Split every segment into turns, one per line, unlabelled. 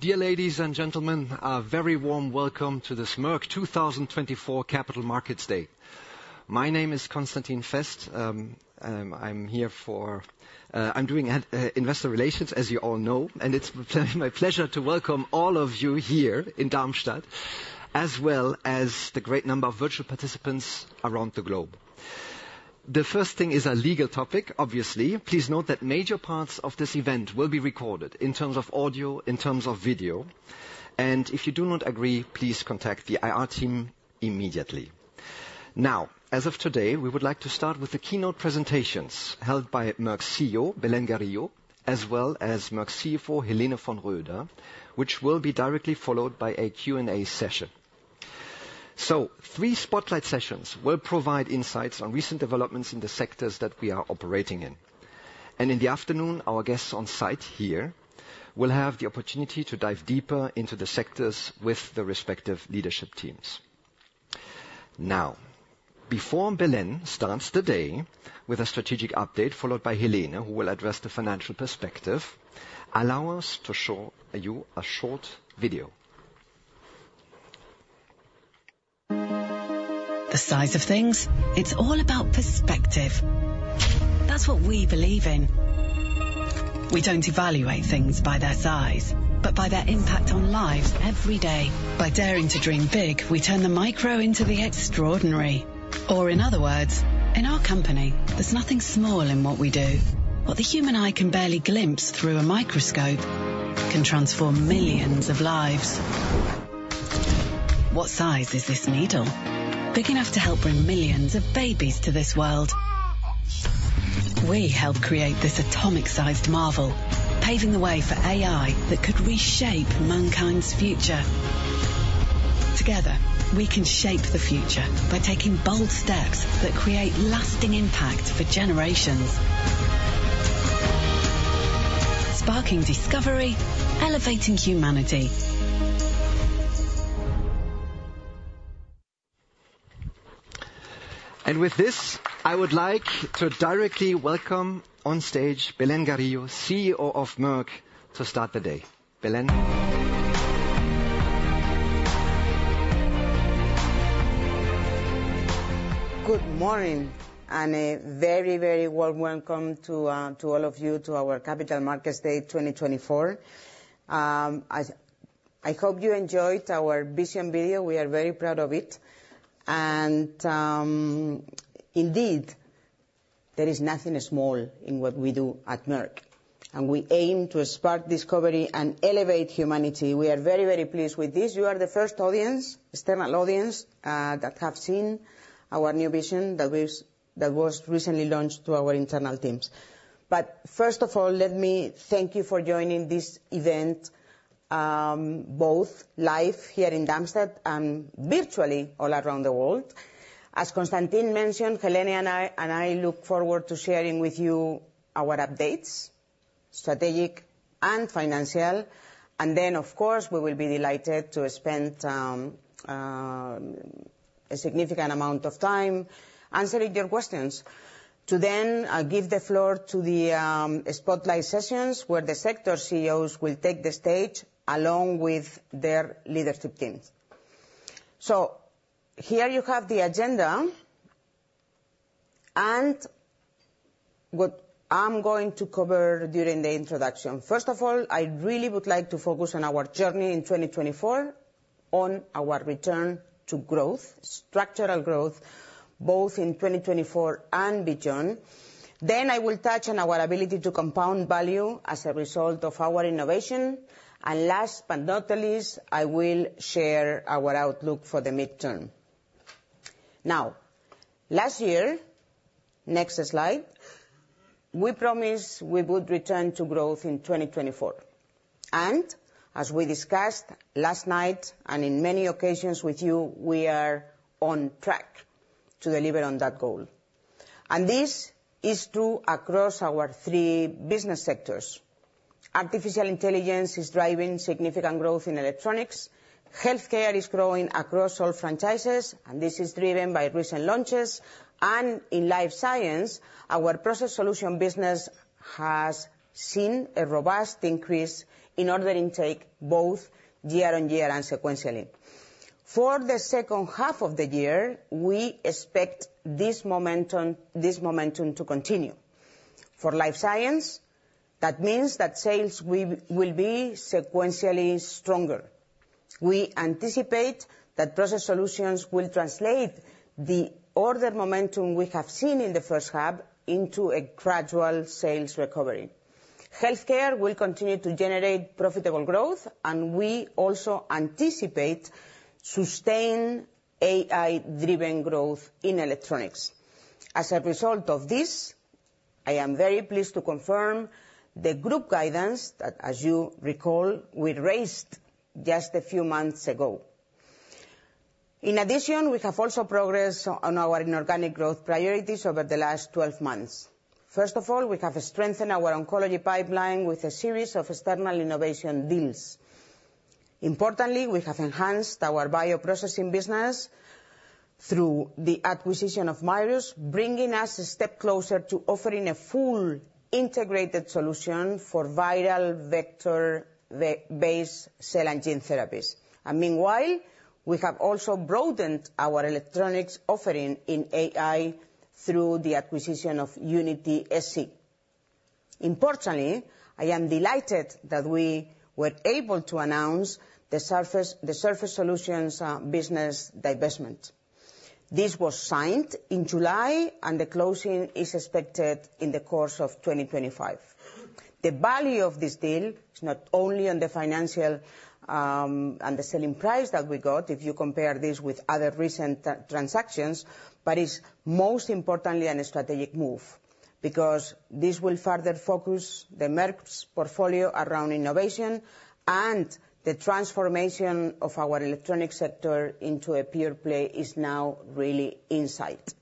Dear ladies and gentlemen, a very warm welcome to this Merck 2024 Capital Markets Day. My name is Constantin Fest, and I'm here for, I'm doing investor relations, as you all know, and it's my pleasure to welcome all of you here in Darmstadt, as well as the great number of virtual participants around the globe. The first thing is a legal topic, obviously. Please note that major parts of this event will be recorded in terms of audio, in terms of video, and if you do not agree, please contact the IR team immediately. Now, as of today, we would like to start with the keynote presentations held by Merck's CEO, Belén Garijo, as well as Merck's CFO, Helene von Roeder, which will be directly followed by a Q&A session. So, three spotlight sessions will provide insights on recent developments in the sectors that we are operating in. In the afternoon, our guests on site here will have the opportunity to dive deeper into the sectors with the respective leadership teams. Now, before Belén starts the day with a strategic update followed by Helene, who will address the financial perspective, allow us to show you a short video.
The size of things, it's all about perspective. That's what we believe in. We don't evaluate things by their size, but by their impact on lives every day. By daring to dream big, we turn the micro into the extraordinary. Or in other words, in our company, there's nothing small in what we do. What the human eye can barely glimpse through a microscope can transform millions of lives. What size is this needle? Big enough to help bring millions of babies to this world. We helped create this atomic-sized marvel, paving the way for AI that could reshape mankind's future. Together, we can shape the future by taking bold steps that create lasting impact for generations, sparking discovery, elevating humanity.
With this, I would like to directly welcome on stage Belén Garijo, CEO of Merck, to start the day. Belén.
Good morning and a very, very warm welcome to all of you to our Capital Markets Day 2024. I hope you enjoyed our vision video. We are very proud of it. And, indeed, there is nothing small in what we do at Merck. And we aim to spark discovery and elevate humanity. We are very, very pleased with this. You are the first audience, external audience, that have seen our new vision that was recently launched to our internal teams. But first of all, let me thank you for joining this event, both live here in Darmstadt and virtually all around the world. As Konstantin mentioned, Helene and I look forward to sharing with you our updates, strategic and financial. And then, of course, we will be delighted to spend a significant amount of time answering your questions to then give the floor to the spotlight sessions where the sector CEOs will take the stage along with their leadership teams. So here you have the agenda and what I'm going to cover during the introduction. First of all, I really would like to focus on our journey in 2024, on our return to growth, structural growth, both in 2024 and beyond. Then I will touch on our ability to compound value as a result of our innovation. And last but not the least, I will share our outlook for the midterm. Now, last year, next slide, we promised we would return to growth in 2024. And as we discussed last night and in many occasions with you, we are on track to deliver on that goal. And this is true across our three business sectors. Artificial intelligence is driving significant growth in Electronics. Healthcare is growing across all franchises, and this is driven by recent launches. And in Life Science, Process Solutions business has seen a robust increase in order intake both year on year and sequentially. For the second half of the year, we expect this momentum to continue. For Life Science, that means that sales will be sequentially stronger. We anticipate Process Solutions will translate the order momentum we have seen in the first half into a gradual sales recovery. Healthcare will continue to generate profitable growth, and we also anticipate sustained AI-driven growth in Electronics. As a result of this, I am very pleased to confirm the group guidance that, as you recall, we raised just a few months ago. In addition, we have also progressed on our inorganic growth priorities over the last 12 months. First of all, we have strengthened our oncology pipeline with a series of external innovation deals. Importantly, we have enhanced our bioprocessing business through the acquisition of Mirus, bringing us a step closer to offering a full integrated solution for viral vector-based cell and gene therapies. And meanwhile, we have also broadened our Electronics offering in AI through the acquisition of UnitySC. Importantly, I am delighted that we were able to announce the Surface Solutions business divestment. This was signed in July, and the closing is expected in the course of 2025. The value of this deal is not only on the financial, and the selling price that we got, if you compare this with other recent transactions, but is most importantly a strategic move because this will further focus Merck's portfolio around innovation and the transformation of our Electronics sector into a pure play is now really in sight.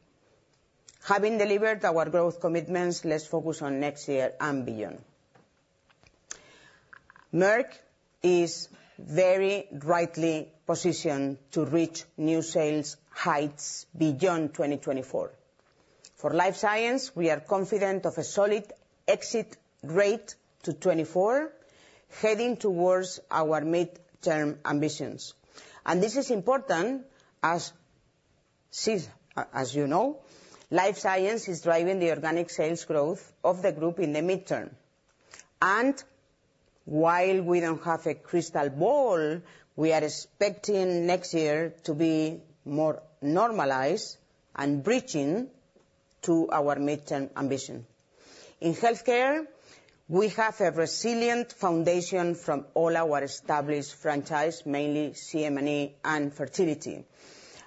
Having delivered our growth commitments, let's focus on next year and beyond. Merck is very rightly positioned to reach new sales heights beyond 2024. For Life Science, we are confident of a solid exit rate to 2024, heading towards our midterm ambitions. And this is important as, as you know, Life Science is driving the organic sales growth of the group in the midterm. And while we don't have a crystal ball, we are expecting next year to be more normalized and bridging to our midterm ambition.
In Healthcare, we have a resilient foundation from all our established franchises, mainly CM&E and fertility.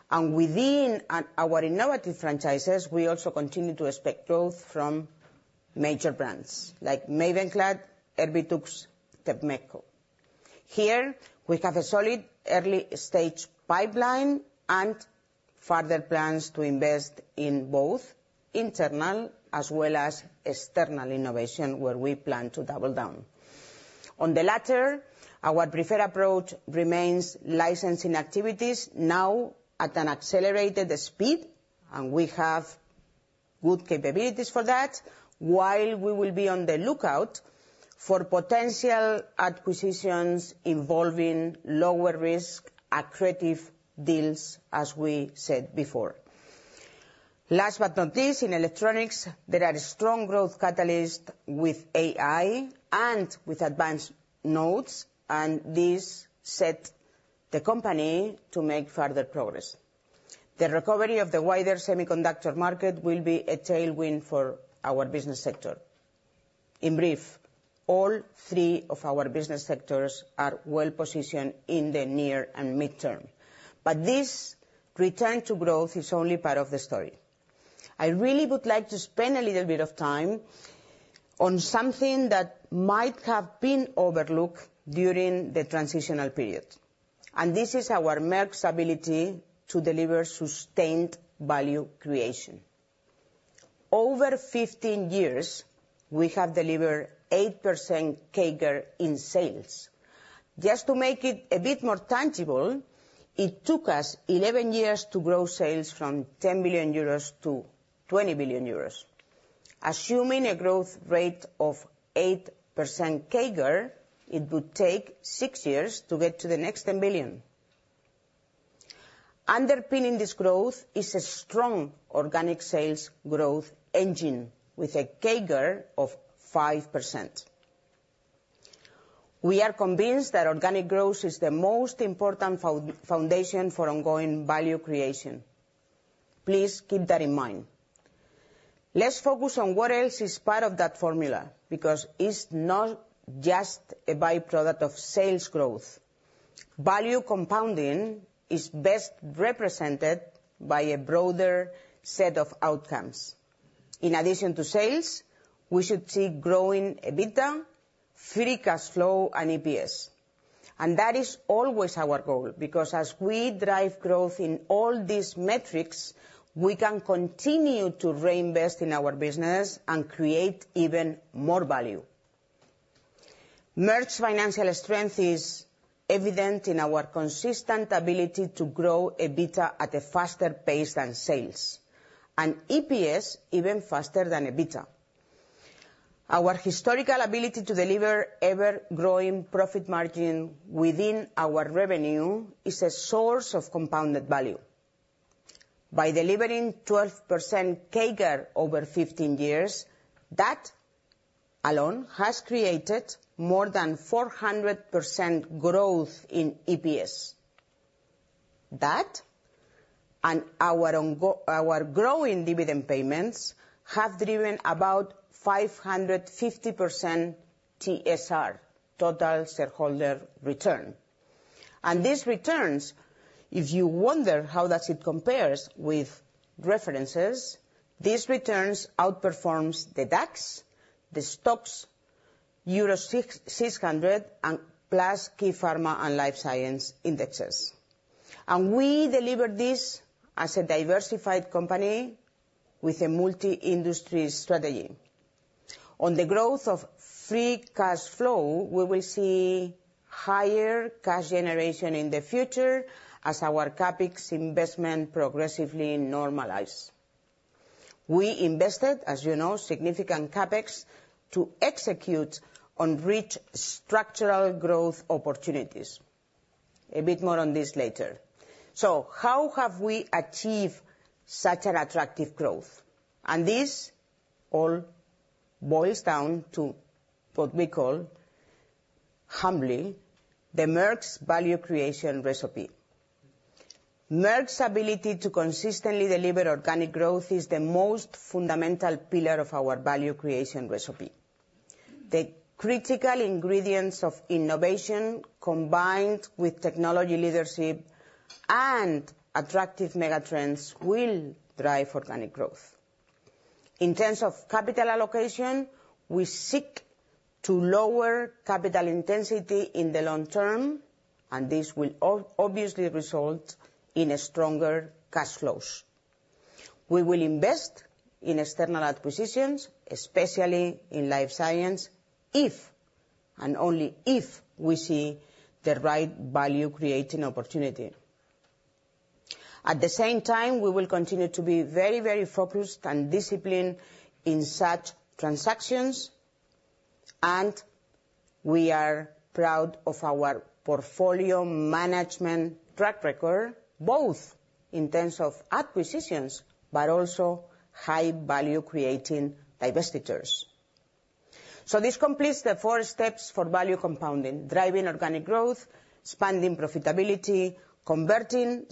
And within our innovative franchises, we also continue to expect growth from major brands like Mavenclad, Erbitux, Tepmetko. Here, we have a solid early-stage pipeline and further plans to invest in both internal as well as external innovation, where we plan to double down. On the latter, our preferred approach remains licensing activities now at an accelerated speed, and we have good capabilities for that, while we will be on the lookout for potential acquisitions involving lower-risk, accretive deals, as we said before. Last but not least, in Electronics, there are strong growth catalysts with AI and with advanced nodes, and this sets the company to make further progress. The recovery of the wider semiconductor market will be a tailwind for our business sector. In brief, all three of our business sectors are well-positioned in the near and midterm. But this return to growth is only part of the story. I really would like to spend a little bit of time on something that might have been overlooked during the transitional period. And this is our Merck's ability to deliver sustained value creation. Over 15 years, we have delivered 8% CAGR in sales. Just to make it a bit more tangible, it took us 11 years to grow sales from 10 billion euros to 20 billion euros. Assuming a growth rate of 8% CAGR, it would take six years to get to the next 10 billion. Underpinning this growth is a strong organic sales growth engine with a CAGR of 5%. We are convinced that organic growth is the most important foundation for ongoing value creation. Please keep that in mind. Let's focus on what else is part of that formula because it's not just a byproduct of sales growth. Value compounding is best represented by a broader set of outcomes. In addition to sales, we should see growing EBITDA, free cash flow, and EPS. And that is always our goal because as we drive growth in all these metrics, we can continue to reinvest in our business and create even more value. Merck's financial strength is evident in our consistent ability to grow EBITDA at a faster pace than sales and EPS even faster than EBITDA. Our historical ability to deliver ever-growing profit margin within our revenue is a source of compounded value. By delivering 12% CAGR over 15 years, that alone has created more than 400% growth in EPS. That and our growing dividend payments have driven about 550% TSR, total shareholder return. These returns, if you wonder how it compares with references, outperform the DAX, the STOXX Europe 600, and key pharma and Life Science indexes. We deliver this as a diversified company with a multi-industry strategy. On the growth of free cash flow, we will see higher cash generation in the future as our CapEx investment progressively normalizes. We invested, as you know, significant CapEx to execute on rich structural growth opportunities. A bit more on this later. How have we achieved such an attractive growth? This all boils down to what we call humbly the Merck value creation recipe. Merck's ability to consistently deliver organic growth is the most fundamental pillar of our value creation recipe. The critical ingredients of innovation combined with technology leadership and attractive megatrends will drive organic growth. In terms of capital allocation, we seek to lower capital intensity in the long term, and this will obviously result in stronger cash flows. We will invest in external acquisitions, especially in Life Science, if and only if we see the right value-creating opportunity. At the same time, we will continue to be very, very focused and disciplined in such transactions, and we are proud of our portfolio management track record, both in terms of acquisitions but also high-value-creating divestitures. So this completes the four steps for value compounding: driving organic growth, spending profitability, converting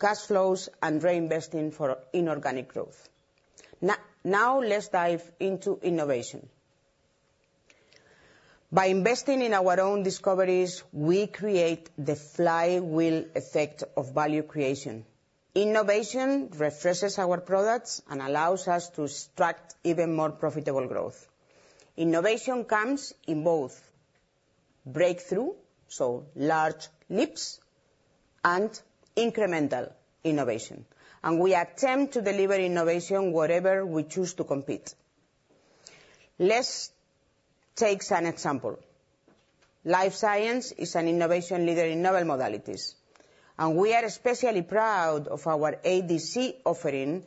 cash flows, and reinvesting for inorganic growth. Now, let's dive into innovation. By investing in our own discoveries, we create the flywheel effect of value creation. Innovation refreshes our products and allows us to extract even more profitable growth. Innovation comes in both breakthrough, so large leaps, and incremental innovation. We attempt to deliver innovation wherever we choose to compete. Let's take an example. Life Science is an innovation leader in novel modalities. We are especially proud of our ADC offering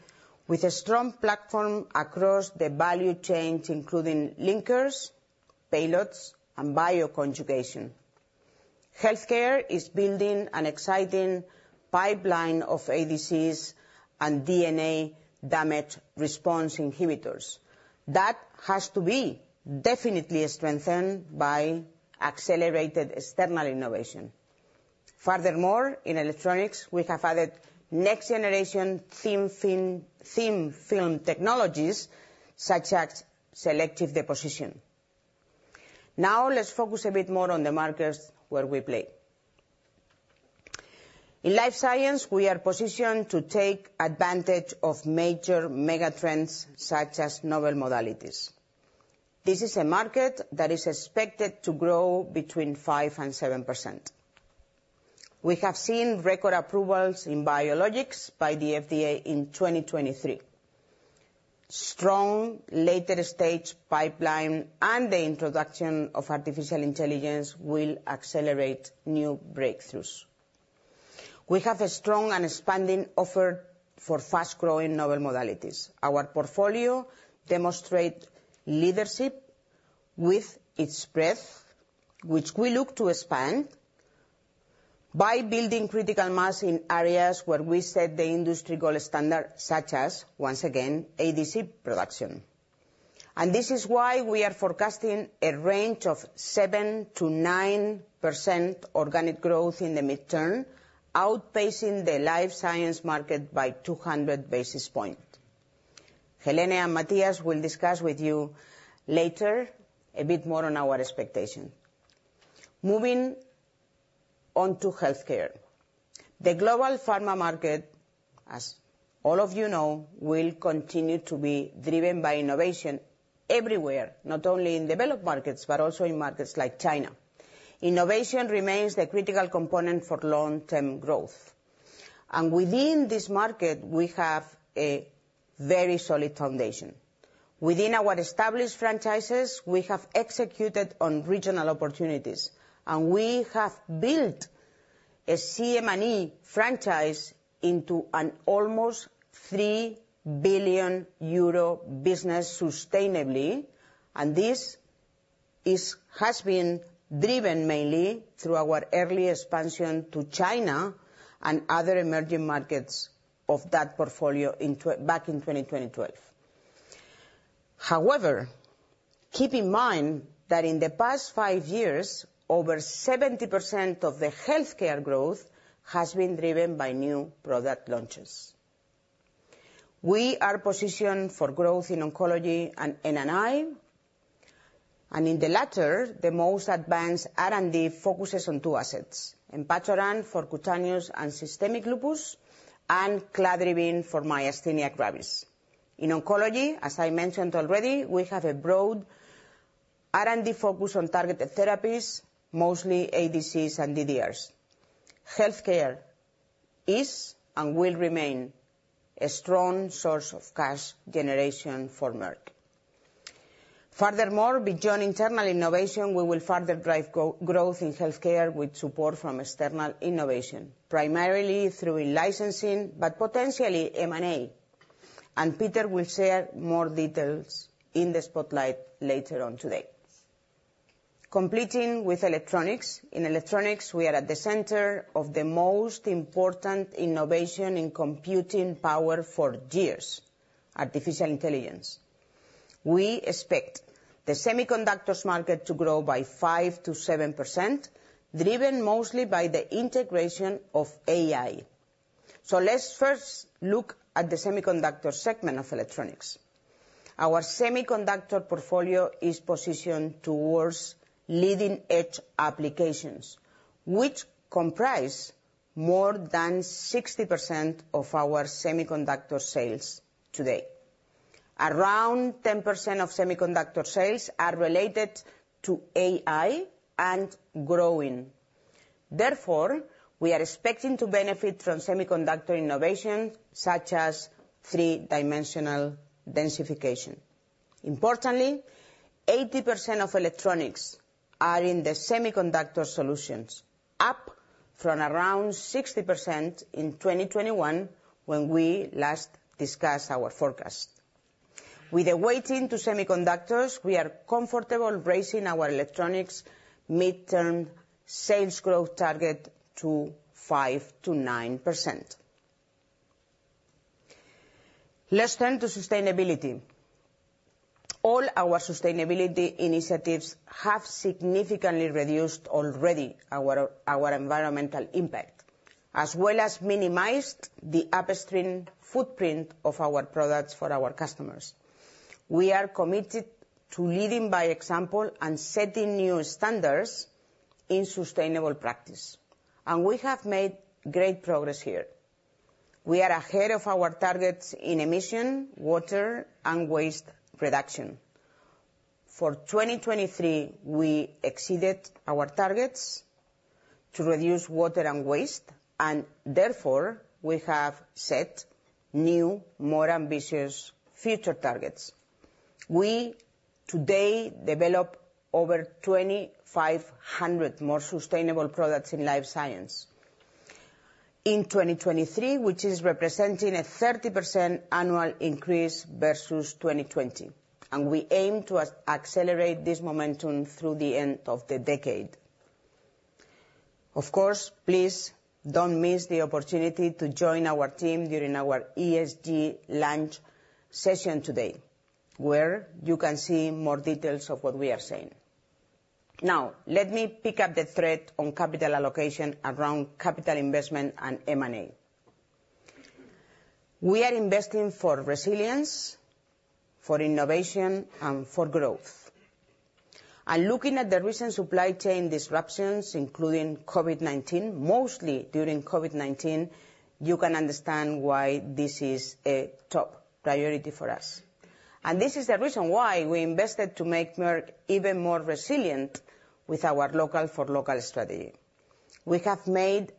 with a strong platform across the value chain, including linkers, payloads, and bioconjugation. Healthcare is building an exciting pipeline of ADCs and DNA damage response inhibitors. That has to be definitely strengthened by accelerated external innovation. Furthermore, in Electronics, we have added next-generation thin film technologies such as selective deposition. Now, let's focus a bit more on the markets where we play. In Life Science, we are positioned to take advantage of major megatrends such as novel modalities. This is a market that is expected to grow between 5% and 7%. We have seen record approvals in biologics by the FDA in 2023. Strong later-stage pipeline and the introduction of artificial intelligence will accelerate new breakthroughs. We have a strong and expanding offer for fast-growing novel modalities. Our portfolio demonstrates leadership with its breadth, which we look to expand by building critical mass in areas where we set the industry gold standard, such as, once again, ADC production, and this is why we are forecasting a range of 7%-9% organic growth in the midterm, outpacing the Life Science market by 200 basis points. Helene and Matthias will discuss with you later a bit more on our expectation. Moving on to Healthcare. The global pharma market, as all of you know, will continue to be driven by innovation everywhere, not only in developed markets, but also in markets like China. Innovation remains the critical component for long-term growth, and within this market, we have a very solid foundation. Within our established franchises, we have executed on regional opportunities, and we have built a CM&E franchise into an almost 3 billion euro business sustainably. And this has been driven mainly through our early expansion to China and other emerging markets of that portfolio back in 2012. However, keep in mind that in the past five years, over 70% of the Healthcare growth has been driven by new product launches. We are positioned for growth in oncology and N&I. And in the latter, the most advanced R&D focuses on two assets: Enpatoran for cutaneous and systemic lupus and Cladribine for myasthenia gravis. In oncology, as I mentioned already, we have a broad R&D focus on targeted therapies, mostly ADCs and DDRs. Healthcare is and will remain a strong source of cash generation for Merck. Furthermore, beyond internal innovation, we will further drive growth in Healthcare with support from external innovation, primarily through licensing but potentially M&A, and Peter will share more details in the spotlight later on today. Completing with Electronics, in Electronics, we are at the center of the most important innovation in computing power for years: artificial intelligence. We expect the semiconductors market to grow by 5%-7%, driven mostly by the integration of AI, so let's first look at the semiconductor segment of Electronics. Our semiconductor portfolio is positioned towards leading-edge applications, which comprise more than 60% of our semiconductor sales today. Around 10% of semiconductor sales are related to AI and growing. Therefore, we are expecting to benefit from semiconductor innovation such as three-dimensional densification. Importantly, 80% of Electronics are in the Semiconductor Solutions, up from around 60% in 2021 when we last discussed our forecast. With a weight into semiconductors, we are comfortable raising our Electronics midterm sales growth target to 5%-9%. Let's turn to sustainability. All our sustainability initiatives have significantly reduced already our environmental impact, as well as minimized the upstream footprint of our products for our customers. We are committed to leading by example and setting new standards in sustainable practice. We have made great progress here. We are ahead of our targets in emission, water, and waste reduction. For 2023, we exceeded our targets to reduce water and waste, and therefore, we have set new, more ambitious future targets. We today develop over 2,500 more sustainable products in Life Science in 2023, which is representing a 30% annual increase versus 2020. We aim to accelerate this momentum through the end of the decade. Of course, please don't miss the opportunity to join our team during our ESG lunch session today, where you can see more details of what we are saying. Now, let me pick up the thread on capital allocation around capital investment and M&A. We are investing for resilience, for innovation, and for growth, and looking at the recent supply chain disruptions, including COVID-19, mostly during COVID-19, you can understand why this is a top priority for us, and this is the reason why we invested to make Merck even more resilient with our local-for-local strategy. We have made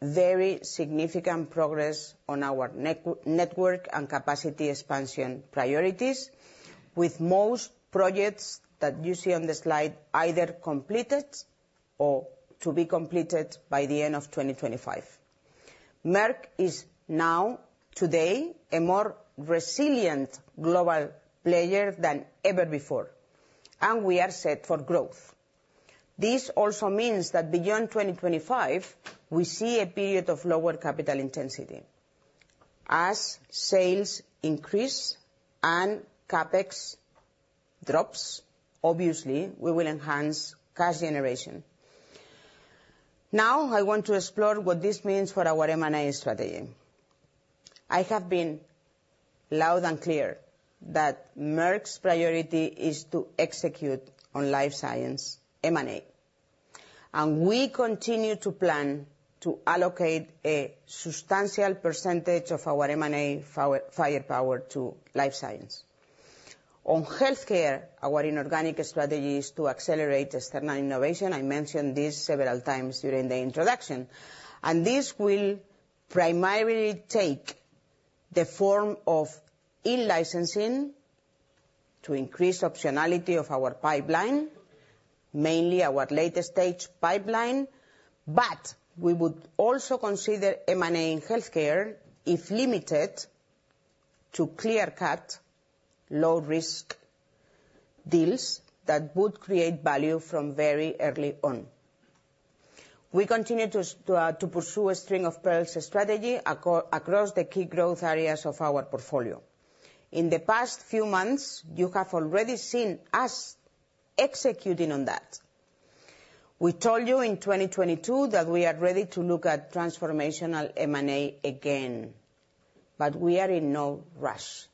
very significant progress on our network and capacity expansion priorities, with most projects that you see on the slide either completed or to be completed by the end of 2025. Merck is now, today, a more resilient global player than ever before, and we are set for growth. This also means that beyond 2025, we see a period of lower capital intensity. As sales increase and CapEx drops, obviously, we will enhance cash generation. Now, I want to explore what this means for our M&A strategy. I have been loud and clear that Merck's priority is to execute on Life Science M&A, and we continue to plan to allocate a substantial percentage of our M&A firepower to Life Science. On Healthcare, our inorganic strategy is to accelerate external innovation. I mentioned this several times during the introduction, and this will primarily take the form of in-licensing to increase optionality of our pipeline, mainly our later-stage pipeline, but we would also consider M&A in Healthcare, if limited, to clear-cut, low-risk deals that would create value from very early on. We continue to pursue a string of pearls strategy across the key growth areas of our portfolio. In the past few months, you have already seen us executing on that. We told you in 2022 that we are ready to look at transformational M&A again, but we are in no rush.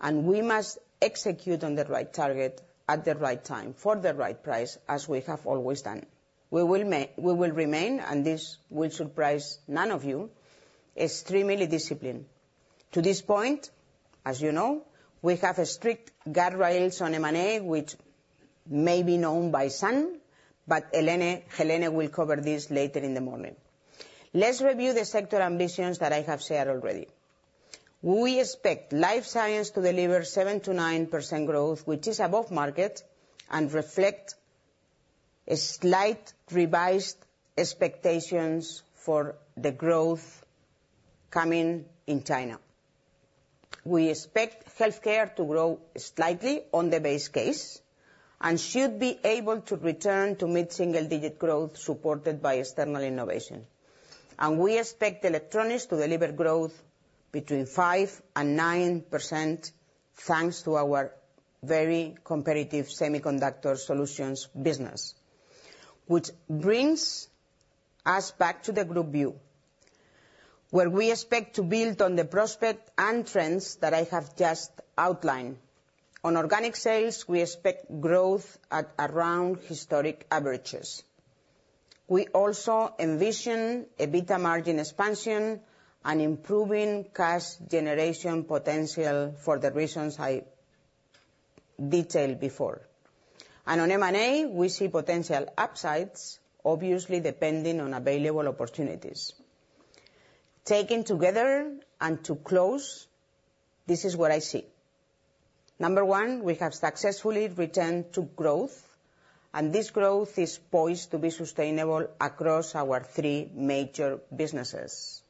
And we must execute on the right target at the right time for the right price, as we have always done. We will remain, and this will surprise none of you, extremely disciplined. To this point, as you know, we have strict guardrails on M&A, which may be known by some, but Helene will cover this later in the morning. Let's review the sector ambitions that I have shared already. We expect Life Science to deliver 7%-9% growth, which is above market and reflects slight revised expectations for the growth coming in China. We expect Healthcare to grow slightly on the base case and should be able to return to mid-single-digit growth supported by external innovation. And we expect Electronics to deliver growth between 5% and 9% thanks to our very competitive Semiconductor Solutions business, which brings us back to the group view, where we expect to build on the prospect and trends that I have just outlined. On organic sales, we expect growth at around historic averages. We also envision an EBITDA margin expansion and improving cash generation potential for the reasons I detailed before. And on M&A, we see potential upsides, obviously depending on available opportunities. Taken together and to close, this is what I see. Number one, we have successfully returned to growth, and this growth is poised to be sustainable across our three major businesses.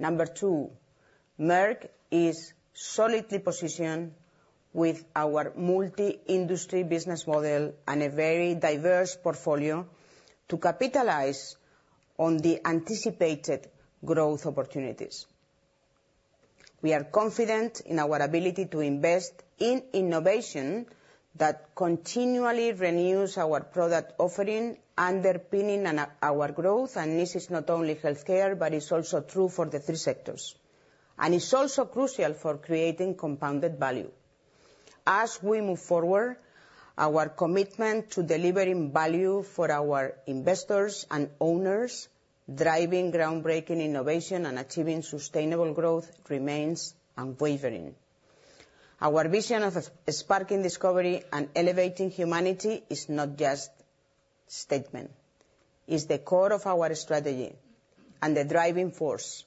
Number two, Merck is solidly positioned with our multi-industry business model and a very diverse portfolio to capitalize on the anticipated growth opportunities. We are confident in our ability to invest in innovation that continually renews our product offering, underpinning our growth. And this is not only Healthcare, but it's also true for the three sectors. And it's also crucial for creating compounded value. As we move forward, our commitment to delivering value for our investors and owners, driving groundbreaking innovation and achieving sustainable growth remains unwavering. Our vision of sparking discovery and elevating humanity is not just a statement. It's the core of our strategy and the driving force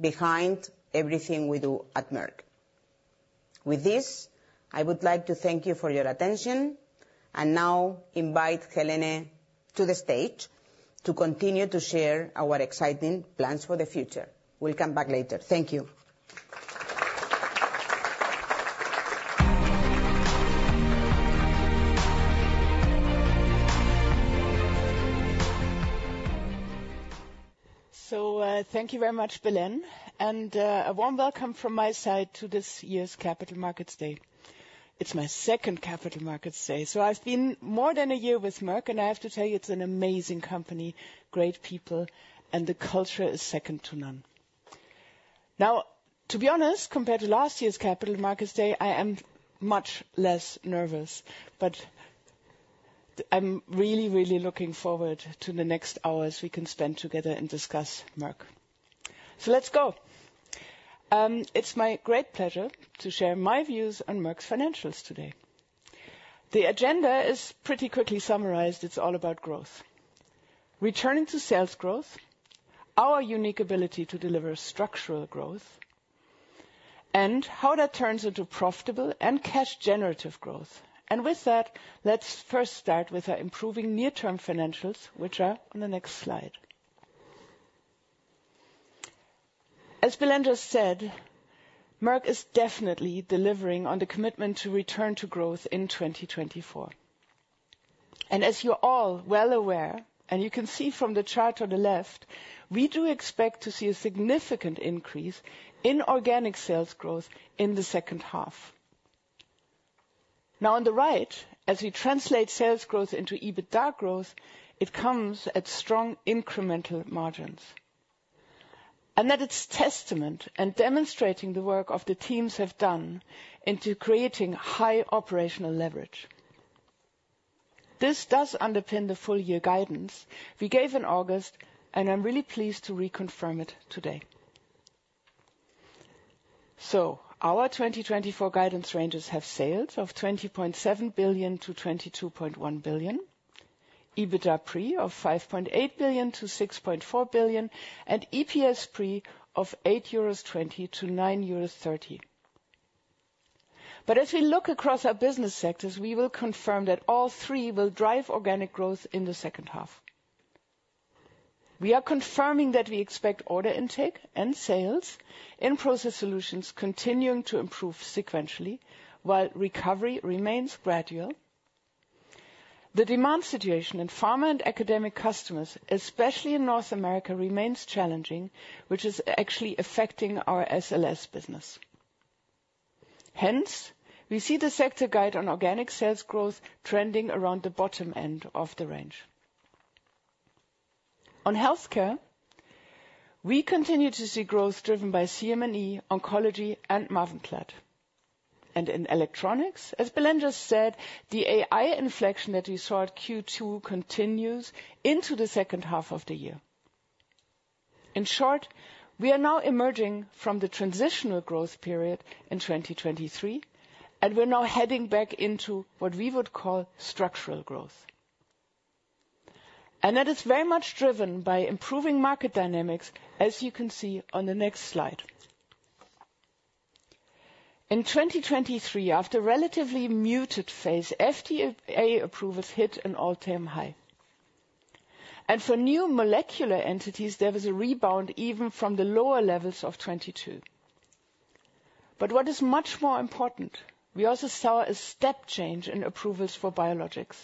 behind everything we do at Merck. With this, I would like to thank you for your attention and now invite Helene to the stage to continue to share our exciting plans for the future. We'll come back later. Thank you.
So thank you very much, Belén, and a warm welcome from my side to this year's Capital Markets Day. It's my second Capital Markets Day. So I've been more than a year with Merck, and I have to tell you, it's an amazing company, great people, and the culture is second to none. Now, to be honest, compared to last year's Capital Markets Day, I am much less nervous, but I'm really, really looking forward to the next hours we can spend together and discuss Merck. So let's go. It's my great pleasure to share my views on Merck's financials today. The agenda is pretty quickly summarized. It's all about growth, returning to sales growth, our unique ability to deliver structural growth, and how that turns into profitable and cash-generative growth. And with that, let's first start with our improving near-term financials, which are on the next slide. As Belén just said, Merck is definitely delivering on the commitment to return to growth in 2024. And as you're all well aware, and you can see from the chart on the left, we do expect to see a significant increase in organic sales growth in the second half. Now, on the right, as we translate sales growth into EBITDA growth, it comes at strong incremental margins. And that is testament and demonstrating the work of the teams have done into creating high operational leverage. This does underpin the full-year guidance we gave in August, and I'm really pleased to reconfirm it today. So our 2024 guidance ranges sales of 20.7 billion-22.1 billion, EBITDA pre of 5.8 billion-6.4 billion, and EPS pre of 8.20-9.30 euros. But as we look across our business sectors, we will confirm that all three will drive organic growth in the second half. We are confirming that we expect order intake and sales Process Solutions continuing to improve sequentially while recovery remains gradual. The demand situation in pharma and academic customers, especially in North America, remains challenging, which is actually affecting our SLS business. Hence, we see the sector guide on organic sales growth trending around the bottom end of the range. On Healthcare, we continue to see growth driven by CM&E, oncology, and Mavenclad. And in Electronics, as Belén just said, the AI inflection that we saw at Q2 continues into the second half of the year. In short, we are now emerging from the transitional growth period in 2023, and we're now heading back into what we would call structural growth. And that is very much driven by improving market dynamics, as you can see on the next slide. In 2023, after a relatively muted phase, FDA approvals hit an all-time high. And for new molecular entities, there was a rebound even from the lower levels of 2022. But what is much more important, we also saw a step change in approvals for biologics.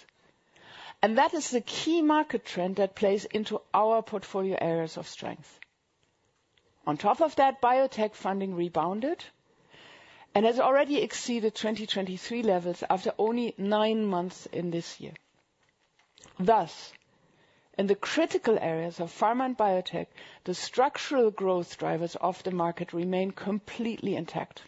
And that is the key market trend that plays into our portfolio areas of strength. On top of that, biotech funding rebounded and has already exceeded 2023 levels after only nine months in this year. Thus, in the critical areas of pharma and biotech, the structural growth drivers of the market remain completely intact.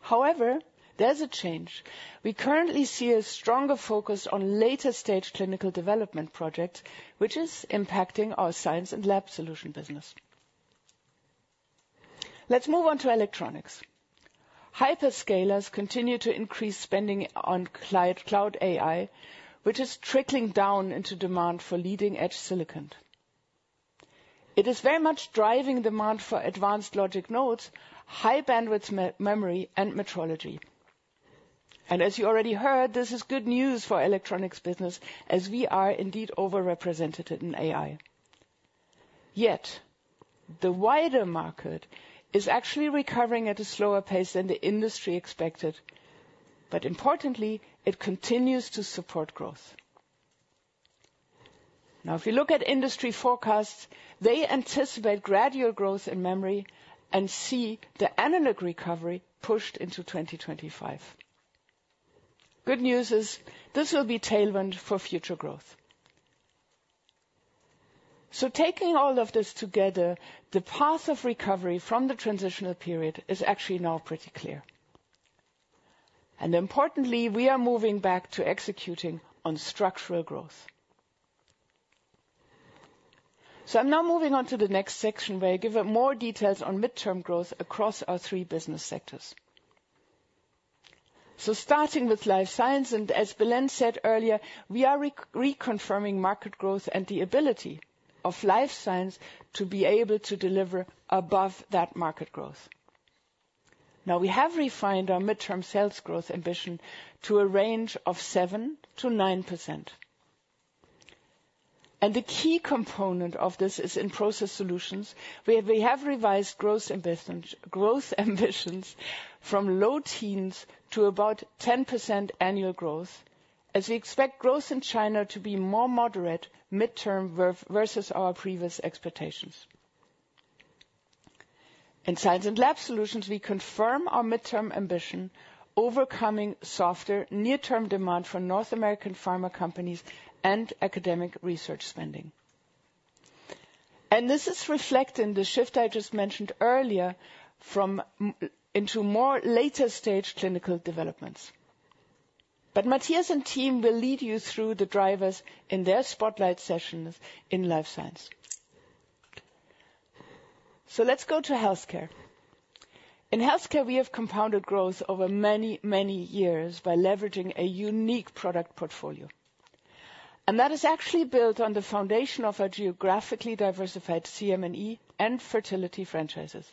However, there's a change. We currently see a stronger focus on later-stage clinical development projects, which is impacting our Science and Lab Solutions business. Let's move on to Electronics. Hyperscalers continue to increase spending on cloud AI, which is trickling down into demand for leading-edge silicon. It is very much driving demand for advanced logic nodes, high-bandwidth memory, and metrology. And as you already heard, this is good news for Electronics business, as we are indeed overrepresented in AI. Yet, the wider market is actually recovering at a slower pace than the industry expected, but importantly, it continues to support growth. Now, if you look at industry forecasts, they anticipate gradual growth in memory and see the analog recovery pushed into 2025. Good news is this will be tailored for future growth. So taking all of this together, the path of recovery from the transitional period is actually now pretty clear. And importantly, we are moving back to executing on structural growth. I'm now moving on to the next section where I give more details on midterm growth across our three business sectors. Starting with Life Science, and as Belén said earlier, we are reconfirming market growth and the ability of Life Science to be able to deliver above that market growth. Now, we have refined our midterm sales growth ambition to a range of 7%-9%. The key component of this is in Process Solutions, where we have revised growth ambitions from low teens to about 10% annual growth, as we expect growth in China to be more moderate midterm versus our previous expectations. In Science and Lab Solutions, we confirm our midterm ambition, overcoming softer near-term demand for North American pharma companies and academic research spending. This is reflected in the shift I just mentioned earlier into more later-stage clinical developments. But Matthias and team will lead you through the drivers in their spotlight sessions in Life Science. So let's go to Healthcare. In Healthcare, we have compounded growth over many, many years by leveraging a unique product portfolio. And that is actually built on the foundation of our geographically diversified CM&E and fertility franchises.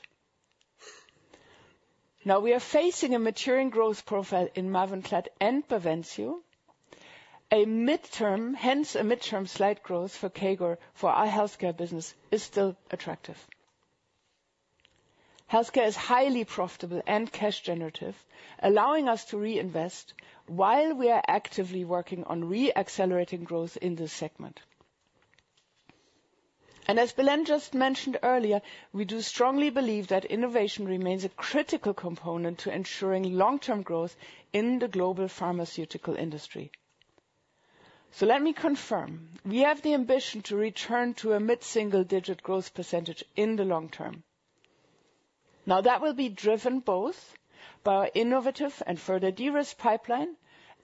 Now, we are facing a maturing growth profile in Mavenclad and Bavencio. A midterm, hence a midterm slight growth for CAGR, for our Healthcare business, is still attractive. Healthcare is highly profitable and cash-generative, allowing us to reinvest while we are actively working on re-accelerating growth in this segment. And as Belén just mentioned earlier, we do strongly believe that innovation remains a critical component to ensuring long-term growth in the global pharmaceutical industry. So let me confirm, we have the ambition to return to a mid-single-digit growth percentage in the long term. Now, that will be driven both by our innovative and further de-risk pipeline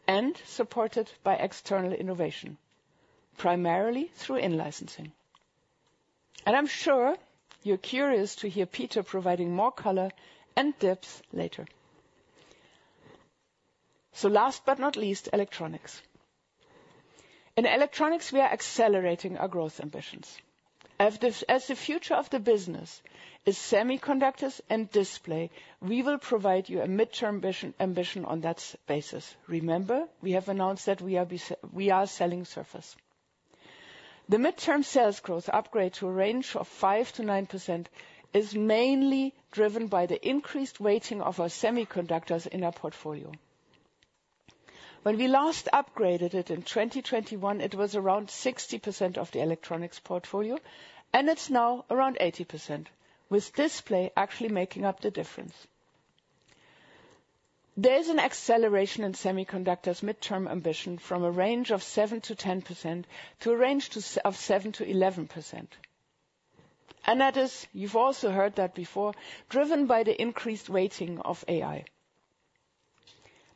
and supported by external innovation, primarily through in-licensing, and I'm sure you're curious to hear Peter providing more color and details later, so last but not least, Electronics. In Electronics, we are accelerating our growth ambitions. As the future of the business is semiconductors and Display, we will provide you a mid-term ambition on that basis. Remember, we have announced that we are selling Surface. The mid-term sales growth upgrade to a range of 5%-9% is mainly driven by the increased weighting of our semiconductors in our portfolio. When we last upgraded it in 2021, it was around 60% of the Electronics portfolio, and it's now around 80%, with Display actually making up the difference. There is an acceleration in semiconductors midterm ambition from a range of 7%-10% to a range of 7%-11%. And that is, you've also heard that before, driven by the increased weighting of AI.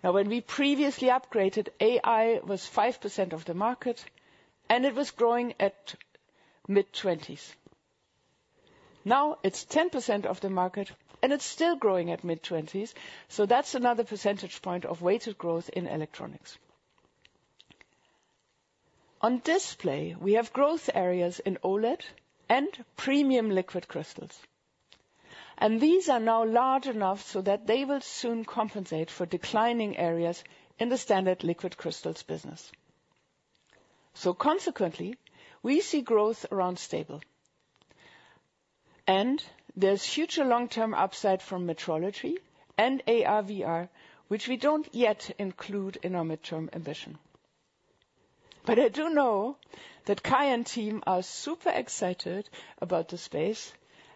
Now, when we previously upgraded, AI was 5% of the market, and it was growing at mid-20s. Now, it's 10% of the market, and it's still growing at mid-20s. So that's another percentage point of weighted growth in Electronics. On Display, we have growth areas in OLED and premium liquid crystals. And these are now large enough so that they will soon compensate for declining areas in the standard liquid crystals business. So consequently, we see growth around stable. And there's future long-term upside from metrology and AR/VR, which we don't yet include in our midterm ambition. But I do know that Kai and team are super excited about the space,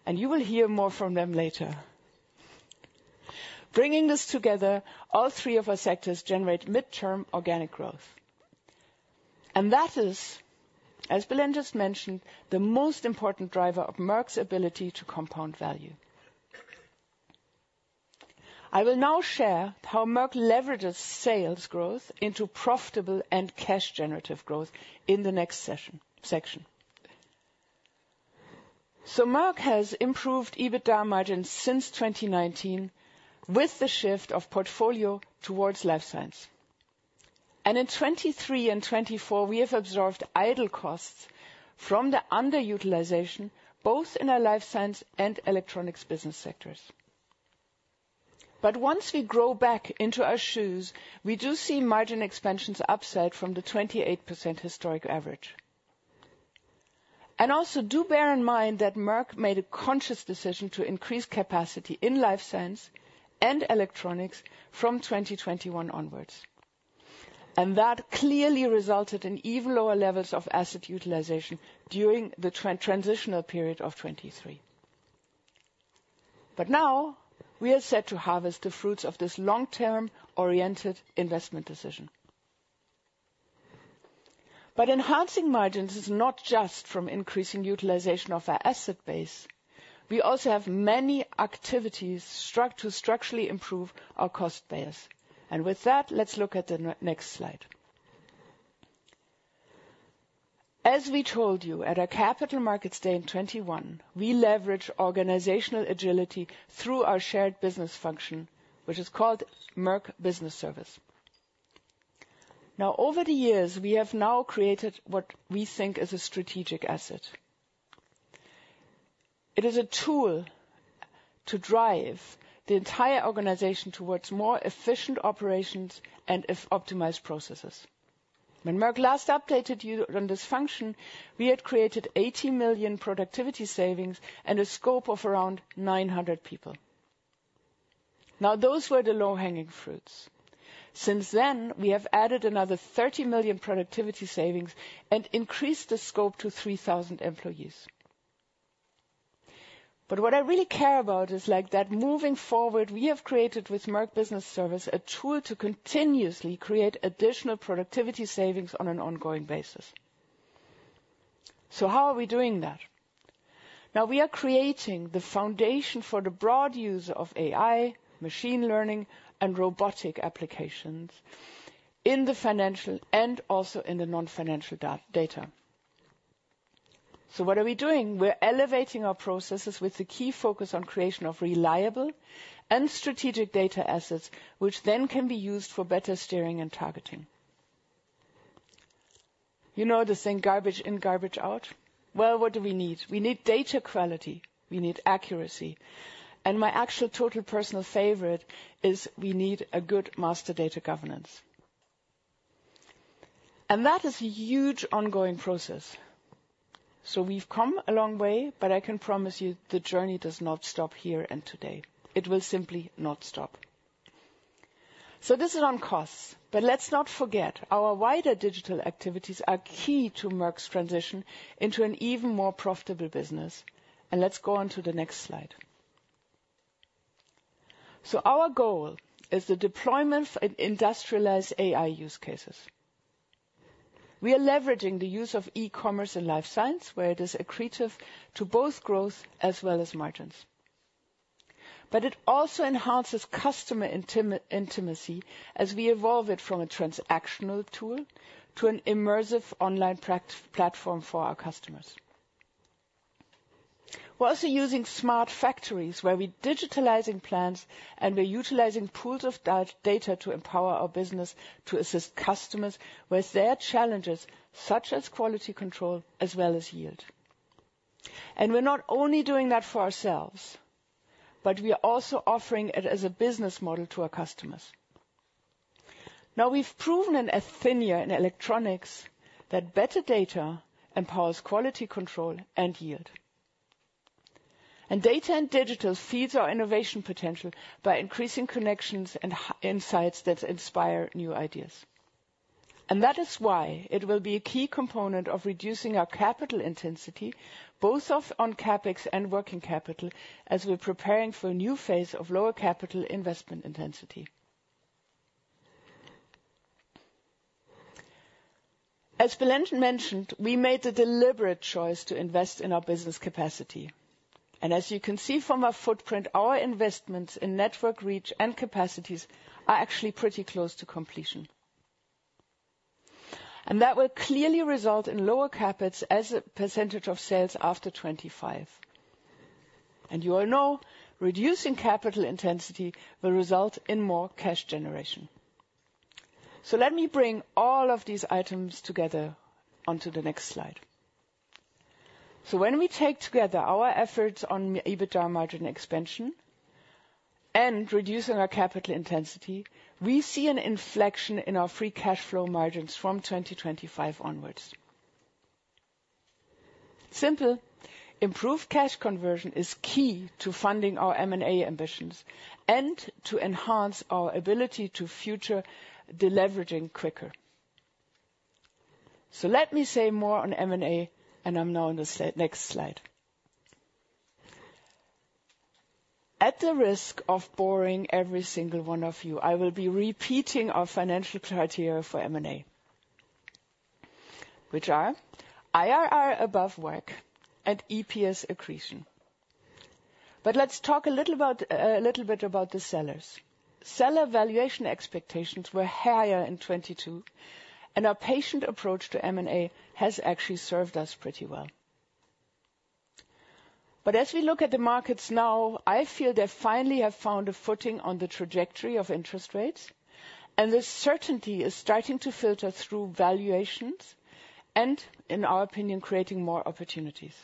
and you will hear more from them later. Bringing this together, all three of our sectors generate midterm organic growth. And that is, as Belén just mentioned, the most important driver of Merck's ability to compound value. I will now share how Merck leverages sales growth into profitable and cash-generative growth in the next section. So Merck has improved EBITDA margins since 2019 with the shift of portfolio towards Life Science. And in 2023 and 2024, we have absorbed idle costs from the underutilization, both in our Life Science and Electronics business sectors. But once we grow back into our shoes, we do see margin expansions upside from the 28% historic average. And also, do bear in mind that Merck made a conscious decision to increase capacity in Life Science and Electronics from 2021 onwards. That clearly resulted in even lower levels of asset utilization during the transitional period of 2023. But now, we are set to harvest the fruits of this long-term-oriented investment decision. But enhancing margins is not just from increasing utilization of our asset base. We also have many activities to structurally improve our cost base. And with that, let's look at the next slide. As we told you, at our capital markets day in 2021, we leverage organizational agility through our shared business function, which Merck Business Servicess. Now, over the years, we have now created what we think is a strategic asset. It is a tool to drive the entire organization towards more efficient operations and optimized processes. When Merck last updated you on this function, we had created 80 million productivity savings and a scope of around 900 people. Now, those were the low-hanging fruits. Since then, we have added another 30 million productivity savings and increased the scope to 3,000 employees. But what I really care about is that moving forward, we have Merck Business Servicess a tool to continuously create additional productivity savings on an ongoing basis. So how are we doing that? Now, we are creating the foundation for the broad use of AI, machine learning, and robotic applications in the financial and also in the non-financial data. So what are we doing? We're elevating our processes with the key focus on creation of reliable and strategic data assets, which then can be used for better steering and targeting. You know the saying, "Garbage in, garbage out." Well, what do we need? We need data quality. We need accuracy. And my actual total personal favorite is we need a good master data governance. And that is a huge ongoing process. We've come a long way, but I can promise you the journey does not stop here and today. It will simply not stop. This is on costs. But let's not forget, our wider digital activities are key to Merck's transition into an even more profitable business. Let's go on to the next slide. Our goal is the deployment of industrialized AI use cases. We are leveraging the use of e-commerce and Life Science, where it is accretive to both growth as well as margins. But it also enhances customer intimacy as we evolve it from a transactional tool to an immersive online platform for our customers. We're also using smart factories where we're digitalizing plants and we're utilizing pools of data to empower our business to assist customers with their challenges, such as quality control as well as yield. And we're not only doing that for ourselves, but we are also offering it as a business model to our customers. Now, we've proven in Athina and Electronics that better data empowers quality control and yield. And data and digital feeds our innovation potential by increasing connections and insights that inspire new ideas. And that is why it will be a key component of reducing our capital intensity, both on CapEx and working capital, as we're preparing for a new phase of lower capital investment intensity. As Belén mentioned, we made the deliberate choice to invest in our business capacity. And as you can see from our footprint, our investments in network reach and capacities are actually pretty close to completion. And that will clearly result in lower CapEx as a percentage of sales after 2025. And you all know, reducing capital intensity will result in more cash generation. So let me bring all of these items together onto the next slide. So when we take together our efforts on EBITDA margin expansion and reducing our capital intensity, we see an inflection in our free cash flow margins from 2025 onwards. Simply, improved cash conversion is key to funding our M&A ambitions and to enhance our ability to future deleveraging quicker. So let me say more on M&A, and I'm now on the next slide. At the risk of boring every single one of you, I will be repeating our financial criteria for M&A, which are IRR above WACC and EPS accretion. But let's talk a little bit about the sellers. Seller valuation expectations were higher in 2022, and our patient approach to M&A has actually served us pretty well. But as we look at the markets now, I feel they finally have found a footing on the trajectory of interest rates, and the certainty is starting to filter through valuations and, in our opinion, creating more opportunities.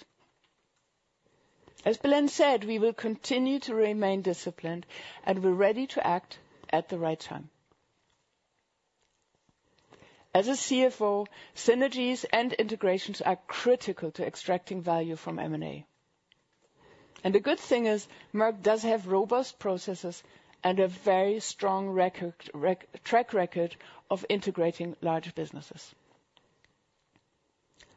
As Belén said, we will continue to remain disciplined and we're ready to act at the right time. As a CFO, synergies and integrations are critical to extracting value from M&A. And the good thing is Merck does have robust processes and a very strong track record of integrating large businesses.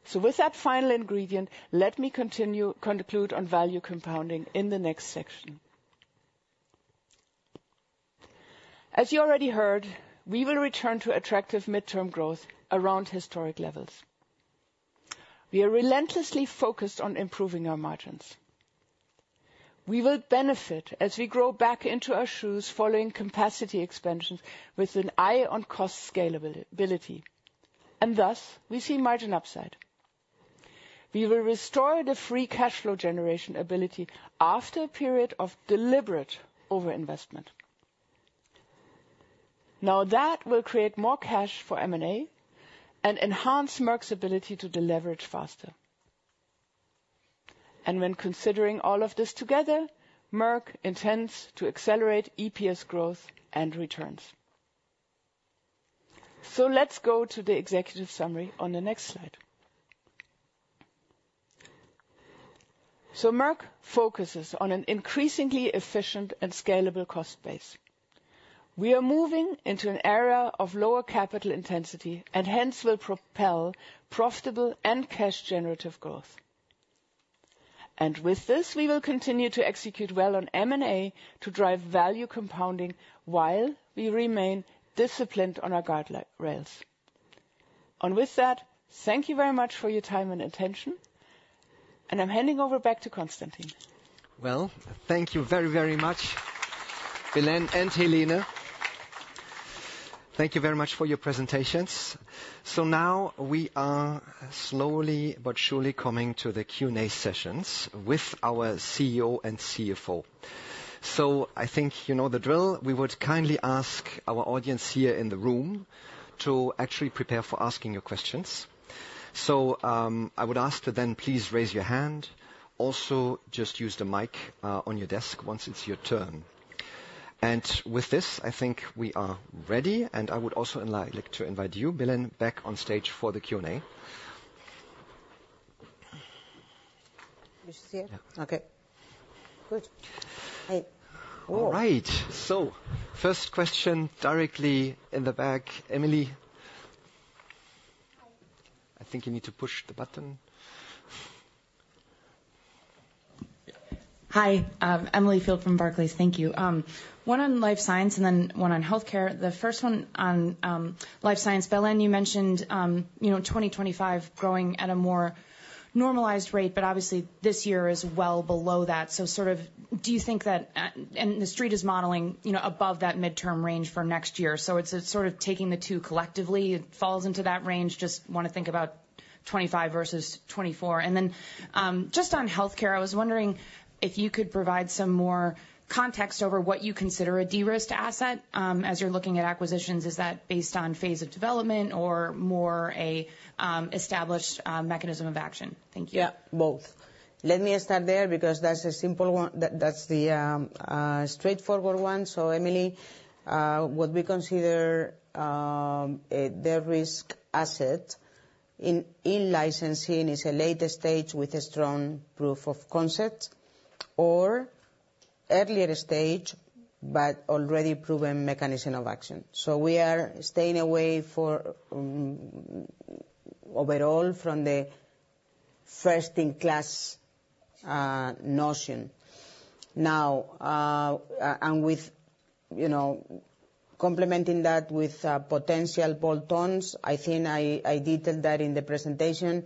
So with that final ingredient, let me conclude on value compounding in the next section. As you already heard, we will return to attractive midterm growth around historic levels. We are relentlessly focused on improving our margins. We will benefit as we grow back into our shoes following capacity expansions with an eye on cost scalability. And thus, we see margin upside. We will restore the free cash flow generation ability after a period of deliberate over-investment. Now, that will create more cash for M&A and enhance Merck's ability to deleverage faster. And when considering all of this together, Merck intends to accelerate EPS growth and returns. So let's go to the executive summary on the next slide. So Merck focuses on an increasingly efficient and scalable cost base. We are moving into an area of lower capital intensity and hence will propel profitable and cash-generative growth. And with this, we will continue to execute well on M&A to drive value compounding while we remain disciplined on our guardrails. And with that, thank you very much for your time and attention. And I'm handing over back to Konstantin.
Well, thank you very, very much, Belén and Helene. Thank you very much for your presentations. Now we are slowly but surely coming to the Q&A sessions with our CEO and CFO. I think you know the drill. We would kindly ask our audience here in the room to actually prepare for asking your questions. I would ask to then please raise your hand. Also, just use the mic on your desk once it's your turn. With this, I think we are ready. I would also like to invite you, Belén, back on stage for the Q&A.
You see it?
Yeah.
Okay. Good.
All right. First question directly in the back, Emily.
Hi.
I think you need to push the button.
Hi, Emily Field from Barclays. Thank you. One on Life Science and then one on Healthcare. The first one on Life Science, Belén, you mentioned 2025 growing at a more normalized rate, but obviously this year is well below that. So sort of do you think that, and the street is modeling above that midterm range for next year? So it's sort of taking the two collectively. It falls into that range. Just want to think about 2025 versus 2024. And then just on Healthcare, I was wondering if you could provide some more context over what you consider a de-risked asset as you're looking at acquisitions. Is that based on phase of development or more an established mechanism of action? Thank you. Yeah, both.
Let me start there because that's a simple one. That's the straightforward one. So Emily, what we consider a de-risked asset in licensing is a later stage with a strong proof of concept or earlier stage, but already proven mechanism of action. So we are staying away overall from the first-in-class notion. Now, and with complementing that with potential bolt-ons, I think I detailed that in the presentation.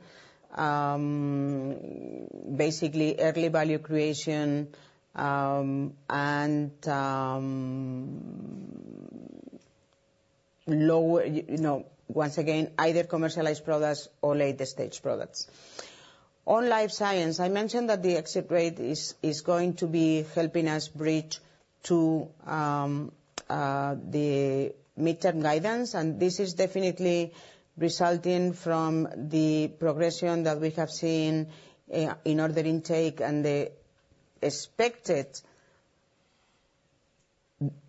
Basically, early value creation and lower, once again, either commercialized products or later stage products. On Life Science, I mentioned that the exit rate is going to be helping us bridge to the mid-term guidance. And this is definitely resulting from the progression that we have seen in order intake and the expected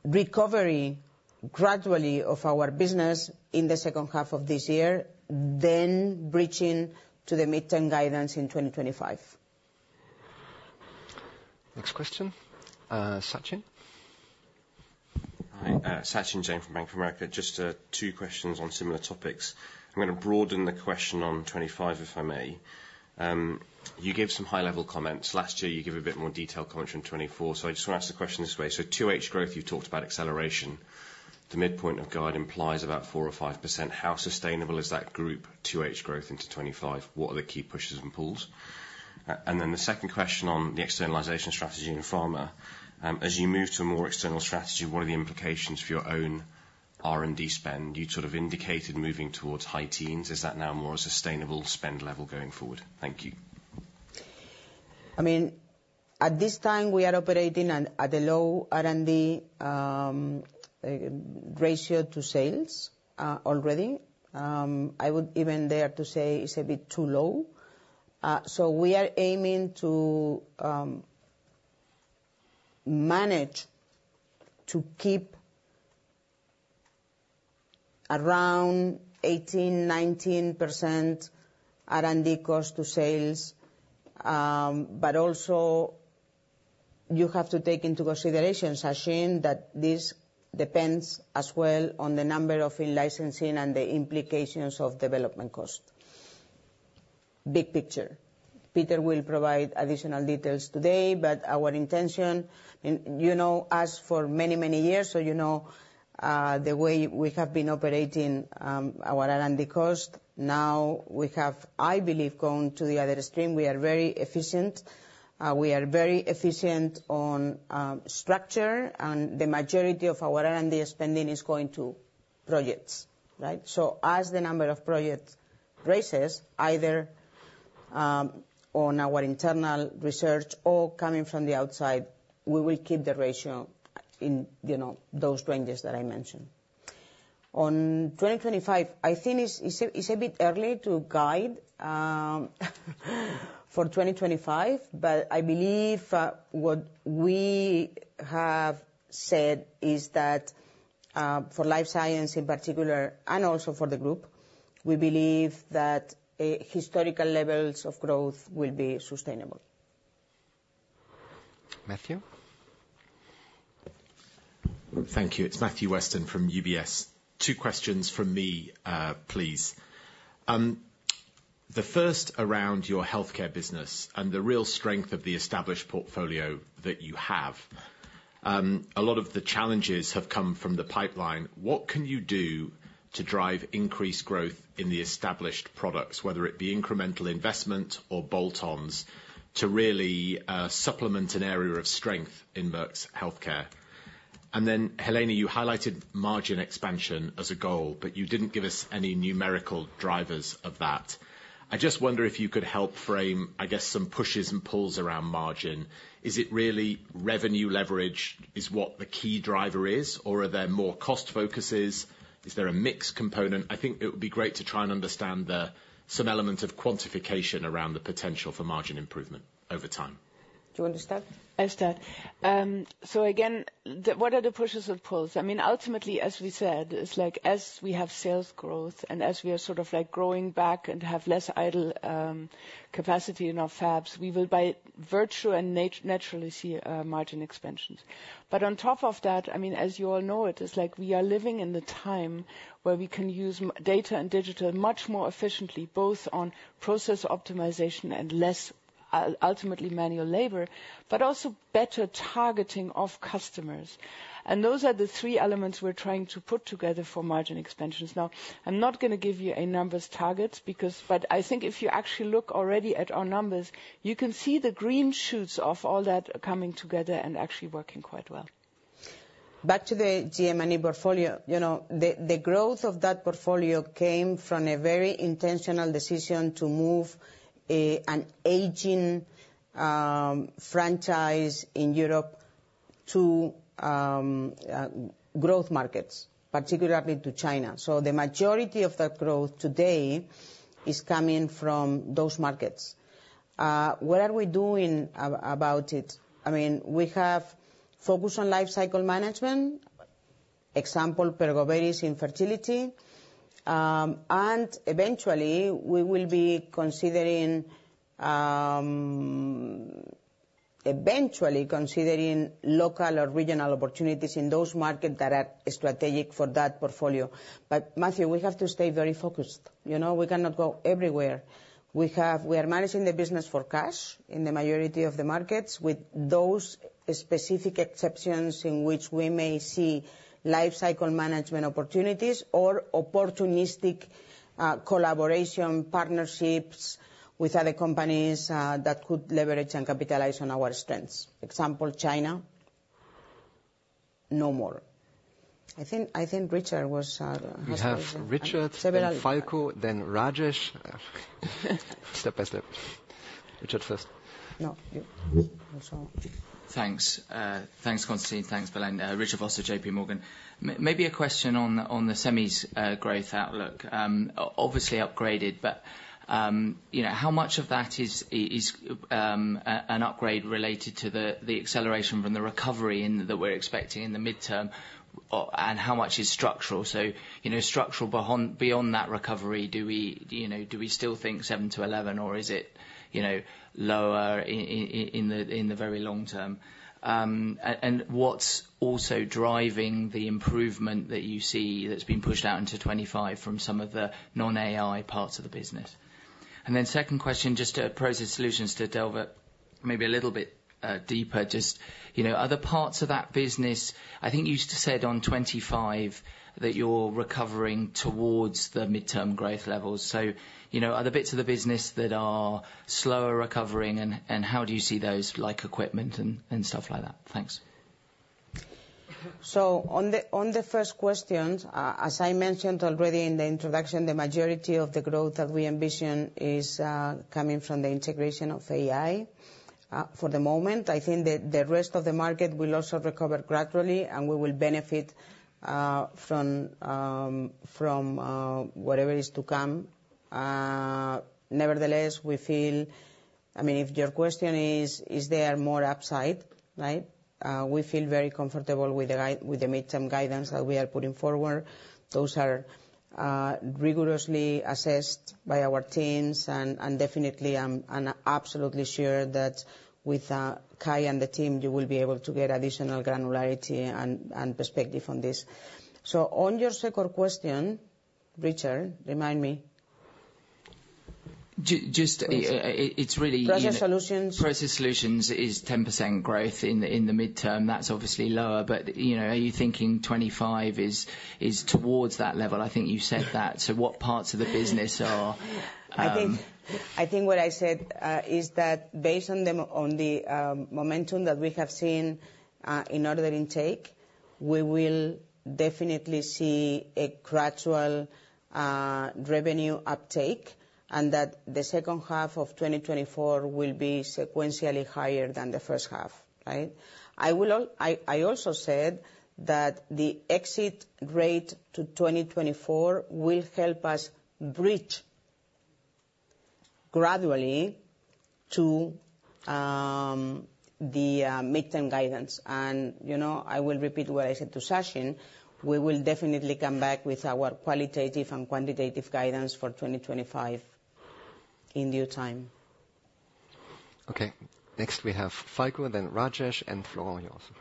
recovery gradually of our business in the second half of this year, then bridging to the mid-term guidance in 2025.
Next question, Sachin.
Hi, Sachin Jain from Bank of America. Just two questions on similar topics. I'm going to broaden the question on 2025, if I may. You gave some high-level comments. Last year, you gave a bit more detailed comments from 2024. So I just want to ask the question this way. So 2H growth, you've talked about acceleration. The midpoint of guidance implies about 4 or 5%. How sustainable is that 2H growth into 2025? What are the key pushes and pulls? And then the second question on the externalization strategy in pharma. As you move to a more external strategy, what are the implications for your own R&D spend? You sort of indicated moving towards high teens. Is that now more a sustainable spend level going forward? Thank you.
I mean, at this time, we are operating at a low R&D ratio to sales already. I would even dare to say it's a bit too low. We are aiming to manage to keep around 18%-19% R&D cost to sales. But also, you have to take into consideration, Sachin, that this depends as well on the number of in-licensing and the implications of development cost. Big picture. Peter will provide additional details today, but our intention, as for many, many years, so you know the way we have been operating our R&D cost. Now, we have, I believe, gone to the other extreme. We are very efficient. We are very efficient on structure, and the majority of our R&D spending is going to projects, right? So as the number of projects raises, either on our internal research or coming from the outside, we will keep the ratio in those ranges that I mentioned. For 2025, I think it's a bit early to guide for 2025, but I believe what we have said is that for Life Science in particular and also for the group, we believe that historical levels of growth will be sustainable.
Matthew.
Thank you. It's Matthew Weston from UBS. Two questions from me, please. The first around your Healthcare business and the real strength of the established portfolio that you have. A lot of the challenges have come from the pipeline. What can you do to drive increased growth in the established products, whether it be incremental investment or bolt-ons, to really supplement an area of strength in Merck's Healthcare? And then, Helene, you highlighted margin expansion as a goal, but you didn't give us any numerical drivers of that. I just wonder if you could help frame, I guess, some pushes and pulls around margin. Is it really revenue leverage is what the key driver is, or are there more cost focuses? Is there a mixed component? I think it would be great to try and understand some elements of quantification around the potential for margin improvement over time.
Do you understand?
I understand. So again, what are the pushes and pulls? I mean, ultimately, as we said, it's like as we have sales growth and as we are sort of like growing back and have less idle capacity in our fabs, we will by virtue and naturally see margin expansions. But on top of that, I mean, as you all know, it is like we are living in the time where we can use data and digital much more efficiently, both on process optimization and less ultimately manual labor, but also better targeting of customers. Those are the three elements we're trying to put together for margin expansions. Now, I'm not going to give you a numbers target, but I think if you actually look already at our numbers, you can see the green shoots of all that coming together and actually working quite well.
Back to the CM&E portfolio, the growth of that portfolio came from a very intentional decision to move an aging franchise in Europe to growth markets, particularly to China. So the majority of that growth today is coming from those markets. What are we doing about it? I mean, we have focused on life cycle management, example, Pergoveris in fertility. And eventually, we will be considering local or regional opportunities in those markets that are strategic for that portfolio. Matthew, we have to stay very focused. We cannot go everywhere. We are managing the business for cash in the majority of the markets with those specific exceptions in which we may see life cycle management opportunities or opportunistic collaboration partnerships with other companies that could leverage and capitalize on our strengths. Example, China, no more. I think Richard has several answers.
We have Richard, then Falko, then Rajesh. Step by step. Richard first.
No, you.
Thanks. Thanks, Konstantin. Thanks, Belén. Richard Vosser, J.P. Morgan. Maybe a question on the semis growth outlook. Obviously upgraded, but how much of that is an upgrade related to the acceleration from the recovery that we're expecting in the midterm? And how much is structural? So structural beyond that recovery, do we still think 7-11, or is it lower in the very long term? And what's also driving the improvement that you see that's been pushed out into 2025 from some of the non-AI parts of the business? And then second question, just to Process Solutions to delve maybe a little bit deeper, just other parts of that business. I think you said on 2025 that you're recovering towards the midterm growth levels. So are there bits of the business that are slower recovering, and how do you see those, like equipment and stuff like that? Thanks.
So on the first question, as I mentioned already in the introduction, the majority of the growth that we envision is coming from the integration of AI. For the moment, I think the rest of the market will also recover gradually, and we will benefit from whatever is to come. Nevertheless, we feel, I mean, if your question is, is there more upside, right? We feel very comfortable with the midterm guidance that we are putting forward. Those are rigorously assessed by our teams, and definitely, I'm absolutely sure that with Kai and the team, you will be able to get additional granularity and perspective on this. So on your second question, Richard, remind me.
Process Solutions is 10% growth in the midterm. That's obviously lower, but are you thinking 2025 is towards that level? I think you said that. So what parts of the business are?
I think what I said is that based on the momentum that we have seen in order intake, we will definitely see a gradual revenue uptake and that the second half of 2024 will be sequentially higher than the first half, right? I also said that the exit rate to 2024 will help us bridge gradually to the midterm guidance. And I will repeat what I said to Sachin. We will definitely come back with our qualitative and quantitative guidance for 2025 in due time.
Okay. Next, we have Falko, then Rajesh, and Florent also.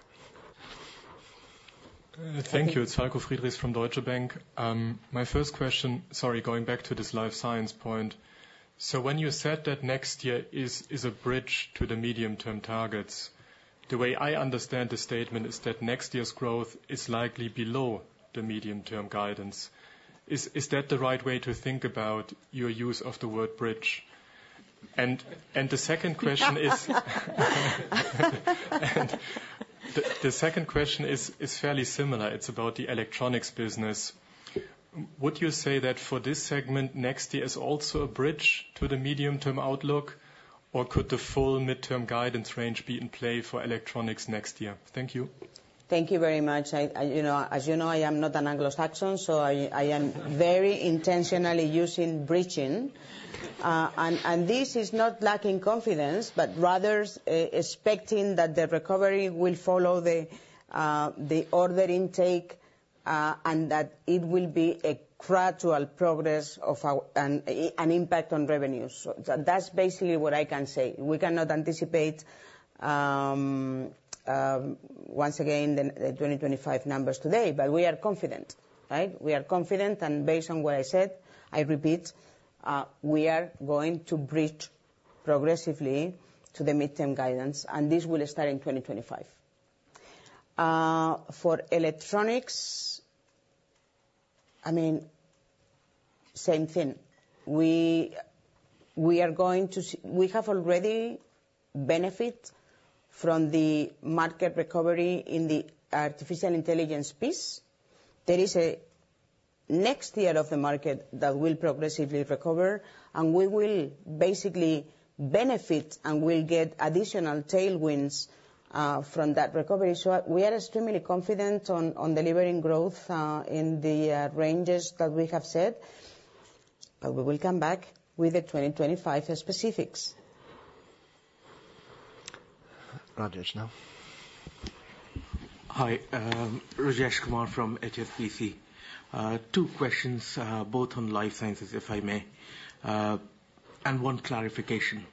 Thank you. It's Falko Friedrichs from Deutsche Bank. My first question, sorry, going back to this Life Science point. So when you said that next year is a bridge to the medium-term targets, the way I understand the statement is that next year's growth is likely below the medium-term guidance. Is that the right way to think about your use of the word bridge? The second question is fairly similar. It's about the Electronics business. Would you say that for this segment, next year is also a bridge to the medium-term outlook, or could the full midterm guidance range be in play for Electronics next year? Thank you.
Thank you very much. As you know, I am not an Anglo-Saxon, so I am very intentionally using bridging. And this is not lacking confidence, but rather expecting that the recovery will follow the order intake and that it will be a gradual progress and impact on revenues. That's basically what I can say. We cannot anticipate, once again, the 2025 numbers today, but we are confident, right? We are confident, and based on what I said, I repeat, we are going to bridge progressively to the midterm guidance, and this will start in 2025. For Electronics, I mean, same thing. We are going to see we have already benefit from the market recovery in the artificial intelligence piece. There is a next year of the market that will progressively recover, and we will basically benefit and will get additional tailwinds from that recovery. So we are extremely confident on delivering growth in the ranges that we have said, but we will come back with the 2025 specifics.
Rajesh now.
Hi. Rajesh Kumar from HSBC. Two questions, both on Life Sciences, if I may, and one clarification.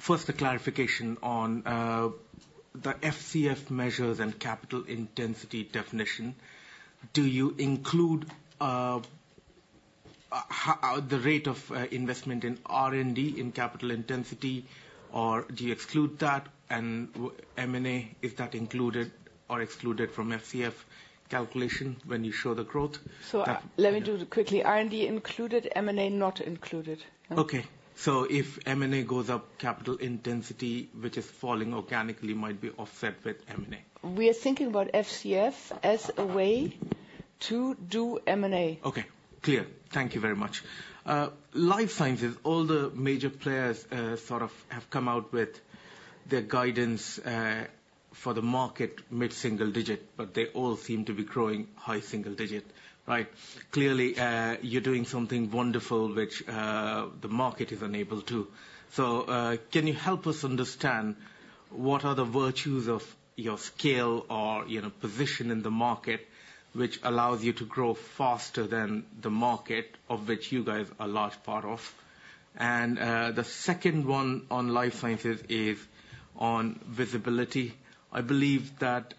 First, a clarification on the FCF measures and capital intensity definition. Do you include the rate of investment in R&D in capital intensity, or do you exclude that? And M&A, is that included or excluded from FCF calculation when you show the growth?
So let me do it quickly. R&D included, M&A not included.
Okay. So if M&A goes up, capital intensity, which is falling organically, might be offset with M&A.
We are thinking about FCF as a way to do M&A.
Okay. Clear. Thank you very much. Life Sciences, all the major players sort of have come out with their guidance for the market, mid-single digit, but they all seem to be growing high single digit, right? Clearly, you're doing something wonderful, which the market is unable to. So can you help us understand what are the virtues of your scale or position in the market, which allows you to grow faster than the market of which you guys are a large part of? And the second one on Life Sciences is on visibility. I believe that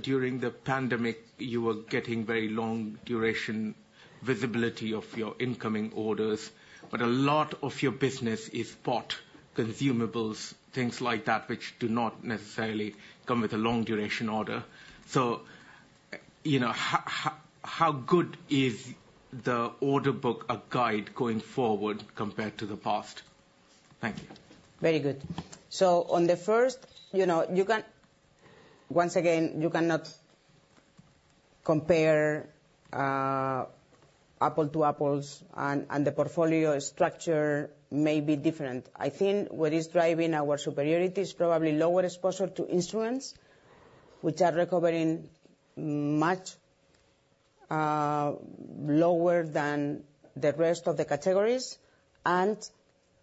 during the pandemic, you were getting very long-duration visibility of your incoming orders, but a lot of your business is spot consumables, things like that, which do not necessarily come with a long-duration order. So how good is the order book or guide going forward compared to the past? Thank you.
Very good. So on the first, once again, you cannot compare apples to apples, and the portfolio structure may be different. I think what is driving our superiority is probably lower exposure to instruments, which are recovering much lower than the rest of the categories, and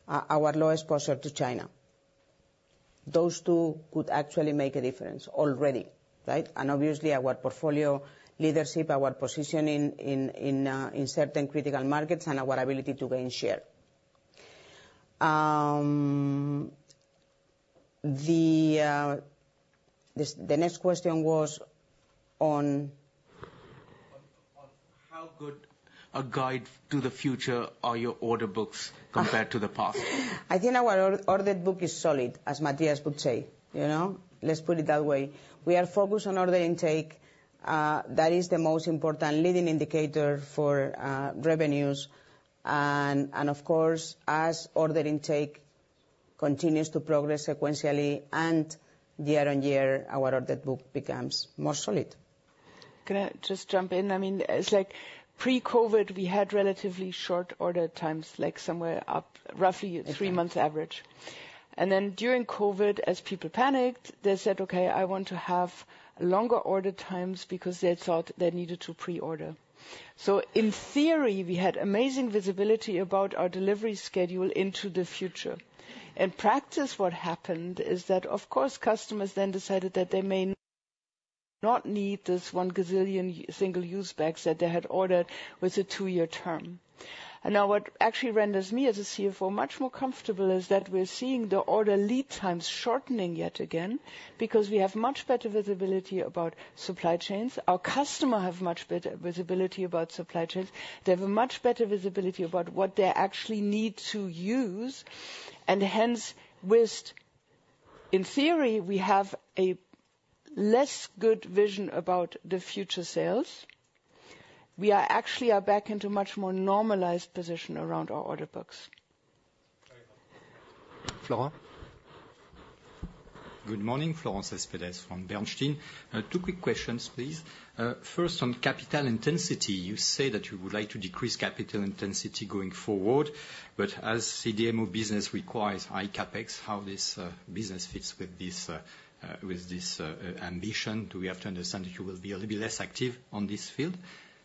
our low exposure to China. Those two could actually make a difference already, right? And obviously, our portfolio leadership, our positioning in certain critical markets, and our ability to gain share. The next question was on
how good a guide to the future are your order books compared to the past.
I think our order book is solid, as Matthias would say. Let's put it that way. We are focused on order intake. That is the most important leading indicator for revenues. And of course, as order intake continues to progress sequentially and year on year, our order book becomes more solid.
Can I just jump in? I mean, it's like pre-COVID, we had relatively short order times, like somewhere up roughly three months average, and then during COVID, as people panicked, they said, "Okay, I want to have longer order times because they thought they needed to pre-order," so in theory, we had amazing visibility about our delivery schedule into the future. In practice, what happened is that, of course, customers then decided that they may not need this one gazillion single-use bags that they had ordered with a two-year term. Now, what actually renders me as a CFO much more comfortable is that we're seeing the order lead times shortening yet again because we have much better visibility about supply chains. Our customers have much better visibility about supply chains. They have much better visibility about what they actually need to use. And hence, in theory, we have a less good visibility about the future sales. We actually are back into a much more normalized position around our order books.
Florent.
Good morning. Florent Céspedes from Bernstein. Two quick questions, please. First, on capital intensity. You say that you would like to decrease capital intensity going forward, but as CDMO business requires high CapEx, how this business fits with this ambition? Do we have to understand that you will be a little bit less active on this field?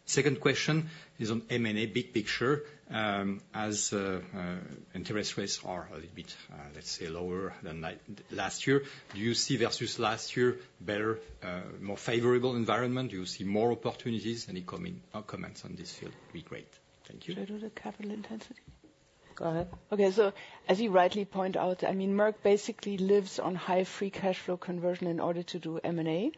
Second question is on M&A, big picture. As interest rates are a little bit, let's say, lower than last year, do you see versus last year better, more favorable environment? Do you see more opportunities? Any comments on this field would be great. Thank you.
Should I do the capital intensity?
Go ahead.
Okay. As you rightly point out, I mean, Merck basically lives on high free cash flow conversion in order to do M&A.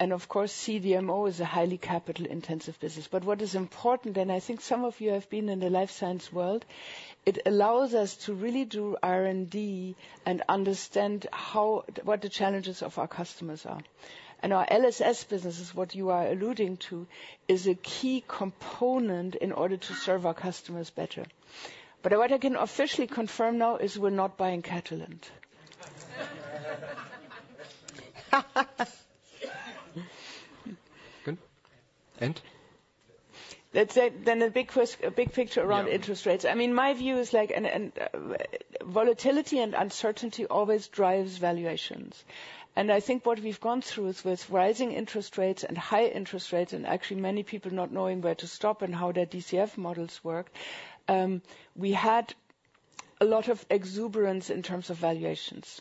Of course, CDMO is a highly capital-intensive business. What is important, and I think some of you have been in the Life Science world, it allows us to really do R&D and understand what the challenges of our customers are. Our LSS business is what you are alluding to, is a key component in order to serve our customers better. What I can officially confirm now is we're not buying Catalent.
Good. And?
Let's say then a big picture around interest rates. I mean, my view is like volatility and uncertainty always drives valuations. And I think what we've gone through is with rising interest rates and high interest rates and actually many people not knowing where to stop and how their DCF models work, we had a lot of exuberance in terms of valuations.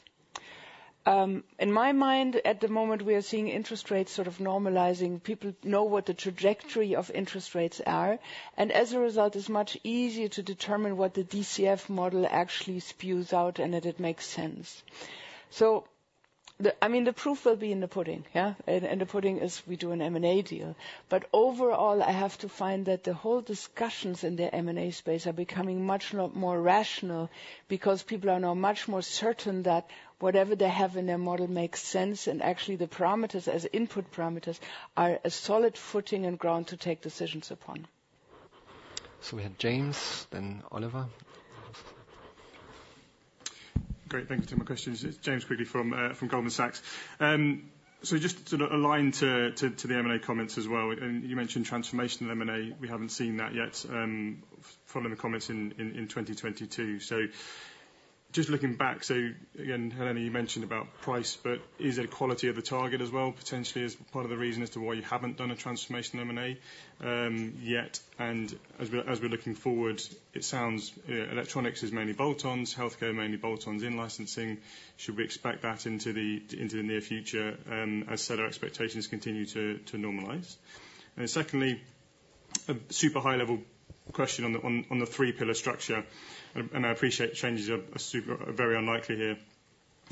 In my mind, at the moment, we are seeing interest rates sort of normalizing. People know what the trajectory of interest rates are. And as a result, it's much easier to determine what the DCF model actually spews out and that it makes sense. So I mean, the proof will be in the pudding, yeah? And the pudding is we do an M&A deal. But overall, I have to find that the whole discussions in the M&A space are becoming much more rational because people are now much more certain that whatever they have in their model makes sense. Actually, the parameters as input parameters are a solid footing and ground to take decisions upon.
So we had James, then Oliver.
Great. Thank you for my questions. It's James Quigley from Goldman Sachs. So just to align to the M&A comments as well. And you mentioned transformational M&A. We haven't seen that yet following the comments in 2022. So just looking back, so again, Helene you mentioned about price, but is it quality of the target as well potentially as part of the reason as to why you haven't done a transformational M&A yet? And as we're looking forward, it sounds Electronics is mainly bolt-ons, Healthcare mainly bolt-ons in licensing. Should we expect that into the near future as seller expectations continue to normalize? And secondly, a super high-level question on the three-pillar structure. And I appreciate changes are very unlikely here.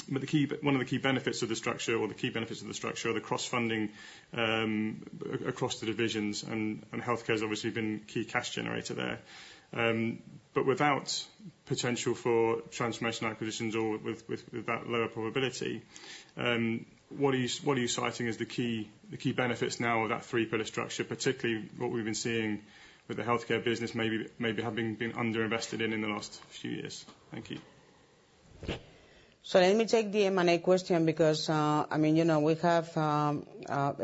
But one of the key benefits of the structure or the key benefits of the structure are the cross-funding across the divisions. And Healthcare has obviously been a key cash generator there. But without potential for transformational acquisitions or with that lower probability, what are you citing as the key benefits now of that three-pillar structure, particularly what we've been seeing with the Healthcare business maybe having been underinvested in in the last few years? Thank you.
So let me take the M&A question because, I mean, we have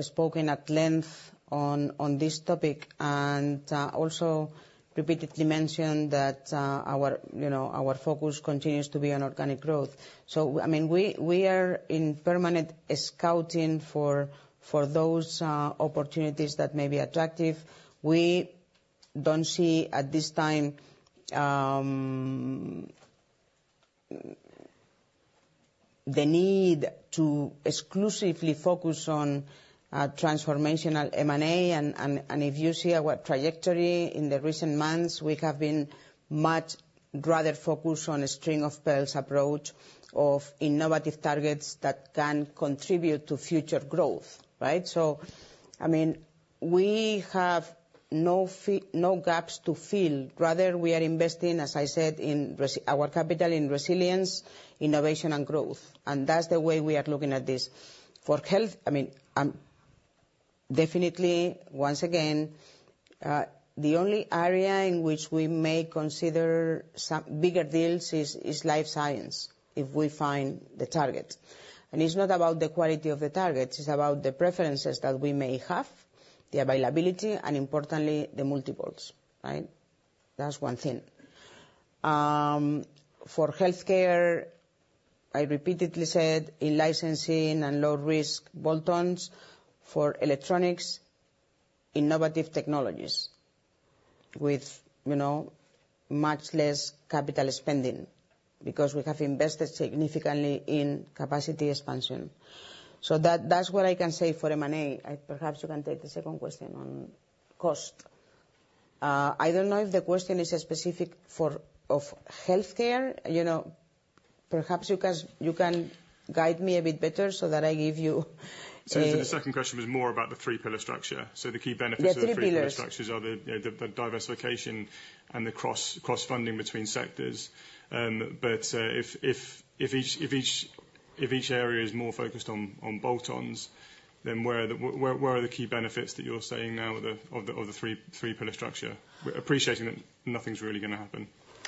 spoken at length on this topic and also repeatedly mentioned that our focus continues to be on organic growth. So, I mean, we are in permanent scouting for those opportunities that may be attractive. We don't see at this time the need to exclusively focus on transformational M&A. And if you see our trajectory in the recent months, we have been much rather focused on a string-of-pearls approach of innovative targets that can contribute to future growth, right? So, I mean, we have no gaps to fill. Rather, we are investing, as I said, our capital in resilience, innovation, and growth. And that's the way we are looking at this. For health, I mean, definitely, once again, the only area in which we may consider bigger deals is Life Science if we find the target. And it's not about the quality of the target. It's about the preferences that we may have, the availability, and importantly, the multiples. Right? That's one thing. For Healthcare, I repeatedly said in licensing and low-risk bolt-ons, for Electronics, innovative technologies with much less capital spending because we have invested significantly in capacity expansion. So that's what I can say for M&A. Perhaps you can take the second question on cost. I don't know if the question is specific for Healthcare. Perhaps you can guide me a bit better so that I give you.
So the second question was more about the three-pillar structure. So the key benefits of the three-pillar structures are the diversification and the cross-funding between sectors. But if each area is more focused on bolt-ons, then where are the key benefits that you're saying now of the three-pillar structure? Appreciating that nothing's really going to happen.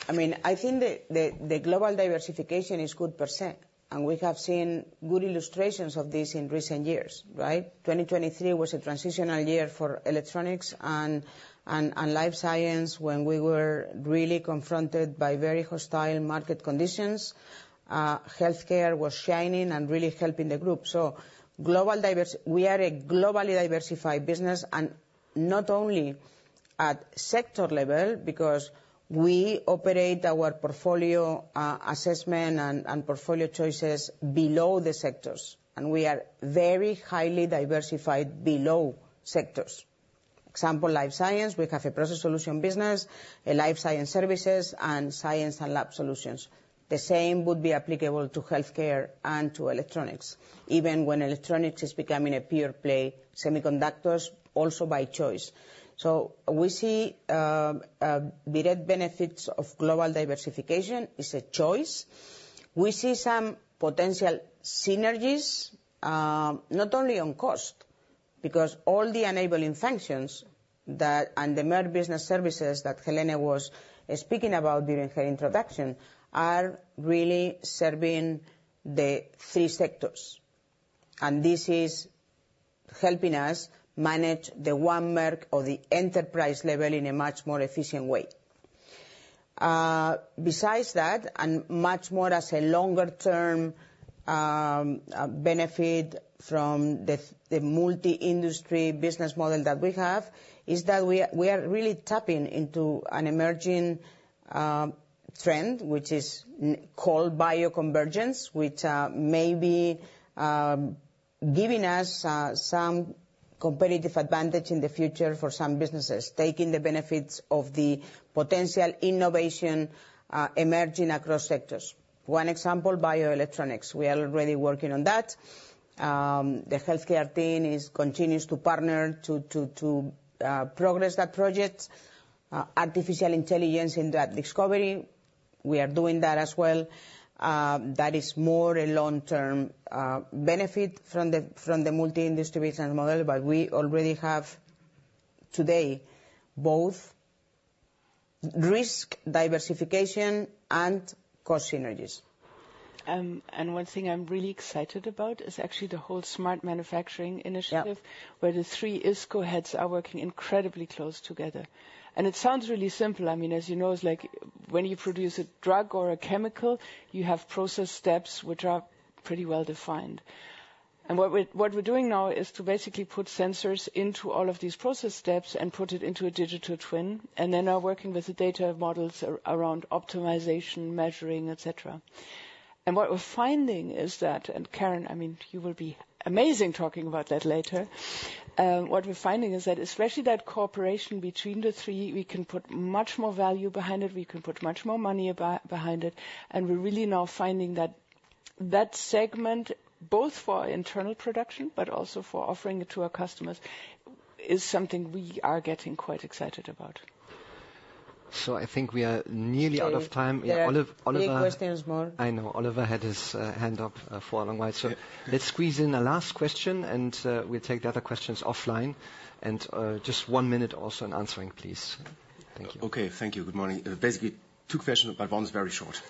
I mean, I think the global diversification is good per se. And we have seen good illustrations of this in recent years, right? 2023 was a transitional year for Electronics and Life Science when we were really confronted by very hostile market conditions. Healthcare was shining and really helping the group. We are a globally diversified business and not only at sector level because we operate our portfolio assessment and portfolio choices below the sectors. We are very highly diversified below sectors. For example, in Life Science, we have Process Solutions Life Science Services, and Science & Lab Solutions. The same would be applicable to Healthcare and to Electronics, even when Electronics is becoming a pure play, semiconductors also by choice. We see direct benefits of global diversification as a choice. We see some potential synergies, not only on cost, because all the enabling functions Merck Business Services that Helene was speaking about during her introduction are really serving the three sectors. This is helping us manage the one Merck or the enterprise level in a much more efficient way. Besides that, and much more as a longer-term benefit from the multi-industry business model that we have, is that we are really tapping into an emerging trend, which is called bioconvergence, which may be giving us some competitive advantage in the future for some businesses, taking the benefits of the potential innovation emerging across sectors. One example, Bioelectronics. We are already working on that. The Healthcare team continues to partner to progress that project. Artificial intelligence in that discovery, we are doing that as well. That is more a long-term benefit from the multi-industry business model, but we already have today both risk diversification and cost synergies.
One thing I'm really excited about is actually the whole Smart Manufacturing initiative where the three sector heads are working incredibly close together. It sounds really simple. I mean, as you know, it's like when you produce a drug or a chemical, you have process steps which are pretty well defined, and what we're doing now is to basically put sensors into all of these process steps and put it into a digital twin, and then we're working with the data models around optimization, measuring, etc., and what we're finding is that, and Karen, I mean, you will be amazing talking about that later. What we're finding is that especially that cooperation between the three, we can put much more value behind it. We can put much more money behind it, and we're really now finding that that segment, both for internal production, but also for offering it to our customers, is something we are getting quite excited about,
so I think we are nearly out of time. Yeah, Oliver. Any questions more? I know Oliver had his hand up for a long while. So let's squeeze in a last question, and we'll take the other questions offline. And just one minute also in answering, please.
Thank you. Okay. Thank you. Good morning. Basically, two questions, but one's very short.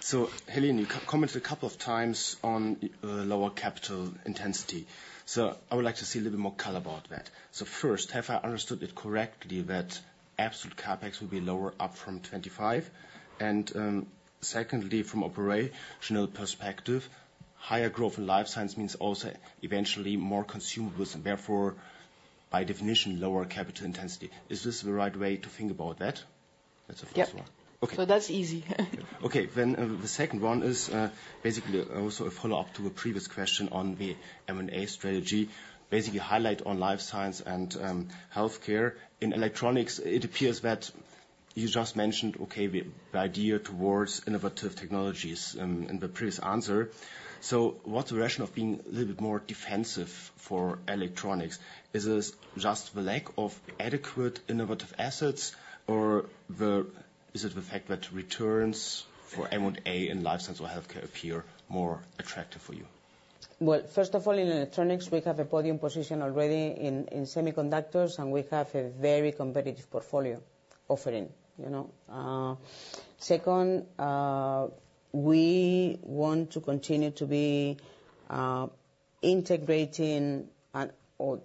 So Helene, you commented a couple of times on lower capital intensity. So I would like to see a little bit more color about that. So first, have I understood it correctly that absolute CapEx will be lower up from 2025? And secondly, from a operational perspective, higher growth in Life Science means also eventually more consumables and therefore, by definition, lower capital intensity. Is this the right way to think about that? That's the first one.
Yes. So that's easy. Okay.
Then the second one is basically also a follow-up to a previous question on the M&A strategy, basically highlight on Life Science and Healthcare. In Electronics, it appears that you just mentioned, okay, the idea towards innovative technologies in the previous answer. So what's the rationale of being a little bit more defensive for Electronics? Is it just the lack of adequate innovative assets, or is it the fact that returns for M&A in Life Science or Healthcare appear more attractive for you?
Well, first of all, in Electronics, we have a podium position already in semiconductors, and we have a very competitive portfolio offering. Second, we want to continue to be integrating or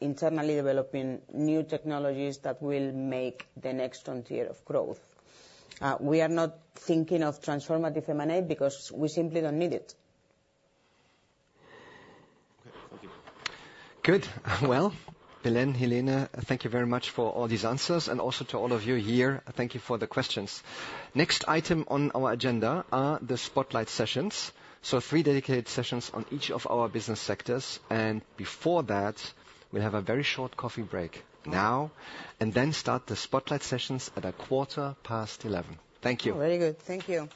internally developing new technologies that will make the next frontier of growth. We are not thinking of transformative M&A because we simply don't need it.
Okay. Thank you.
Good. Well, Belén, Helene, thank you very much for all these answers and also to all of you here. Thank you for the questions. Next item on our agenda are the spotlight sessions. So three dedicated sessions on each of our business sectors. And before that, we'll have a very short coffee break now and then start the spotlight sessions at 11:15 A.M. Thank you.
Very good. Thank you.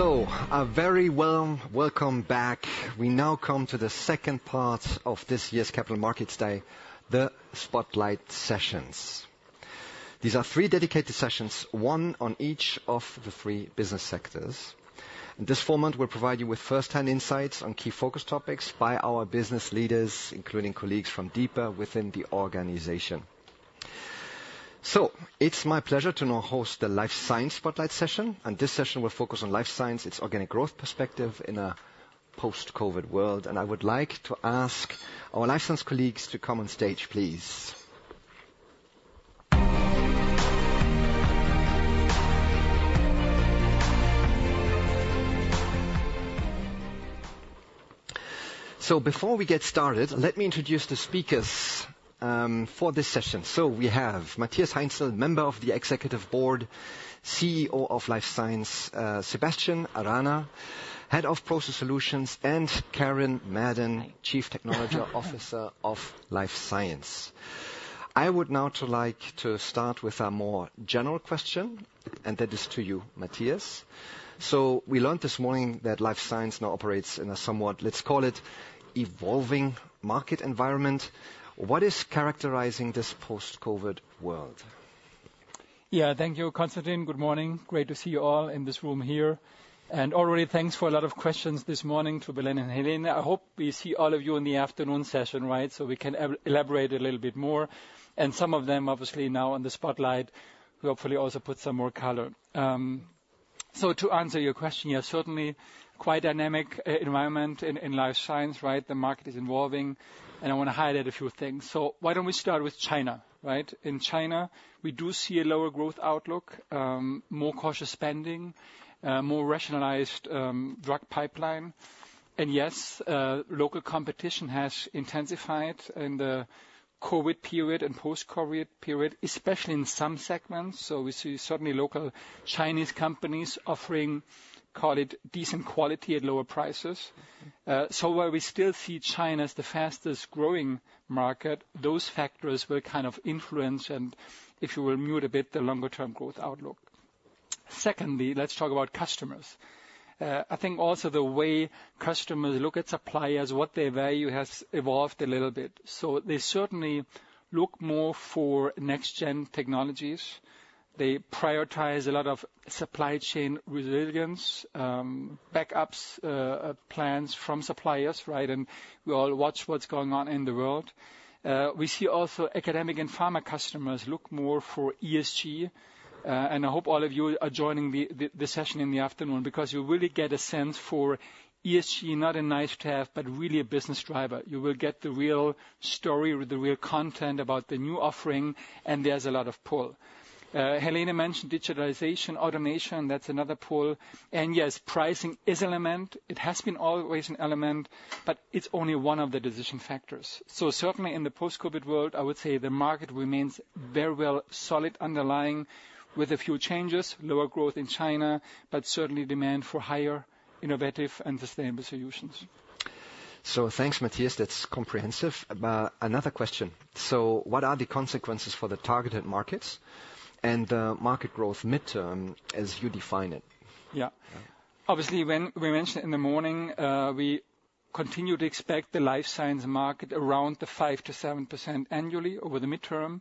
So, a very warm welcome back. We now come to the second part of this year's Capital Markets Day, the spotlight sessions. These are three dedicated sessions, one on each of the three business sectors. In this format, we'll provide you with first-hand insights on key focus topics by our business leaders, including colleagues from deeper within the organization. So, it's my pleasure to now host the Life Science spotlight session. This session will focus on Life Science, its organic growth perspective in a post-COVID world. I would like to ask our Life Science colleagues to come on stage, please. Before we get started, let me introduce the speakers for this session. We have Matthias Heinzel, Member of the Executive Board, CEO of Life Science; Sebastian Arana, Head of Process Solutions; and Karen Madden, Chief Technology Officer of Life Science. I would now like to start with a more general question, and that is to you, Matthias. We learned this morning that Life Science now operates in a somewhat, let's call it, evolving market environment. What is characterizing this post-COVID world?
Yeah, thank you, Konstantin. Good morning. Great to see you all in this room here. Already, thanks for a lot of questions this morning to Belén and Helene. I hope we see all of you in the afternoon session, right, so we can elaborate a little bit more. And some of them, obviously, now on the spotlight, hopefully also put some more color. So, to answer your question, yes, certainly quite a dynamic environment in Life Science, right? The market is evolving, and I want to highlight a few things. So, why don't we start with China, right? In China, we do see a lower growth outlook, more cautious spending, more rationalized drug pipeline. And yes, local competition has intensified in the COVID period and post-COVID period, especially in some segments. So, we see certainly local Chinese companies offering, call it, decent quality at lower prices. So, while we still see China as the fastest growing market, those factors will kind of influence, and if you will, mute a bit the longer-term growth outlook. Secondly, let's talk about customers. I think also the way customers look at suppliers, what their value has evolved a little bit. They certainly look more for next-gen technologies. They prioritize a lot of supply chain resilience, backup plans from suppliers, right? And we all watch what's going on in the world. We see also academic and pharma customers look more for ESG. And I hope all of you are joining the session in the afternoon because you really get a sense for ESG, not a nice to have, but really a business driver. You will get the real story or the real content about the new offering, and there's a lot of pull. Helene mentioned digitalization, automation, that's another pull. And yes, pricing is an element. It has been always an element, but it's only one of the decision factors. So, certainly in the post-COVID world, I would say the market remains very well solid underlying with a few changes, lower growth in China, but certainly demand for higher innovative and sustainable solutions.
So, thanks, Matthias. That's comprehensive. Another question. So, what are the consequences for the targeted markets and the market growth midterm as you define it?
Yeah. Obviously, when we mentioned in the morning, we continue to expect the Life Science market around the 5%-7% annually over the midterm.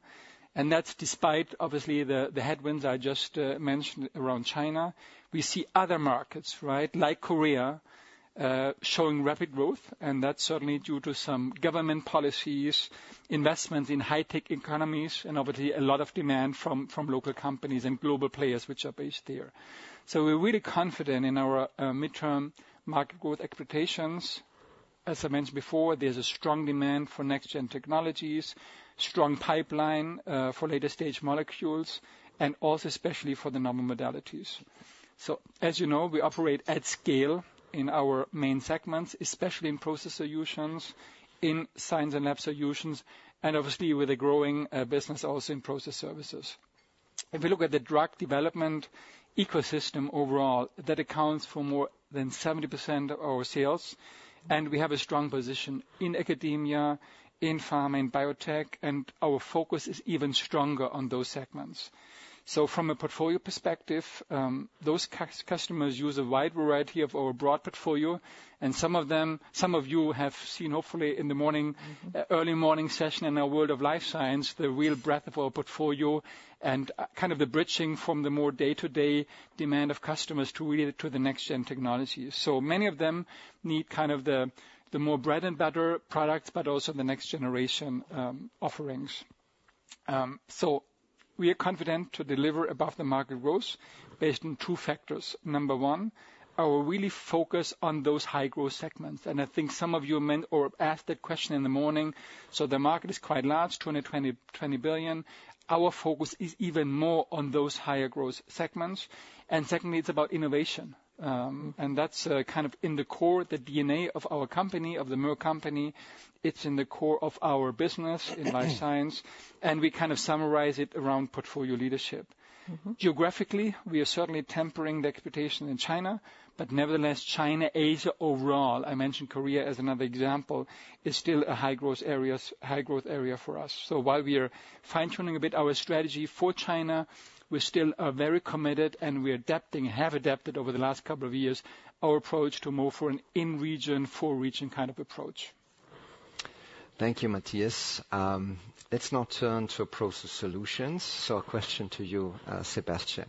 And that's despite, obviously, the headwinds I just mentioned around China. We see other markets, right, like Korea, showing rapid growth. And that's certainly due to some government policies, investments in high-tech economies, and obviously a lot of demand from local companies and global players which are based here. So, we're really confident in our midterm market growth expectations. As I mentioned before, there's a strong demand for next-gen technologies, strong pipeline for later-stage molecules, and also especially for the novel modalities. So, as you know, we operate at scale in our main segments, especially Process Solutions, in Science & Lab Solutions, and obviously with a growing business also in process services. If we look at the drug development ecosystem overall, that accounts for more than 70% of our sales, and we have a strong position in academia, in pharma, in biotech, and our focus is even stronger on those segments, so, from a portfolio perspective, those customers use a wide variety of our broad portfolio. Some of them, some of you have seen, hopefully, in the morning early morning session in our world of Life Science, the real breadth of our portfolio and kind of the bridging from the more day-to-day demand of customers to really the next-gen technologies. Many of them need kind of the more bread and butter products, but also the next-generation offerings. We are confident to deliver above-the-market growth based on two factors. Number one, our really focus on those high-growth segments. I think some of you asked that question in the morning. The market is quite large, 220 billion. Our focus is even more on those higher-growth segments. Secondly, it's about innovation. That's kind of in the core, the DNA of our company, of the Merck company. It's in the core of our business in Life Science. We kind of summarize it around portfolio leadership. Geographically, we are certainly tempering the expectation in China. But nevertheless, China, Asia overall, I mentioned Korea as another example, is still a high-growth area for us. So, while we are fine-tuning a bit our strategy for China, we're still very committed, and we are adapting, have adapted over the last couple of years, our approach to move for an in-region, for-region kind of approach.
Thank you, Matthias. Let's now turn to Process Solutions. So, a question to you, Sebastian.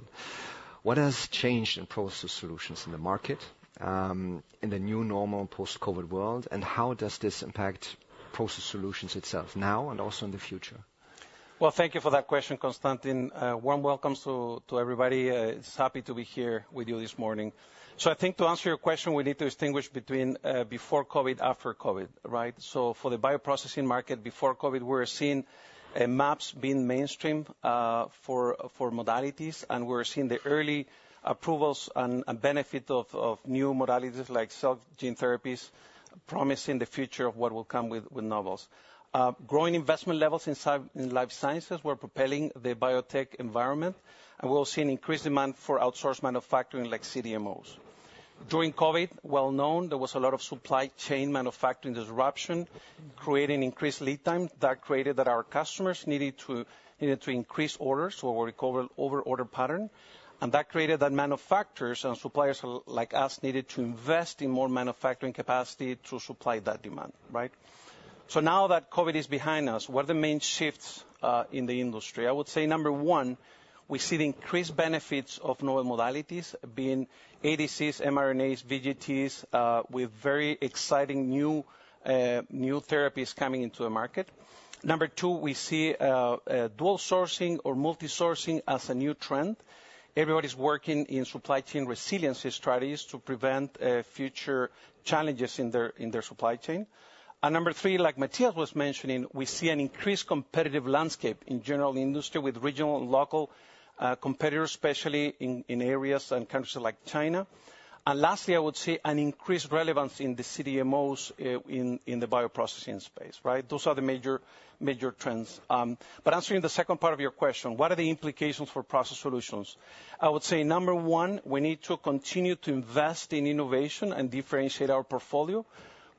What has changed in Process Solutions in the market, in the new normal post-COVID world? And how does this impact Process Solutions itself now and also in the future?
Well, thank you for that question, Konstantin. Warm welcome to everybody. I'm happy to be here with you this morning. I think to answer your question, we need to distinguish between before COVID, after COVID, right? For the bioprocessing market, before COVID, we were seeing mAbs being mainstream for modalities, and we were seeing the early approvals and benefits of new modalities like cell gene therapies, promising the future of what will come with novels. Growing investment levels in Life Sciences were propelling the biotech environment, and we were seeing increased demand for outsourced manufacturing like CDMOs. During COVID, well known, there was a lot of supply chain manufacturing disruption, creating increased lead time that our customers needed to increase orders or over-order pattern. That created manufacturers and suppliers like us needed to invest in more manufacturing capacity to supply that demand, right? Now that COVID is behind us, what are the main shifts in the industry? I would say number one, we see the increased benefits of novel modalities being ADCs, mRNAs, VGTs with very exciting new therapies coming into the market. Number two, we see dual sourcing or multi-sourcing as a new trend. Everybody's working in supply chain resiliency strategies to prevent future challenges in their supply chain. And number three, like Matthias was mentioning, we see an increased competitive landscape in general industry with regional and local competitors, especially in areas and countries like China. And lastly, I would say an increased relevance in the CDMOs in the bioprocessing space, right? Those are the major trends. But answering the second part of your question, what are the implications for Process Solutions? I would say number one, we need to continue to invest in innovation and differentiate our portfolio,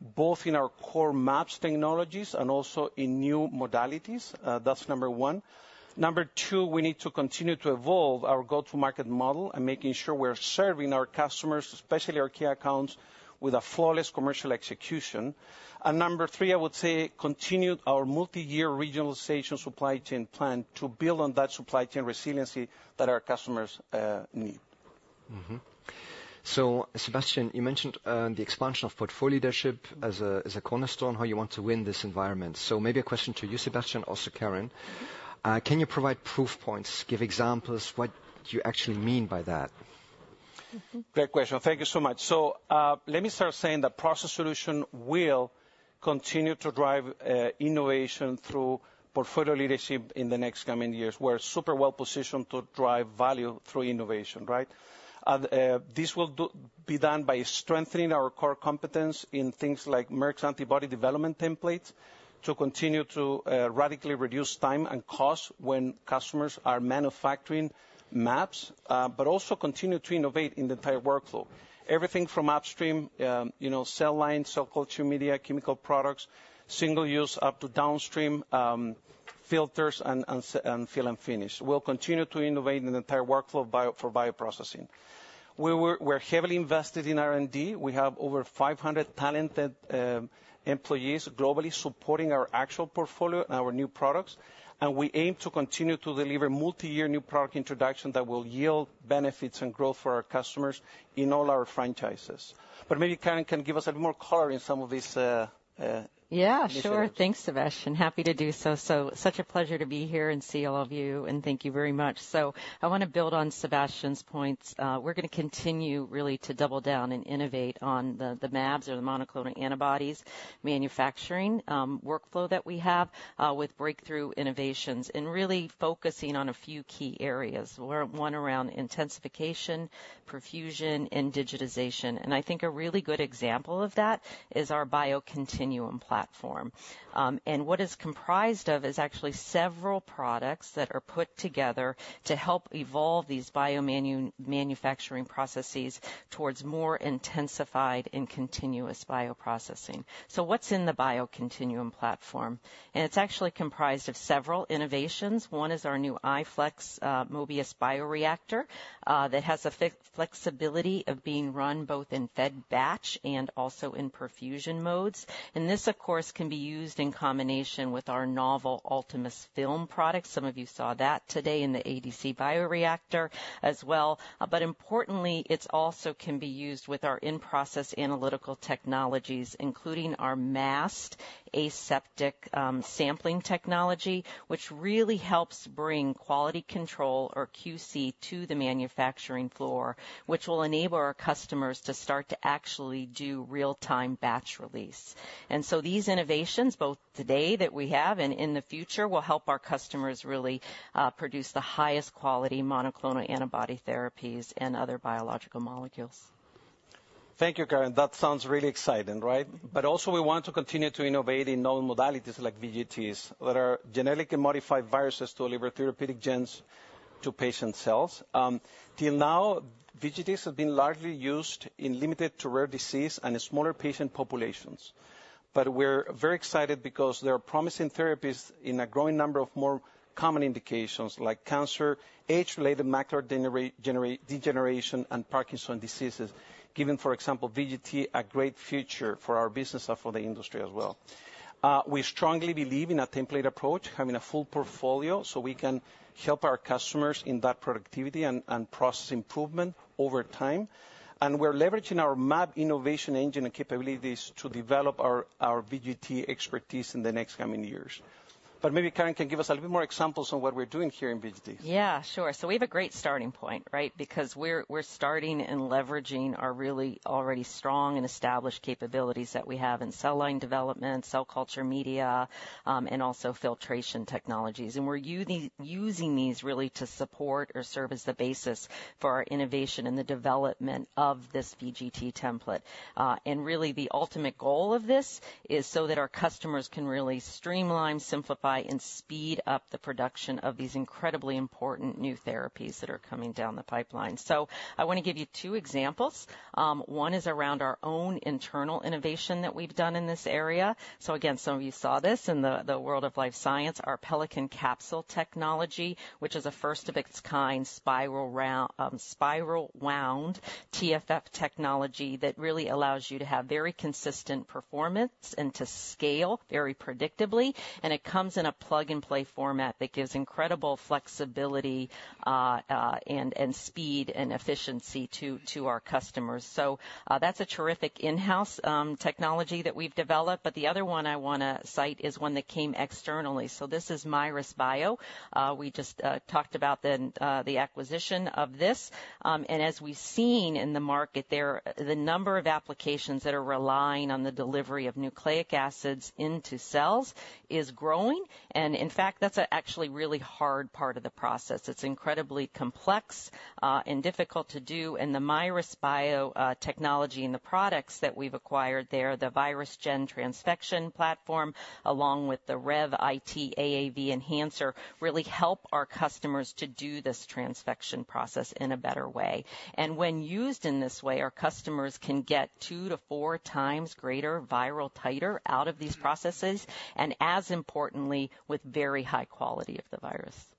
both in our core mAbs technologies and also in new modalities. That's number one. Number two, we need to continue to evolve our go-to-market model and making sure we're serving our customers, especially our key accounts, with a flawless commercial execution. And number three, I would say continue our multi-year regionalization supply chain plan to build on that supply chain resiliency that our customers need.
So, Sebastian, you mentioned the expansion of portfolio leadership as a cornerstone how you want to win this environment. So, maybe a question to you, Sebastian, also Karen. Can you provide proof points, give examples what you actually mean by that?
Great question. Thank you so much. So, let me start saying that Process Solutions will continue to drive innovation through portfolio leadership in the next coming years. We're super well positioned to drive value through innovation, right? This will be done by strengthening our core competence in things like Merck's antibody development templates to continue to radically reduce time and cost when customers are manufacturing mAbs, but also continue to innovate in the entire workflow. Everything from upstream, cell lines, cell culture media, chemical products, single-use up to downstream filters and fill and finish. We'll continue to innovate in the entire workflow for bioprocessing. We're heavily invested in R&D. We have over 500 talented employees globally supporting our actual portfolio and our new products, and we aim to continue to deliver multi-year new product introduction that will yield benefits and growth for our customers in all our franchises. But maybe Karen can give us a bit more color in some of these.
Yeah, sure. Thanks, Sebastian. Happy to do so. So, such a pleasure to be here and see all of you, and thank you very much. I want to build on Sebastian's points. We're going to continue really to double down and innovate on the mAbs or the monoclonal antibodies manufacturing workflow that we have with breakthrough innovations and really focusing on a few key areas, one around intensification, perfusion, and digitization. I think a really good example of that is our BioContinuum platform. What it's comprised of is actually several products that are put together to help evolve these biomanufacturing processes towards more intensified and continuous bioprocessing. What's in the BioContinuum platform? It's actually comprised of several innovations. One is our new Mobius iFlex bioreactor that has the flexibility of being run both in fed batch and also in perfusion modes. This, of course, can be used in combination with our novel Ultimus film products. Some of you saw that today in the ADC bioreactor as well. But importantly, it also can be used with our in-process analytical technologies, including our MAST aseptic sampling technology, which really helps bring quality control or QC to the manufacturing floor, which will enable our customers to start to actually do real-time batch release. And so, these innovations, both today that we have and in the future, will help our customers really produce the highest quality monoclonal antibody therapies and other biological molecules.
Thank you, Karen. That sounds really exciting, right? But also, we want to continue to innovate in novel modalities like VGTs that are genetically modified viruses to deliver therapeutic genes to patient cells. Till now, VGTs have been largely used in limited to rare disease and smaller patient populations. But we're very excited because there are promising therapies in a growing number of more common indications like cancer, age-related macular degeneration, and Parkinson's diseases, giving, for example, VGT a great future for our business and for the industry as well. We strongly believe in a template approach, having a full portfolio so we can help our customers in that productivity and process improvement over time. And we're leveraging our mAb innovation engine and capabilities to develop our VGT expertise in the next coming years. But maybe Karen can give us a little bit more examples on what we're doing here in VGT.
Yeah, sure. So, we have a great starting point, right? Because we're starting and leveraging our really already strong and established capabilities that we have in cell line development, cell culture media, and also filtration technologies. We're using these really to support or serve as the basis for our innovation and the development of this VGT template. Really, the ultimate goal of this is so that our customers can really streamline, simplify, and speed up the production of these incredibly important new therapies that are coming down the pipeline. I want to give you two examples. One is around our own internal innovation that we've done in this area. Again, some of you saw this in the world of Life Science, our Pellicon capsule technology, which is a first-of-its-kind spiral wound TFF technology that really allows you to have very consistent performance and to scale very predictably. It comes in a plug-and-play format that gives incredible flexibility and speed and efficiency to our customers. That's a terrific in-house technology that we've developed. But the other one I want to cite is one that came externally. So, this is Mirus Bio. We just talked about the acquisition of this. And as we've seen in the market there, the number of applications that are relying on the delivery of nucleic acids into cells is growing. And in fact, that's actually a really hard part of the process. It's incredibly complex and difficult to do. And the Mirus Bio technology and the products that we've acquired there, the VirusGEN transfection platform, along with the RevIT AAV enhancer, really help our customers to do this transfection process in a better way. And when used in this way, our customers can get two to four times greater viral titer out of these processes, and as importantly, with very high quality of the virus.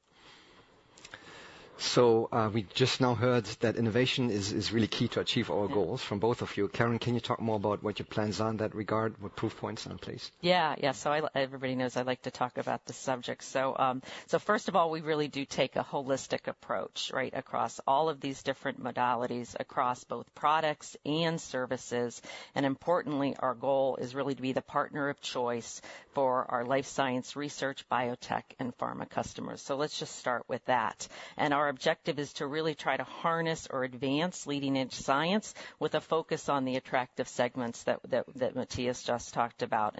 We just now heard that innovation is really key to achieve our goals from both of you. Karen, can you talk more about what your plans are in that regard? What proof points are, please?
Yeah, yeah. Everybody knows I like to talk about the subject. First of all, we really do take a holistic approach, right, across all of these different modalities across both products and services. Importantly, our goal is really to be the partner of choice for our Life Science research, biotech, and pharma customers. Let's just start with that. Our objective is really to try to harness or advance leading-edge science with a focus on the attractive segments that Matthias just talked about.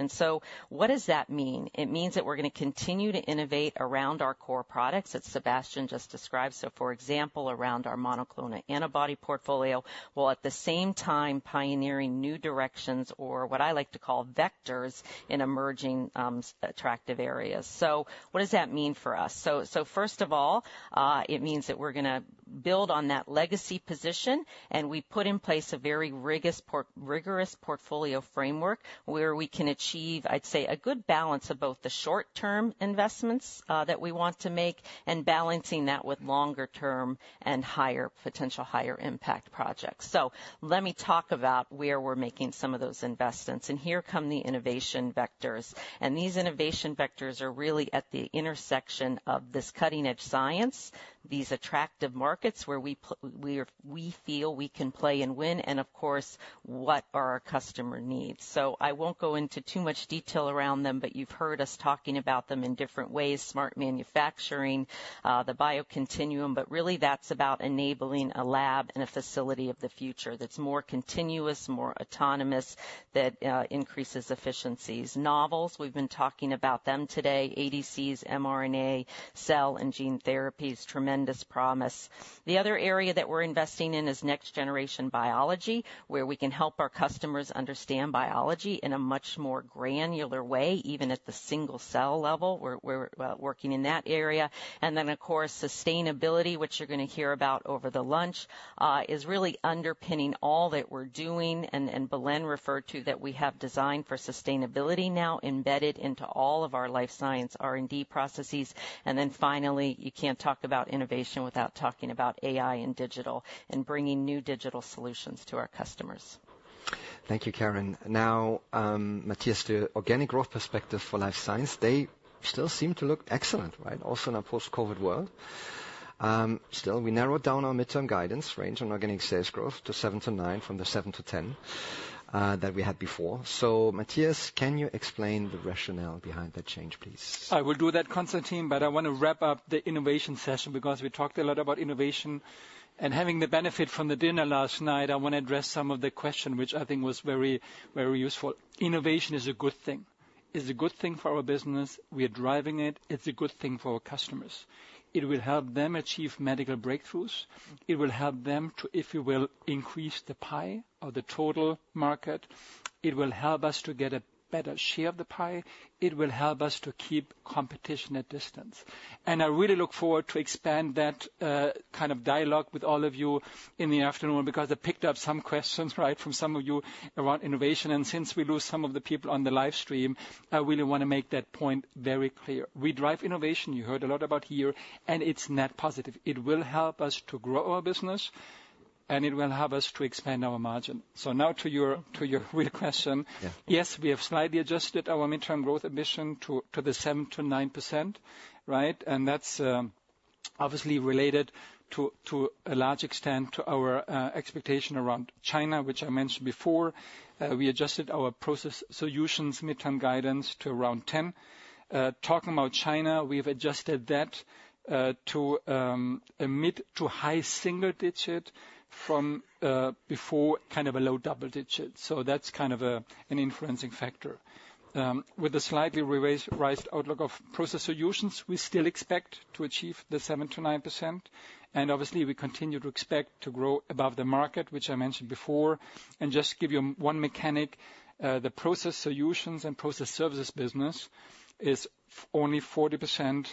What does that mean? It means that we're going to continue to innovate around our core products that Sebastian just described. So, for example, around our monoclonal antibody portfolio, while at the same time pioneering new directions or what I like to call vectors in emerging attractive areas. So, what does that mean for us? So, first of all, it means that we're going to build on that legacy position, and we put in place a very rigorous portfolio framework where we can achieve, I'd say, a good balance of both the short-term investments that we want to make and balancing that with longer-term and potential higher-impact projects. So, let me talk about where we're making some of those investments. And here come the innovation vectors. And these innovation vectors are really at the intersection of this cutting-edge science, these attractive markets where we feel we can play and win, and of course, what are our customer needs? I won't go into too much detail around them, but you've heard us talking about them in different ways: Smart Manufacturing, the BioContinuum, but really that's about enabling a lab and a facility of the future that's more continuous, more autonomous, that increases efficiencies. Novels, we've been talking about them today: ADCs, mRNA, cell and gene therapies, tremendous promise. The other area that we're investing in is next-generation biology, where we can help our customers understand biology in a much more granular way, even at the single-cell level. We're working in that area. And then, of course, sustainability, which you're going to hear about over the lunch, is really underpinning all that we're doing and Belén referred to that we have designed for sustainability now embedded into all of our Life Science R&D processes. And then finally, you can't talk about innovation without talking about AI and digital and bringing new digital solutions to our customers.
Thank you, Karen. Now, Matthias, the organic growth perspective for Life Science, they still seem to look excellent, right? Also in a post-COVID world. Still, we narrowed down our midterm guidance range on organic sales growth to seven to nine from the seven to ten that we had before. So, Matthias, can you explain the rationale behind that change, please?
I will do that, Konstantin, but I want to wrap up the innovation session because we talked a lot about innovation. And having the benefit from the dinner last night, I want to address some of the questions which I think were very useful. Innovation is a good thing. It's a good thing for our business. We are driving it. It's a good thing for our customers. It will help them achieve medical breakthroughs. It will help them to, if you will, increase the pie or the total market. It will help us to get a better share of the pie. It will help us to keep competition at distance, and I really look forward to expand that kind of dialogue with all of you in the afternoon because I picked up some questions, right, from some of you around innovation, and since we lose some of the people on the live stream, I really want to make that point very clear. We drive innovation. You heard a lot about here, and it's net positive. It will help us to grow our business, and it will help us to expand our margin, so now to your real question. Yes, we have slightly adjusted our midterm growth ambition to the 7%-9%, right? And that's obviously related to a large extent to our expectation around China, which I mentioned before. We adjusted our Process Solutions midterm guidance to around 10%. Talking about China, we've adjusted that to a mid- to high-single-digit from before kind of a low-double-digit. So that's kind of an influencing factor. With the slightly raised outlook of Process Solutions, we still expect to achieve the 7%-9%. And obviously, we continue to expect to grow above the market, which I mentioned before. And just to give you one mechanic, the Process Solutions and process services business is only 40%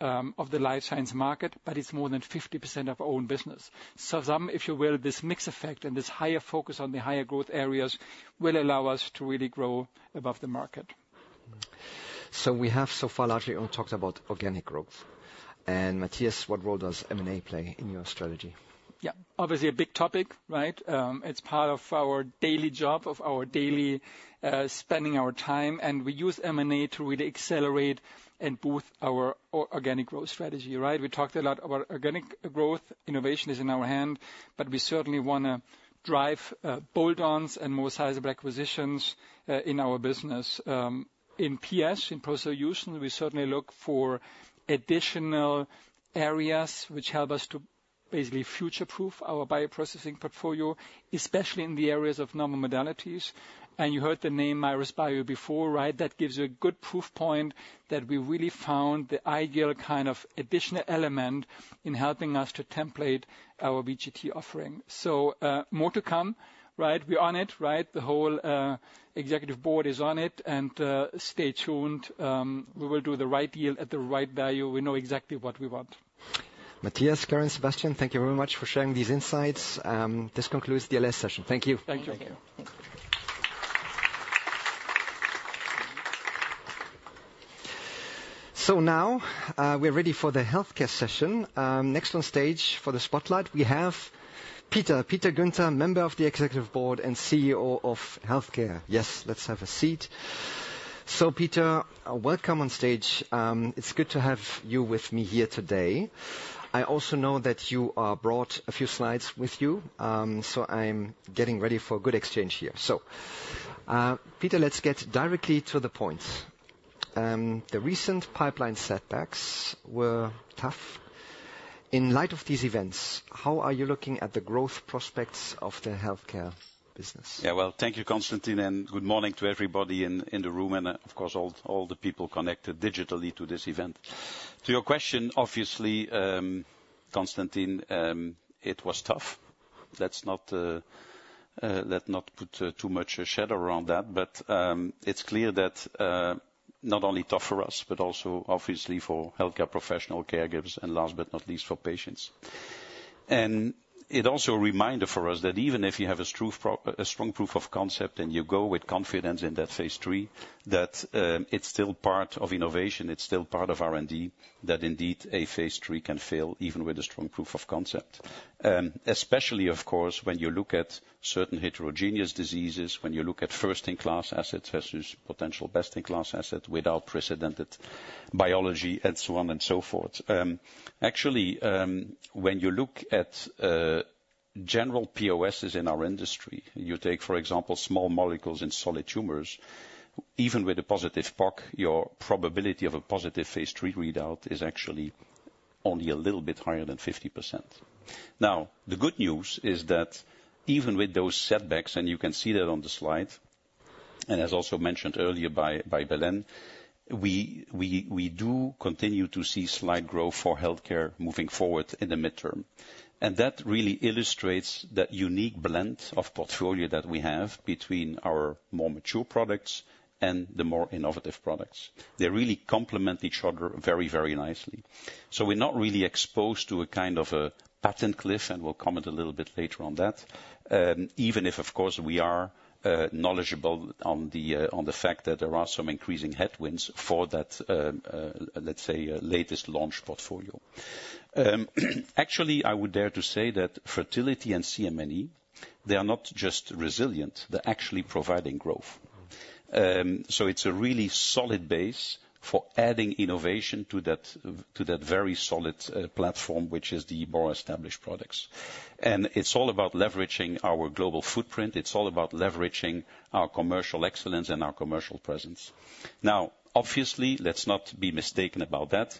of the Life Science market, but it's more than 50% of our own business. So some, if you will, this mixed effect and this higher focus on the higher growth areas will allow us to really grow above the market.
So we have so far largely only talked about organic growth. And Matthias, what role does M&A play in your strategy?
Yeah, obviously a big topic, right? It's part of our daily job, of our daily spending our time. And we use M&A to really accelerate and boost our organic growth strategy, right? We talked a lot about organic growth. Innovation is in our hand, but we certainly want to drive bolt-ons and more sizable acquisitions in our business. In PS, Process Solutions, we certainly look for additional areas which help us to basically future-proof our bioprocessing portfolio, especially in the areas of novel modalities. And you heard the name Mirus Bio before, right? That gives you a good proof point that we really found the ideal kind of additional element in helping us to complement our VGT offering. So more to come, right? We're on it, right? The whole executive board is on it. And stay tuned. We will do the right deal at the right value. We know exactly what we want.
Matthias, Karen, Sebastian, thank you very much for sharing these insights. This concludes the LS session. Thank you. Thank you. Thank you. So now we're ready for the Healthcare session. Next on stage for the spotlight, we have Peter, Peter Guenter, member of the executive board and CEO of Healthcare. Yes, let's have a seat. So Peter, welcome on stage. It's good to have you with me here today. I also know that you brought a few slides with you, so I'm getting ready for a good exchange here. So Peter, let's get directly to the point. The recent pipeline setbacks were tough. In light of these events, how are you looking at the growth prospects of the Healthcare business?
Yeah, well, thank you, Konstantin, and good morning to everybody in the room and, of course, all the people connected digitally to this event. To your question, obviously, Konstantin, it was tough. Let's not put too much shadow around that, but it's clear that not only tough for us, but also obviously for Healthcare professional caregivers and last but not least for patients. And it also reminded for us that even if you have a strong proof of concept and you go with confidence in that phase three, that it's still part of innovation, it's still part of R&D, that indeed a phase three can fail even with a strong proof of concept. Especially, of course, when you look at certain heterogeneous diseases, when you look at first-in-class assets versus potential best-in-class asset without unprecedented biology and so on and so forth. Actually, when you look at general POSs in our industry, you take, for example, small molecules in solid tumors, even with a positive POC, your probability of a positive phase three readout is actually only a little bit higher than 50%. Now, the good news is that even with those setbacks, and you can see that on the slide, and as also mentioned earlier by Belén, we do continue to see slight growth for Healthcare moving forward in the midterm, and that really illustrates that unique blend of portfolio that we have between our more mature products and the more innovative products. They really complement each other very, very nicely. So we're not really exposed to a kind of a patent cliff, and we'll comment a little bit later on that, even if, of course, we are knowledgeable on the fact that there are some increasing headwinds for that, let's say, latest launch portfolio. Actually, I would dare to say that fertility and CM&E, they are not just resilient, they're actually providing growth. So it's a really solid base for adding innovation to that very solid platform, which is the more established products. And it's all about leveraging our global footprint. It's all about leveraging our commercial excellence and our commercial presence. Now, obviously, let's not be mistaken about that.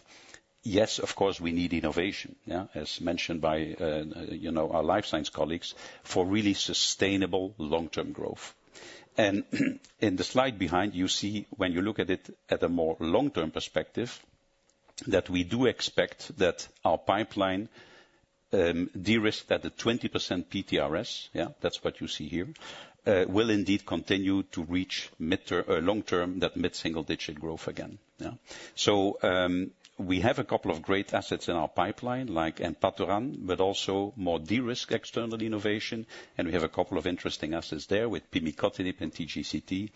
Yes, of course, we need innovation, as mentioned by our Life Science colleagues, for really sustainable long-term growth. In the slide behind, you see, when you look at it at a more long-term perspective, that we do expect that our pipeline de-risked at the 20% PTRS, yeah, that's what you see here, will indeed continue to reach long-term, that mid-single digit growth again. We have a couple of great assets in our pipeline, like Enpatoran, but also more de-risked external innovation. We have a couple of interesting assets there with Pimicotinib and TGCT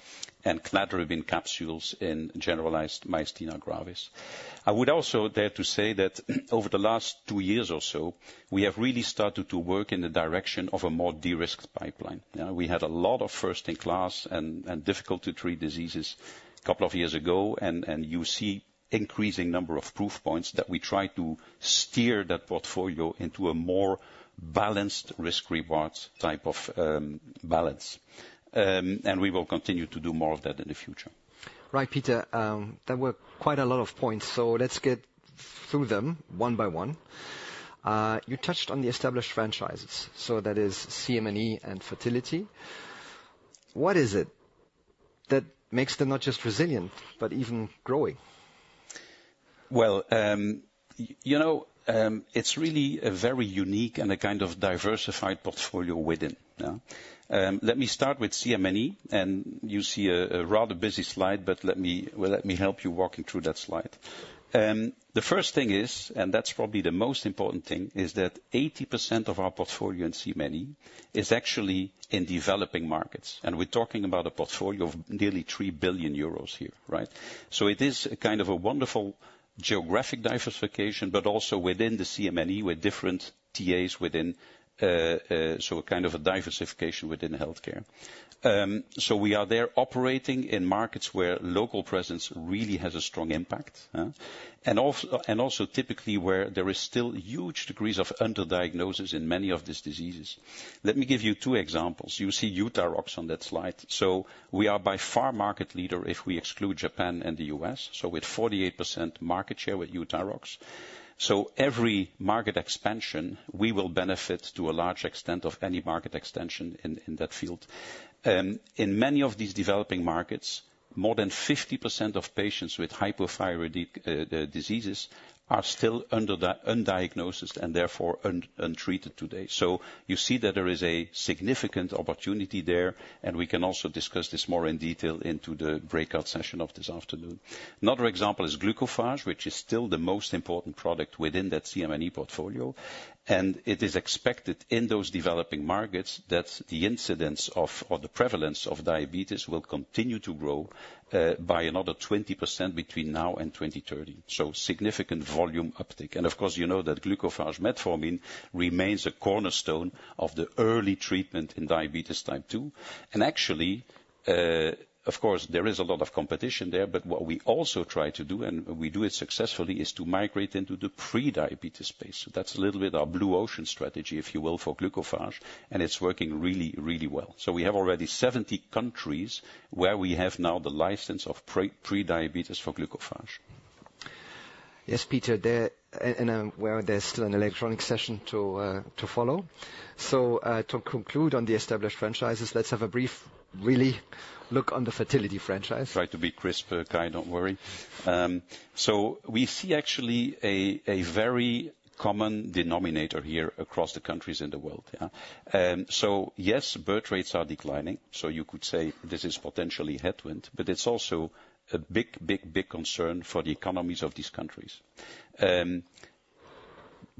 and Cladribine capsules in generalized myasthenia gravis. I would also dare to say that over the last two years or so, we have really started to work in the direction of a more de-risked pipeline. We had a lot of first-in-class and difficult to treat diseases a couple of years ago, and you see an increasing number of proof points that we try to steer that portfolio into a more balanced risk-reward type of balance. We will continue to do more of that in the future.
Right, Peter, there were quite a lot of points, so let's get through them one by one. You touched on the established franchises, so that is CM&E and fertility. What is it that makes them not just resilient, but even growing?
Well, you know, it's really a very unique and a kind of diversified portfolio within. Let me start with CM&E, and you see a rather busy slide, but let me help you walking through that slide. The first thing is, and that's probably the most important thing, is that 80% of our portfolio in CM&E is actually in developing markets. And we're talking about a portfolio of nearly 3 billion euros here, right? So it is kind of a wonderful geographic diversification, but also within the CM&E with different TAs within, so kind of a diversification within Healthcare. So we are there operating in markets where local presence really has a strong impact, and also typically where there are still huge degrees of underdiagnosis in many of these diseases. Let me give you two examples. You see Euthyrox on that slide. So we are by far market leader if we exclude Japan and the U.S., so with 48% market share with Euthyrox. So every market expansion, we will benefit to a large extent of any market expansion in that field. In many of these developing markets, more than 50% of patients with hypothyroid diseases are still undiagnosed and therefore untreated today. So you see that there is a significant opportunity there, and we can also discuss this more in detail into the breakout session of this afternoon. Another example is Glucophage, which is still the most important product within that CM&E portfolio. And it is expected in those developing markets that the incidence of, or the prevalence of diabetes will continue to grow by another 20% between now and 2030. So significant volume uptake. And of course, you know that Glucophage metformin remains a cornerstone of the early treatment in diabetes type 2. And actually, of course, there is a lot of competition there, but what we also try to do, and we do it successfully, is to migrate into the pre-diabetes space. So that's a little bit our Blue Ocean strategy, if you will, for Glucophage, and it's working really, really well. So we have already 70 countries where we have now the license of pre-diabetes for Glucophage. Yes, Peter, and I'm aware there's still an analyst session to follow. So to conclude on the established franchises, let's have a brief really look on the fertility franchise. Try to be crisp, Kai, don't worry. So we see actually a very common denominator here across the countries in the world. So yes, birth rates are declining, so you could say this is potentially headwind, but it's also a big, big, big concern for the economies of these countries.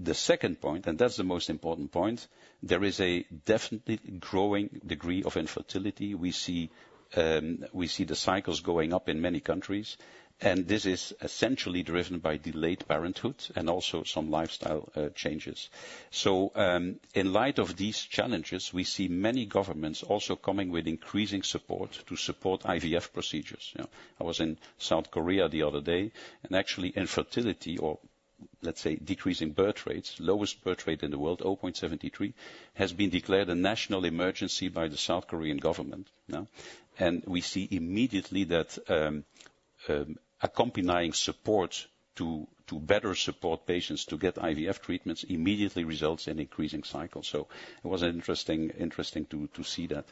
The second point, and that's the most important point, there is definitely a growing degree of infertility. We see the cycles going up in many countries, and this is essentially driven by delayed parenthood and also some lifestyle changes, so in light of these challenges, we see many governments also coming with increasing support to support IVF procedures. I was in South Korea the other day, and actually infertility, or let's say decreasing birth rates, lowest birth rate in the world, 0.73, has been declared a national emergency by the South Korean government, and we see immediately that accompanying support to better support patients to get IVF treatments immediately results in increasing cycles, so it was interesting to see that.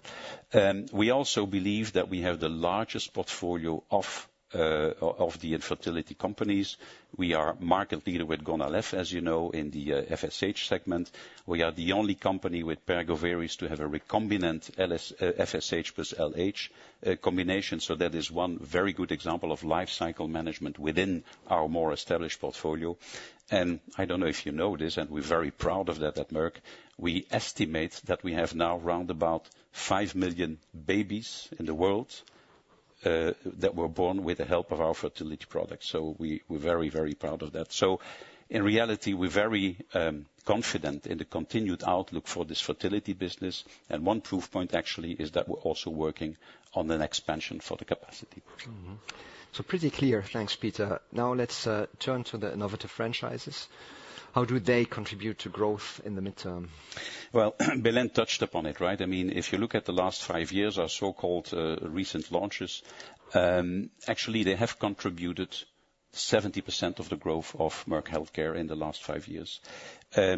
We also believe that we have the largest portfolio of the infertility companies. We are market leader with Gonal-f, as you know, in the FSH segment. We are the only company with Pergoveris to have a recombinant FSH plus LH combination. So that is one very good example of life cycle management within our more established portfolio. And I don't know if you know this, and we're very proud of that at Merck, we estimate that we have now round about five million babies in the world that were born with the help of our fertility products. So we're very, very proud of that. So in reality, we're very confident in the continued outlook for this fertility business. And one proof point actually is that we're also working on an expansion for the capacity.
So pretty clear. Thanks, Peter. Now let's turn to the innovative franchises. How do they contribute to growth in the midterm?
Well, Belén touched upon it, right? I mean, if you look at the last five years, our so-called recent launches, actually they have contributed 70% of the growth of Merck Healthcare in the last five years.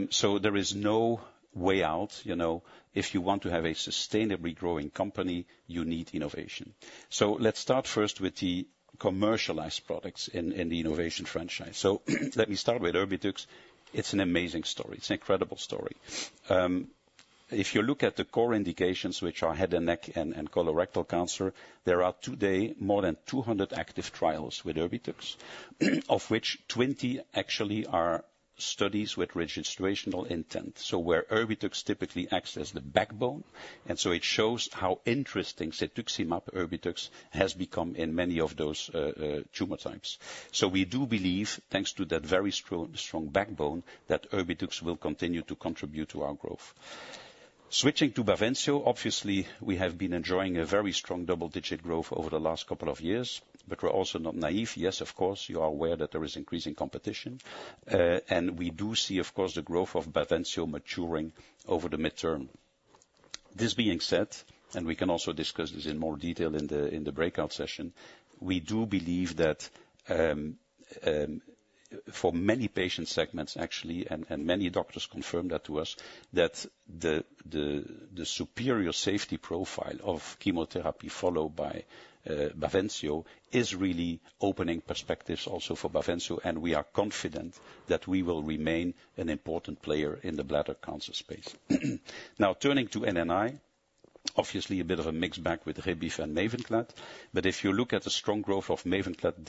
So there is no way out. If you want to have a sustainably growing company, you need innovation. So let's start first with the commercialized products in the innovation franchise. So let me start with Erbitux. It's an amazing story. It's an incredible story. If you look at the core indications, which are head and neck and colorectal cancer, there are today more than 200 active trials with Erbitux, of which 20 actually are studies with registrational intent. So where Erbitux typically acts as the backbone, and so it shows how interesting Cetuximab, Erbitux has become in many of those tumor types. So we do believe, thanks to that very strong backbone, that Erbitux will continue to contribute to our growth. Switching to Bavencio, obviously, we have been enjoying a very strong double-digit growth over the last couple of years, but we're also not naive. Yes, of course, you are aware that there is increasing competition. And we do see, of course, the growth of Bavencio maturing over the midterm. This being said, and we can also discuss this in more detail in the breakout session, we do believe that for many patient segments, actually, and many doctors confirmed that to us, that the superior safety profile of chemotherapy followed by Bavencio is really opening perspectives also for Bavencio, and we are confident that we will remain an important player in the bladder cancer space. Now, turning to N&I, obviously a bit of a mixed bag with Rebif and Mavenclad, but if you look at the strong growth of Mavenclad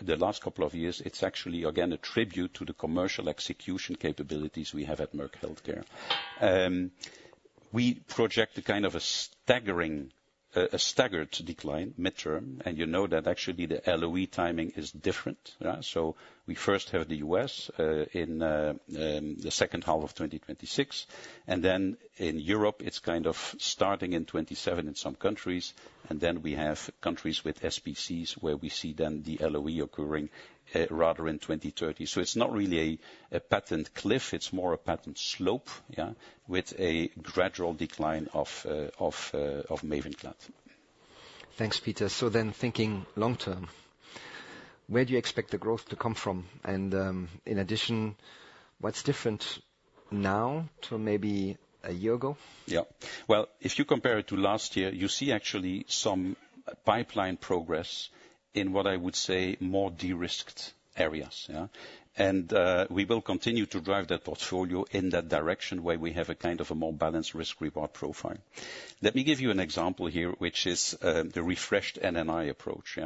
the last couple of years, it's actually, again, a tribute to the commercial execution capabilities we have at Merck Healthcare. We project a kind of a staggered decline midterm, and you know that actually the LOE timing is different. So we first have the U.S. in the second half of 2026, and then in Europe, it's kind of starting in 2027 in some countries, and then we have countries with SPCs where we see then the LOE occurring rather in 2030. So it's not really a patent cliff, it's more a patent slope with a gradual decline of Mavenclad.
Thanks, Peter. So then thinking long term, where do you expect the growth to come from? In addition, what's different now to maybe a year ago?
Yeah. If you compare it to last year, you see actually some pipeline progress in what I would say more de-risked areas. We will continue to drive that portfolio in that direction where we have a kind of a more balanced risk-reward profile. Let me give you an example here, which is the refreshed N&I approach.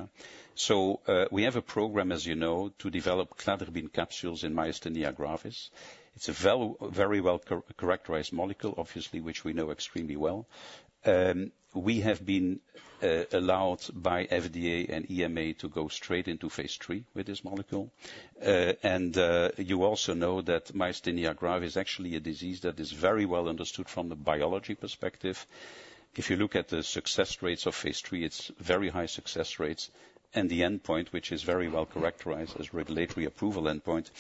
We have a program, as you know, to develop Cladribine capsules in myasthenia gravis. It's a very well-characterized molecule, obviously, which we know extremely well. We have been allowed by FDA and EMA to go straight into phase three with this molecule. You also know that myasthenia gravis is actually a disease that is very well understood from the biology perspective. If you look at the success rates of phase three, it's very high success rates. The endpoint, which is very well characterized as regulatory approval endpoint,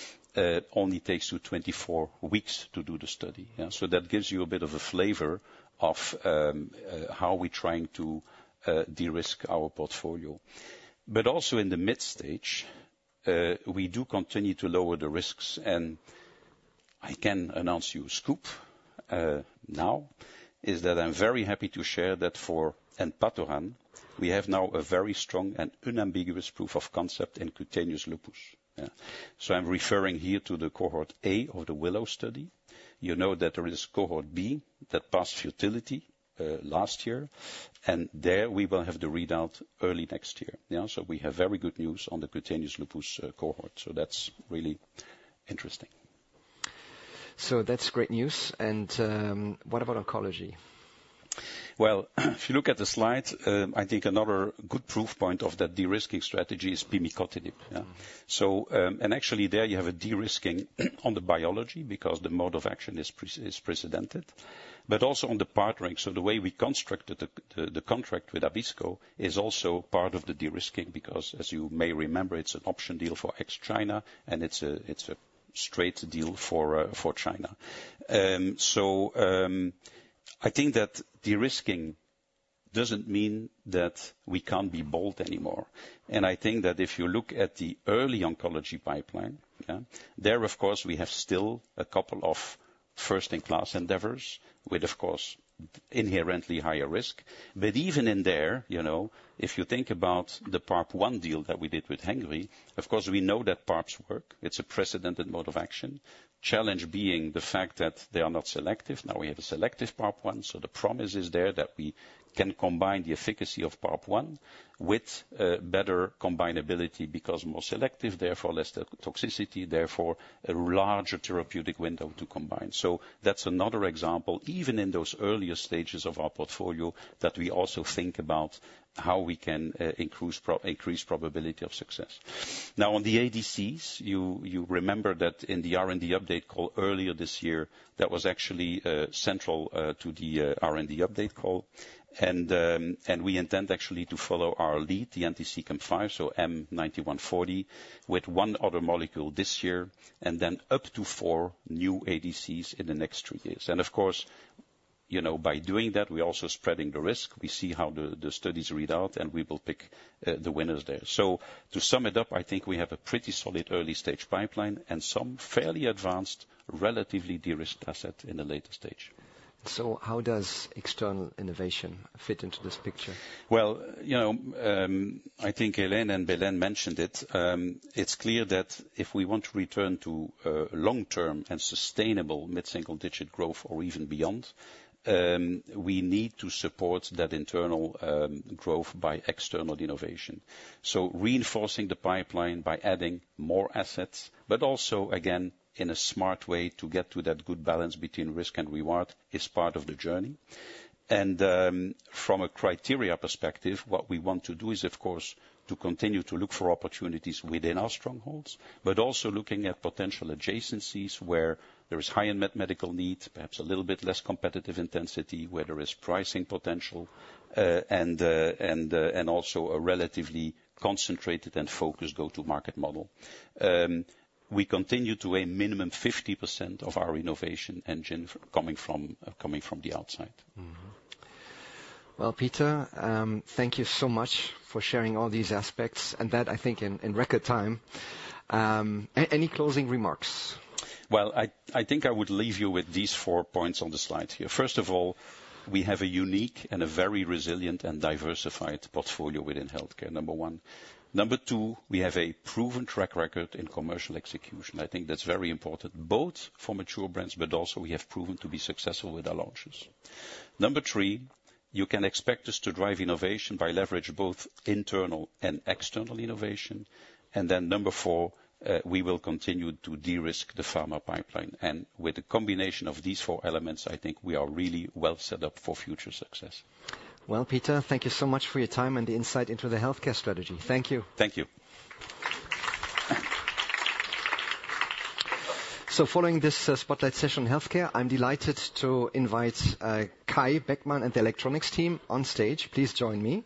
only takes you 24 weeks to do the study. That gives you a bit of a flavor of how we're trying to de-risk our portfolio. In the mid stage, we do continue to lower the risks. I can announce you a scoop now. I'm very happy to share that for Enpatoran, we have now a very strong and unambiguous proof of concept in cutaneous lupus. I'm referring here to the cohort A of the Willow study. You know that there is cohort B that passed futility last year, and there we will have the readout early next year. We have very good news on the cutaneous lupus cohort. That's really interesting.
That's great news. What about oncology?
If you look at the slide, I think another good proof point of that de-risking strategy is Pimicotinib. Actually there you have a de-risking on the biology because the mode of action is precedented, but also on the partnering. The way we constructed the contract with Abbisko is also part of the de-risking because, as you may remember, it is an option deal for ex-China, and it is a straight deal for China. I think that de-risking does not mean that we cannot be bold anymore. I think that if you look at the early oncology pipeline, there, of course, we have still a couple of first-in-class endeavors with, of course, inherently higher risk. Even in there, if you think about the PARP1 deal that we did with Hengrui, of course, we know that PARPs work. It is a precedented mode of action. Challenge being the fact that they are not selective. Now we have a selective PARP 1, so the promise is there that we can combine the efficacy of PARP 1 with better combinability because more selective, therefore less toxicity, therefore a larger therapeutic window to combine, so that's another example, even in those earlier stages of our portfolio, that we also think about how we can increase probability of success. Now, on the ADCs, you remember that in the R&D update call earlier this year, that was actually central to the R&D update call, and we intend actually to follow our lead, the anti-CEACAM5, so M9140, with one other molecule this year, and then up to four new ADCs in the next three years, and of course, by doing that, we're also spreading the risk. We see how the studies read out, and we will pick the winners there. To sum it up, I think we have a pretty solid early stage pipeline and some fairly advanced, relatively de-risked asset in the later stage.
How does external innovation fit into this picture?
I think Helene and Belén mentioned it. It is clear that if we want to return to long-term and sustainable mid-single digit growth or even beyond, we need to support that internal growth by external innovation. Reinforcing the pipeline by adding more assets, but also, again, in a smart way to get to that good balance between risk and reward is part of the journey. And from a criteria perspective, what we want to do is, of course, to continue to look for opportunities within our strongholds, but also looking at potential adjacencies where there is higher medical need, perhaps a little bit less competitive intensity, where there is pricing potential, and also a relatively concentrated and focused go-to-market model. We continue to aim minimum 50% of our innovation engine coming from the outside.
Well, Peter, thank you so much for sharing all these aspects and that, I think, in record time. Any closing remarks?
Well, I think I would leave you with these four points on the slide here. First of all, we have a unique and a very resilient and diversified portfolio within Healthcare, number one. Number two, we have a proven track record in commercial execution. I think that's very important, both for mature brands, but also we have proven to be successful with our launches. Number three, you can expect us to drive innovation by leveraging both internal and external innovation. Then number four, we will continue to de-risk the pharma pipeline. With the combination of these four elements, I think we are really well set up for future success.
Well, Peter, thank you so much for your time and the insight into the Healthcare strategy. Thank you. Thank you. Following this spotlight session on Healthcare, I'm delighted to invite Kai Beckmann and the Electronics team on stage. Please join me.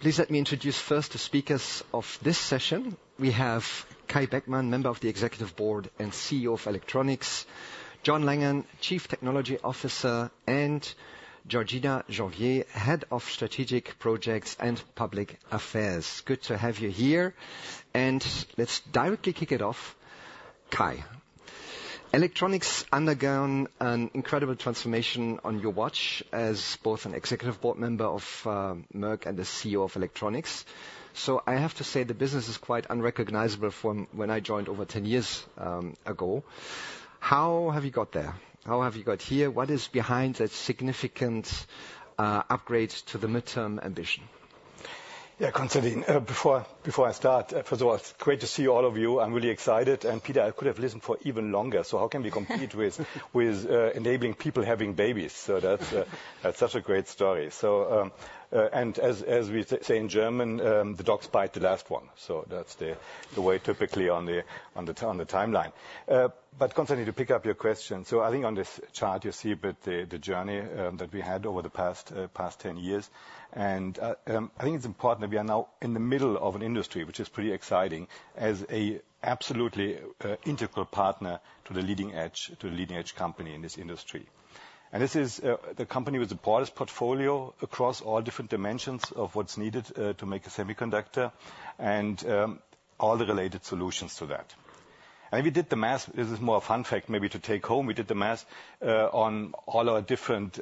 Please let me introduce first the speakers of this session. We have Kai Beckmann, member of the Executive Board and CEO of Electronics, John Langan, Chief Technology Officer, and Georgina Janvier, head of strategic projects and public affairs. Good to have you here. Let's directly kick it off. Kai, Electronics has undergone an incredible transformation on your watch as both an Executive Board member of Merck and the CEO of Electronics. So I have to say the business is quite unrecognizable from when I joined over 10 years ago. How have you got there? How have you got here? What is behind that significant upgrade to the midterm ambition?
Yeah, concerning. Before I start, first of all, it's great to see all of you. I'm really excited. And Peter, I could have listened for even longer. So how can we compete with enabling people having babies? So that's such a great story. And as we say in German, the dogs bite the last one. So that's the way typically on the timeline. But to pick up on your question, so I think on this chart you see a bit the journey that we had over the past 10 years. And I think it's important that we are now in the middle of an industry, which is pretty exciting as an absolutely integral partner to the leading edge company in this industry. And this is the company with the broadest portfolio across all different dimensions of what's needed to make a semiconductor and all the related solutions to that. And we did the math. This is more a fun fact maybe to take home. We did the math on all our different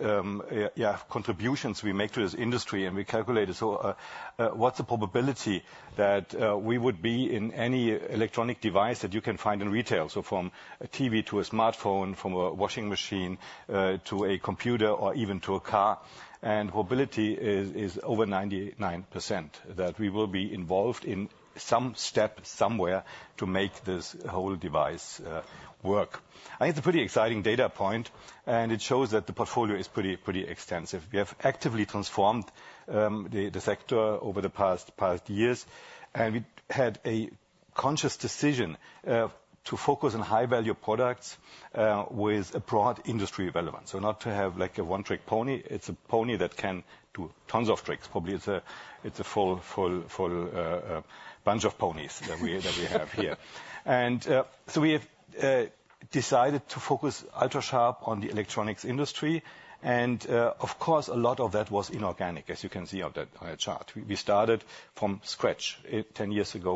contributions we make to this industry, and we calculated what's the probability that we would be in any electronic device that you can find in retail. So from a TV to a smartphone, from a washing machine to a computer or even to a car. And probability is over 99% that we will be involved in some step somewhere to make this whole device work. I think it's a pretty exciting data point, and it shows that the portfolio is pretty extensive. We have actively transformed the sector over the past years, and we had a conscious decision to focus on high-value products with a broad industry relevance. So not to have like a one-trick pony, it's a pony that can do tons of tricks. Probably it's a full bunch of ponies that we have here. And so we have decided to focus ultra-sharp on the Electronics industry. And of course, a lot of that was inorganic, as you can see on that chart. We started from scratch 10 years ago,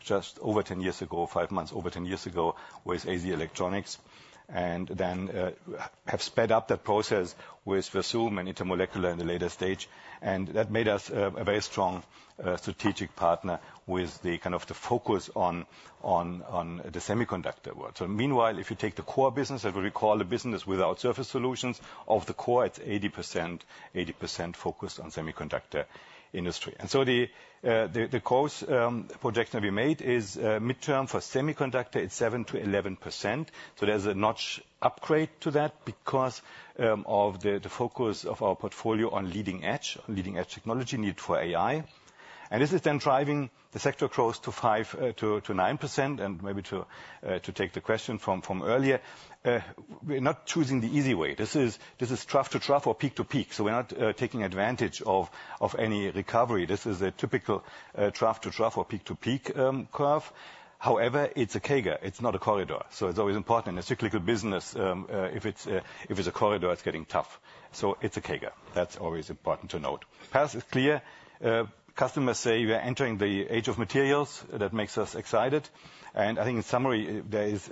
just over 10 years ago with AZ Electronics, and then have sped up that process with Versum and Intermolecular in the later stage. That made us a very strong strategic partner with the focus on the semiconductor world. Meanwhile, if you take the core business, as we recall, the business without Surface Solutions of the core, it's 80% focused on the semiconductor industry. The core projection we made is midterm for semiconductor; it's 7%-11%. There's a notch upgrade to that because of the focus of our portfolio on leading edge technology need for AI. This is then driving the sector growth to 5%-9%. To take the question from earlier, we're not choosing the easy way. This is trough to trough or peak to peak, so we're not taking advantage of any recovery. This is a typical trough to trough or peak to peak curve. However, it's a K-shaped. It's not a corridor. It's always important in a cyclical business. If it's a corridor, it's getting tough. It's a K-shaped. That's always important to note. Path is clear. Customers say we're entering the age of materials. That makes us excited. I think in summary, there is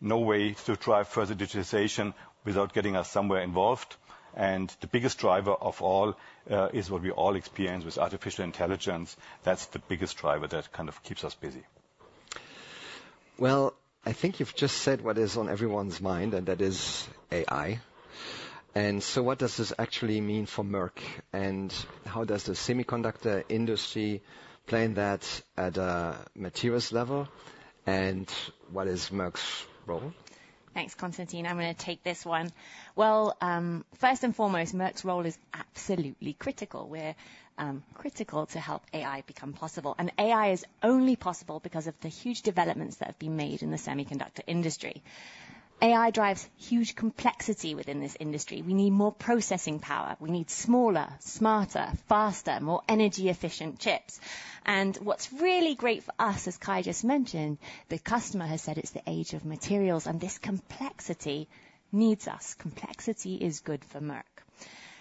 no way to drive further digitization without getting us somewhere involved. The biggest driver of all is what we all experience with artificial intelligence. That's the biggest driver that kind of keeps us busy.
I think you've just said what is on everyone's mind, and that is AI. What does this actually mean for Merck? How does the semiconductor industry plan that at a materials level? What is Merck's role?
Thanks, Konstantin. I'm going to take this one. Well, first and foremost, Merck's role is absolutely critical. We're critical to help AI become possible. AI is only possible because of the huge developments that have been made in the semiconductor industry. AI drives huge complexity within this industry. We need more processing power. We need smaller, smarter, faster, more energy-efficient chips. What's really great for us, as Kai just mentioned, the customer has said it's the age of materials, and this complexity needs us. Complexity is good for Merck.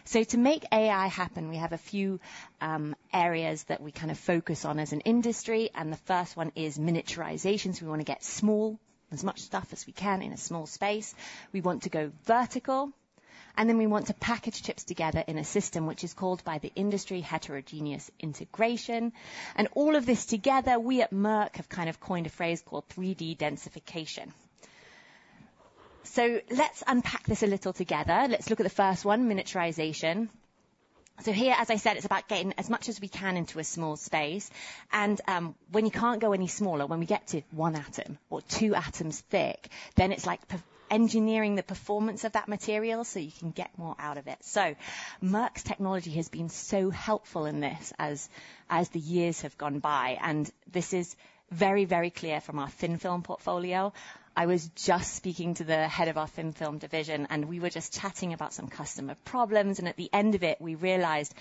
To make AI happen, we have a few areas that we kind of focus on as an industry. The first one is miniaturization. We want to get small, as much stuff as we can in a small space. We want to go vertical. And then we want to package chips together in a system, which is called by the industry heterogeneous integration. And all of this together, we at Merck have kind of coined a phrase called 3D densification. So let's unpack this a little together. Let's look at the first one, miniaturization. So here, as I said, it's about getting as much as we can into a small space. And when you can't go any smaller, when we get to one atom or two atoms thick, then it's like engineering the performance of that material so you can get more out of it. So Merck's technology has been so helpful in this as the years have gone by. And this is very, very clear from our Thin Film portfolio. I was just speaking to the head of our thin film division, and we were just chatting about some customer problems, and at the end of it, we realized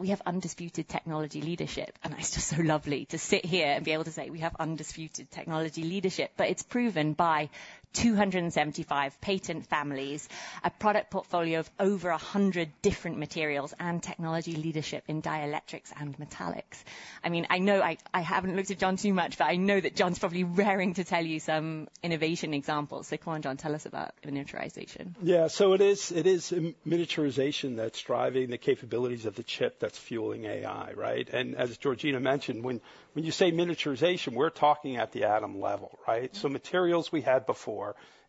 we have undisputed technology leadership, and it's just so lovely to sit here and be able to say we have undisputed technology leadership. But it's proven by 275 patent families, a product portfolio of over 100 different materials, and technology leadership in dielectrics and metallics. I mean, I know I haven't looked at John too much, but I know that John's probably raring to tell you some innovation examples. So come on, John, tell us about miniaturization.
Yeah, so it is miniaturization that's driving the capabilities of the chip that's fueling AI, right? And as Georgina mentioned, when you say miniaturization, we're talking at the atom level, right? So materials we had before,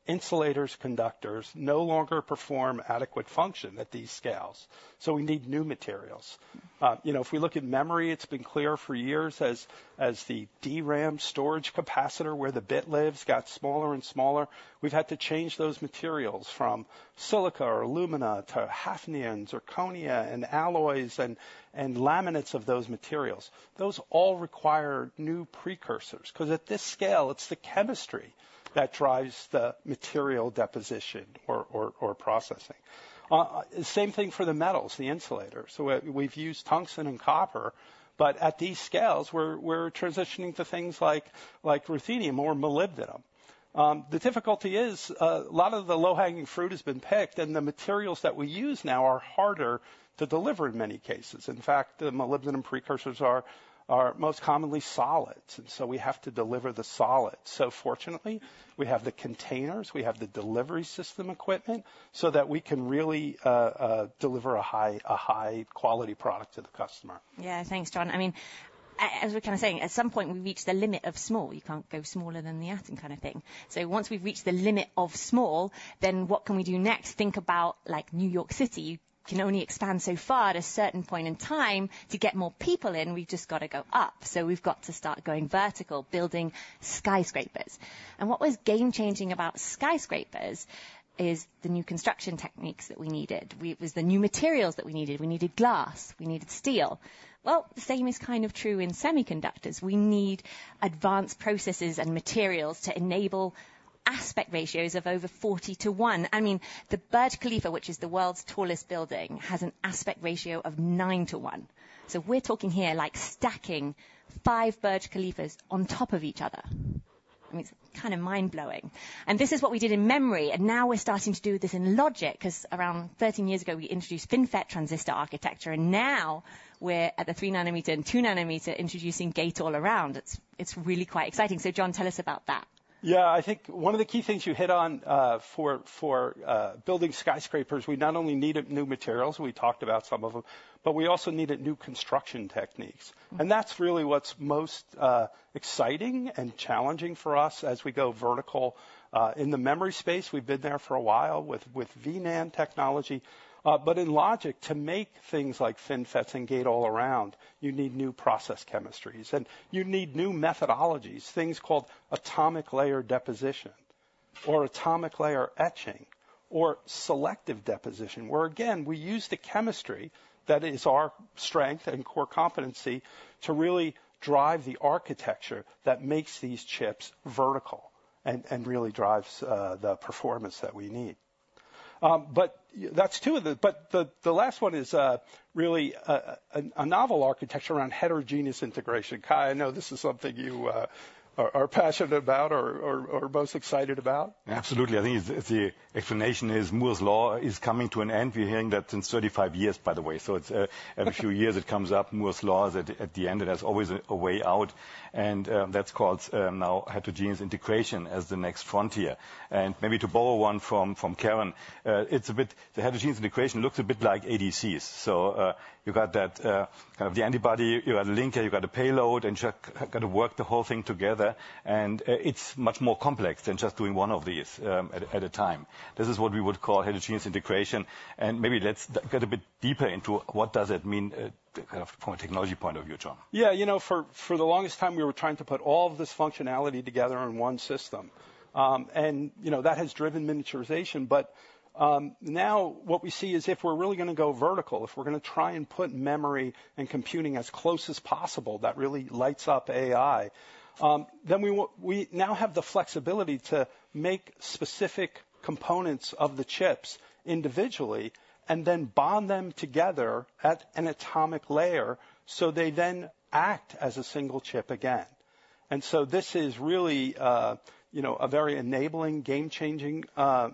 insulators, conductors, no longer perform adequate function at these scales. So we need new materials. If we look at memory, it's been clear for years as the DRAM storage capacitor where the bit lives got smaller and smaller. We've had to change those materials from silica or alumina to hafnia or zirconia and alloys and laminates of those materials. Those all require new precursors because at this scale, it's the chemistry that drives the material deposition or processing. Same thing for the metals, the insulators. So we've used tungsten and copper, but at these scales, we're transitioning to things like ruthenium or molybdenum. The difficulty is a lot of the low-hanging fruit has been picked, and the materials that we use now are harder to deliver in many cases. In fact, the molybdenum precursors are most commonly solids. And so we have to deliver the solids. So fortunately, we have the containers, we have the delivery system equipment so that we can really deliver a high-quality product to the customer.
Yeah, thanks, John. I mean, as we're kind of saying, at some point, we reach the limit of small. You can't go smaller than the atom kind of thing. So once we've reached the limit of small, then what can we do next? Think about New York City. You can only expand so far at a certain point in time to get more people in. We've just got to go up. So we've got to start going vertical, building skyscrapers. And what was game-changing about skyscrapers is the new construction techniques that we needed. It was the new materials that we needed. We needed glass. We needed steel. Well, the same is kind of true in semiconductors. We need advanced processes and materials to enable aspect ratios of over 40 to 1. I mean, the Burj Khalifa, which is the world's tallest building, has an aspect ratio of 9 to 1. So we're talking here like stacking five Burj Khalifas on top of each other. I mean, it's kind of mind-blowing. And this is what we did in memory. And now we're starting to do this in logic because around 13 years ago, we introduced FinFET transistor architecture. And now we're at the 3 nanometer and 2 nanometer introducing Gate-All-Around. It's really quite exciting. So John, tell us about that.
Yeah, I think one of the key things you hit on for building skyscrapers, we not only need new materials, we talked about some of them, but we also needed new construction techniques. And that's really what's most exciting and challenging for us as we go vertical in the memory space. We've been there for a while with V-NAND technology. But in logic, to make things like FinFETs and Gate-All-Around, you need new process chemistries. And you need new methodologies, things called atomic layer deposition or atomic layer etching or selective deposition, where, again, we use the chemistry that is our strength and core competency to really drive the architecture that makes these chips vertical and really drives the performance that we need. But that's two of the, but the last one is really a novel architecture around heterogeneous integration. Kai, I know this is something you are passionate about or most excited about.
Absolutely. I think the explanation is Moore's Law is coming to an end. We're hearing that since 35 years, by the way. Every few years, it comes up, Moore's Law is at the end. It has always a way out. And that's called now heterogeneous integration as the next frontier. And maybe to borrow one from Karen, it's a bit the heterogeneous integration looks a bit like ADCs. So you've got that kind of the antibody, you've got a linker, you've got a payload, and you've got to work the whole thing together. And it's much more complex than just doing one of these at a time. This is what we would call heterogeneous integration. And maybe let's get a bit deeper into what does that mean from a technology point of view, John.
Yeah, you know for the longest time, we were trying to put all of this functionality together in one system. And that has driven miniaturization. But now what we see is if we're really going to go vertical, if we're going to try and put memory and computing as close as possible that really lights up AI, then we now have the flexibility to make specific components of the chips individually and then bond them together at an atomic layer so they then act as a single chip again. And so this is really a very enabling, game-changing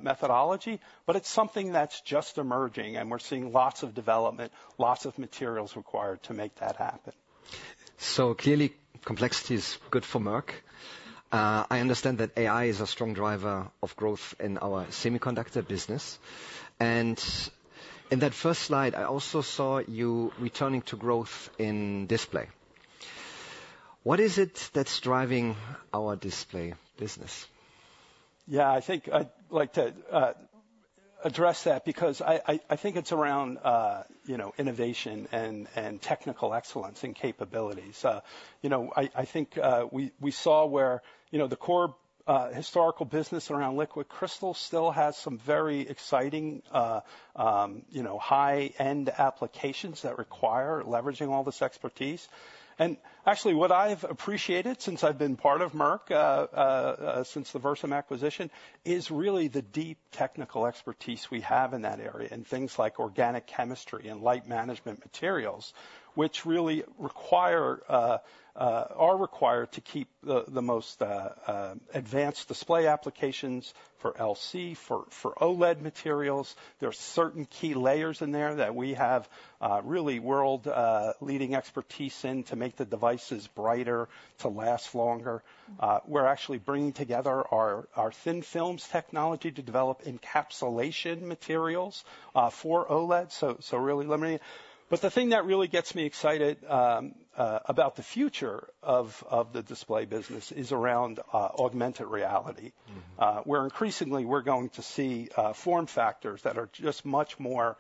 methodology. But it's something that's just emerging. And we're seeing lots of development, lots of materials required to make that happen.
So clearly, complexity is good for Merck. I understand that AI is a strong driver of growth in our semiconductor business. And in that first slide, I also saw you returning to growth in Display. What is it that's driving our Display business?
Yeah, I think I'd like to address that because I think it's around innovation and technical excellence and capabilities. I think we saw where the core historical business around liquid crystal still has some very exciting high-end applications that require leveraging all this expertise. And actually, what I've appreciated since I've been part of Merck, since the Versum acquisition, is really the deep technical expertise we have in that area and things like organic chemistry and light management materials, which really are required to keep the most advanced Display applications for LC, for OLED materials. There are certain key layers in there that we have really world-leading expertise in to make the devices brighter, to last longer. We're actually bringing together our thin films technology to develop encapsulation materials for OLED, so really limiting. But the thing that really gets me excited about the future of the Display business is around augmented reality. Where increasingly, we're going to see form factors that are just much more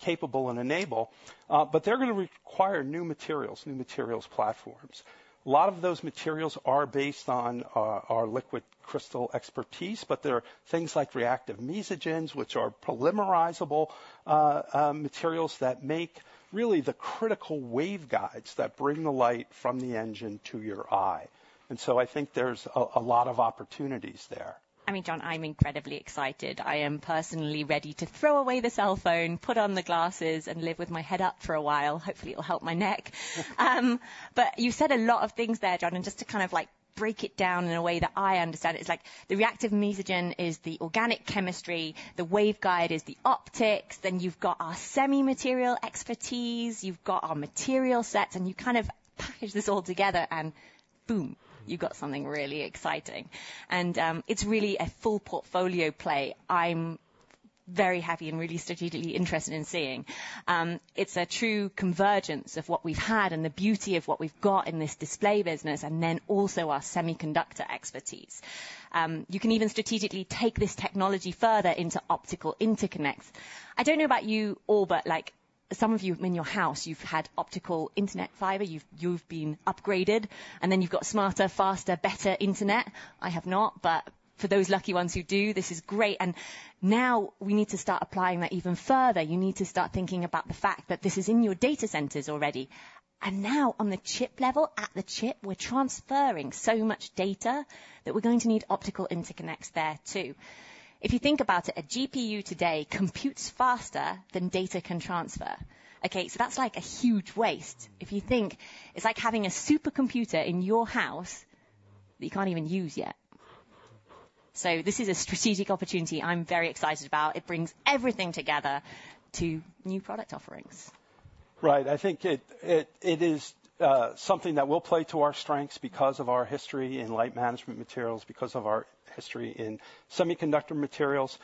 capable and enable, but they're going to require new materials, new materials platforms. A lot of those materials are based on our liquid crystal expertise, but there are things like reactive mesogens, which are polymerizable materials that make really the critical waveguides that bring the light from the engine to your eye. And so I think there's a lot of opportunities there.
I mean, John, I'm incredibly excited. I am personally ready to throw away the cell phone, put on the glasses, and live with my head up for a while. Hopefully, it'll help my neck. But you said a lot of things there, John. And just to kind of break it down in a way that I understand, it's like the reactive mesogen is the organic chemistry, the waveguide is the optics, then you've got our semi-material expertise, you've got our material sets, and you kind of package this all together and boom, you've got something really exciting. And it's really a full portfolio play I'm very happy and really strategically interested in seeing. It's a true convergence of what we've had and the beauty of what we've got in this Display business and then also our semiconductor expertise. You can even strategically take this technology further into optical interconnects. I don't know about you all, but some of you in your house, you've had optical internet fiber. You've been upgraded. And then you've got smarter, faster, better internet. I have not. But for those lucky ones who do, this is great. And now we need to start applying that even further. You need to start thinking about the fact that this is in your data centers already. And now on the chip level, at the chip, we're transferring so much data that we're going to need optical interconnects there too. If you think about it, a GPU today computes faster than data can transfer. Okay, so that's like a huge waste. If you think it's like having a supercomputer in your house that you can't even use yet. So this is a strategic opportunity I'm very excited about. It brings everything together to new product offerings.
Right. I think it is something that will play to our strengths because of our history in light management materials, because of our history in semiconductor materials.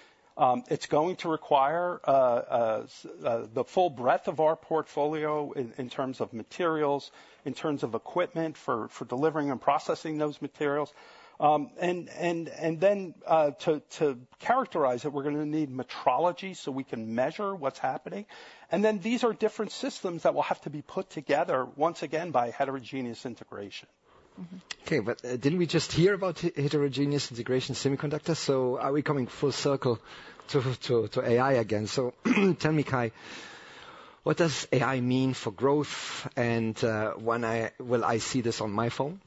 It's going to require the full breadth of our portfolio in terms of materials, in terms of equipment for delivering and processing those materials. To characterize it, we're going to need metrology so we can measure what's happening. These are different systems that will have to be put together once again by heterogeneous integration.
Okay, but didn't we just hear about heterogeneous integration semiconductors? Are we coming full circle to AI again? Tell me, Kai, what does AI mean for growth? Will I see this on my phone?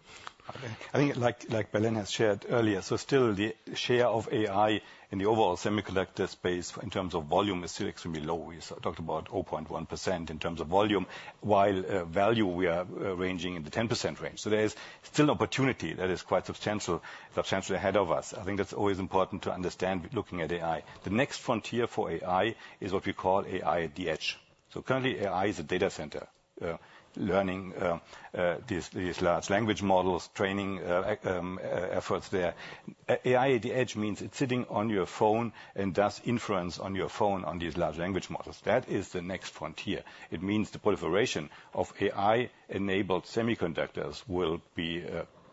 I think, like Belén has shared earlier, the share of AI in the overall semiconductor space in terms of volume is still extremely low. We talked about 0.1% in terms of volume, while value we are ranging in the 10% range. There is still opportunity that is quite substantial ahead of us. I think that's always important to understand, looking at AI. The next frontier for AI is what we call AI at the edge. So currently, AI is a data center learning these large language models, training efforts there. AI at the edge means it's sitting on your phone and does inference on your phone on these large language models. That is the next frontier. It means the proliferation of AI-enabled semiconductors will be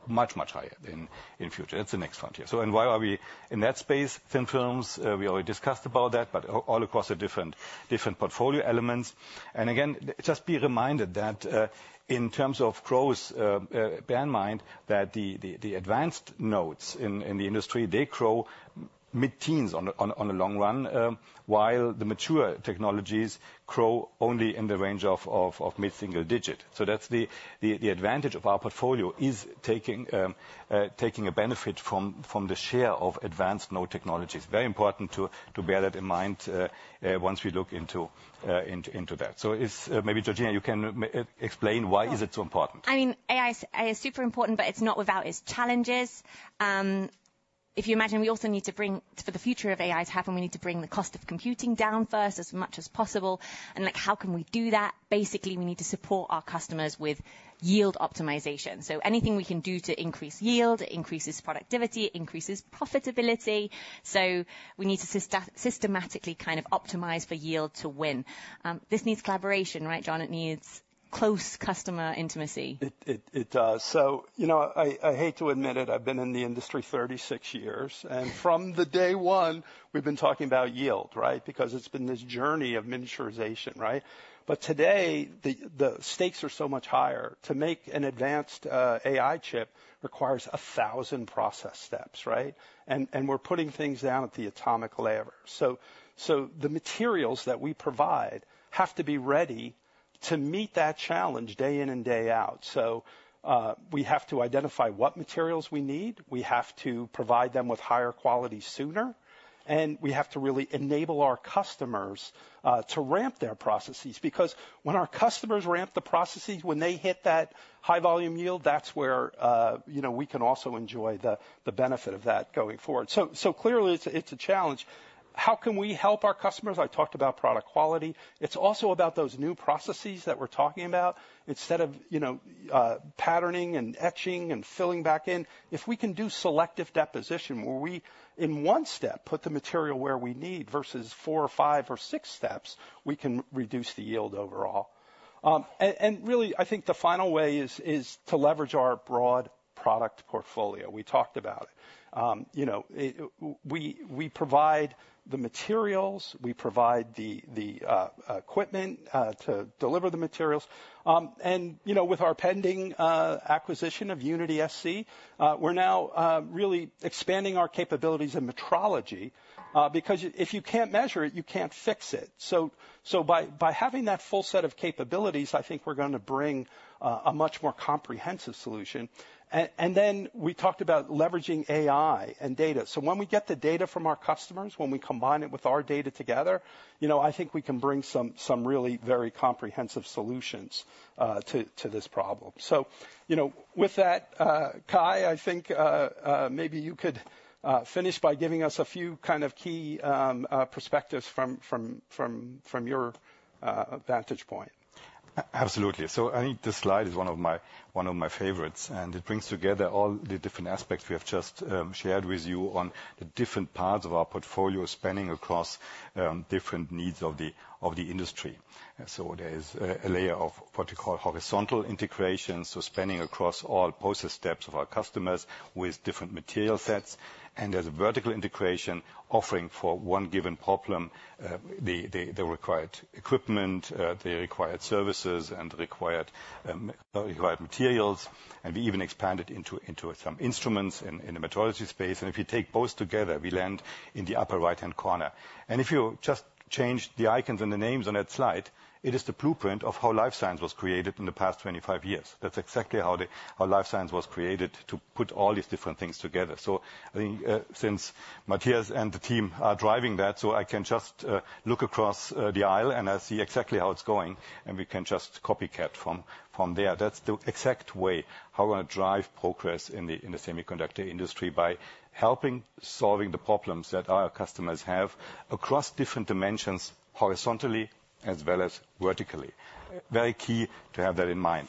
much, much higher in the future. That's the next frontier. So and why are we in that space? Thin films, we already discussed about that, but all across the different portfolio elements. And again, just be reminded that in terms of growth, bear in mind that the advanced nodes in the industry, they grow mid-teens on the long run, while the mature technologies grow only in the range of mid-single digit. That's the advantage of our portfolio is taking a benefit from the share of advanced node technologies. Very important to bear that in mind once we look into that. So maybe, Georgina, you can explain why is it so important?
I mean, AI is super important, but it's not without its challenges. If you imagine, we also need to bring for the future of AI to happen, we need to bring the cost of computing down first as much as possible. And how can we do that? Basically, we need to support our customers with yield optimization. So anything we can do to increase yield, it increases productivity, it increases profitability. So we need to systematically kind of optimize for yield to win. This needs collaboration, right, John? It needs close customer intimacy.
It does. So I hate to admit it, I've been in the industry 36 years. From day one, we've been talking about yield, right? Because it's been this journey of miniaturization, right? Today, the stakes are so much higher. To make an advanced AI chip requires 1,000 process steps, right? We're putting things down at the atomic layer. The materials that we provide have to be ready to meet that challenge day in and day out. We have to identify what materials we need. We have to provide them with higher quality sooner. We have to really enable our customers to ramp their processes. Because when our customers ramp the processes, when they hit that high volume yield, that's where we can also enjoy the benefit of that going forward. Clearly, it's a challenge. How can we help our customers? I talked about product quality. It's also about those new processes that we're talking about. Instead of patterning and etching and filling back in, if we can do selective deposition, where we in one step put the material where we need versus four or five or six steps, we can reduce the yield overall, and really, I think the final way is to leverage our broad product portfolio. We talked about it. We provide the materials, we provide the equipment to deliver the materials, and with our pending acquisition of UnitySC, we're now really expanding our capabilities in metrology. Because if you can't measure it, you can't fix it, so by having that full set of capabilities, I think we're going to bring a much more comprehensive solution, and then we talked about leveraging AI and data. So when we get the data from our customers, when we combine it with our data together, I think we can bring some really very comprehensive solutions to this problem. So with that, Kai, I think maybe you could finish by giving us a few kind of key perspectives from your vantage point.
Absolutely. So I think this slide is one of my favorites. And it brings together all the different aspects we have just shared with you on the different parts of our portfolio spanning across different needs of the industry. So there is a layer of what we call horizontal integration, so spanning across all process steps of our customers with different material sets. And there's a vertical integration offering for one given problem, the required equipment, the required services, and the required materials. And we even expanded into some instruments in the metrology space. And if you take both together, we land in the upper right-hand corner. And if you just change the icons and the names on that slide, it is the blueprint of how Life Science was created in the past 25 years. That's exactly how Life Science was created to put all these different things together. So I think since Matthias and the team are driving that, so I can just look across the aisle and I see exactly how it's going. And we can just copycat from there. That's the exact way how we're going to drive progress in the semiconductor industry by helping solving the problems that our customers have across different dimensions horizontally as well as vertically. Very key to have that in mind.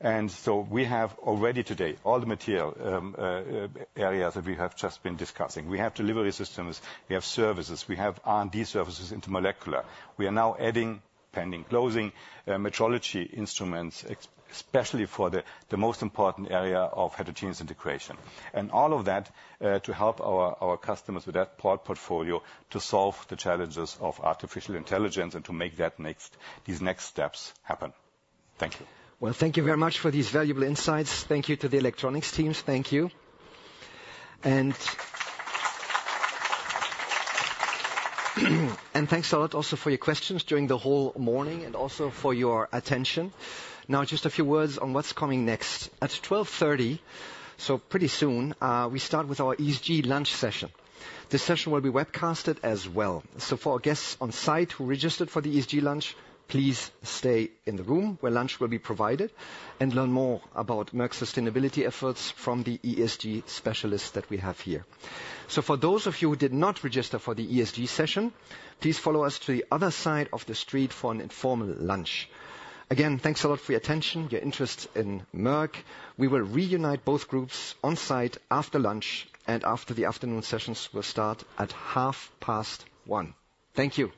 And so we have already today all the material areas that we have just been discussing. We have delivery systems, we have services, we have R&D services into molecular. We are now adding pending closing metrology instruments, especially for the most important area of heterogeneous integration. And all of that to help our customers with that portfolio to solve the challenges of artificial intelligence and to make these next steps happen. Thank you.
Well, thank you very much for these valuable insights. Thank you to the Electronics teams. Thank you. And thanks a lot also for your questions during the whole morning and also for your attention. Now, just a few words on what's coming next. At 12:30 P.M., so pretty soon, we start with our ESG lunch session. This session will be webcast as well. For our guests on site who registered for the ESG lunch, please stay in the room where lunch will be provided and learn more about Merck's sustainability efforts from the ESG specialists that we have here. For those of you who did not register for the ESG session, please follow us to the other side of the street for an informal lunch. Again, thanks a lot for your attention, your interest in Merck. We will reunite both groups on site after lunch, and the afternoon sessions will start at 1:30 P.M. Thank you.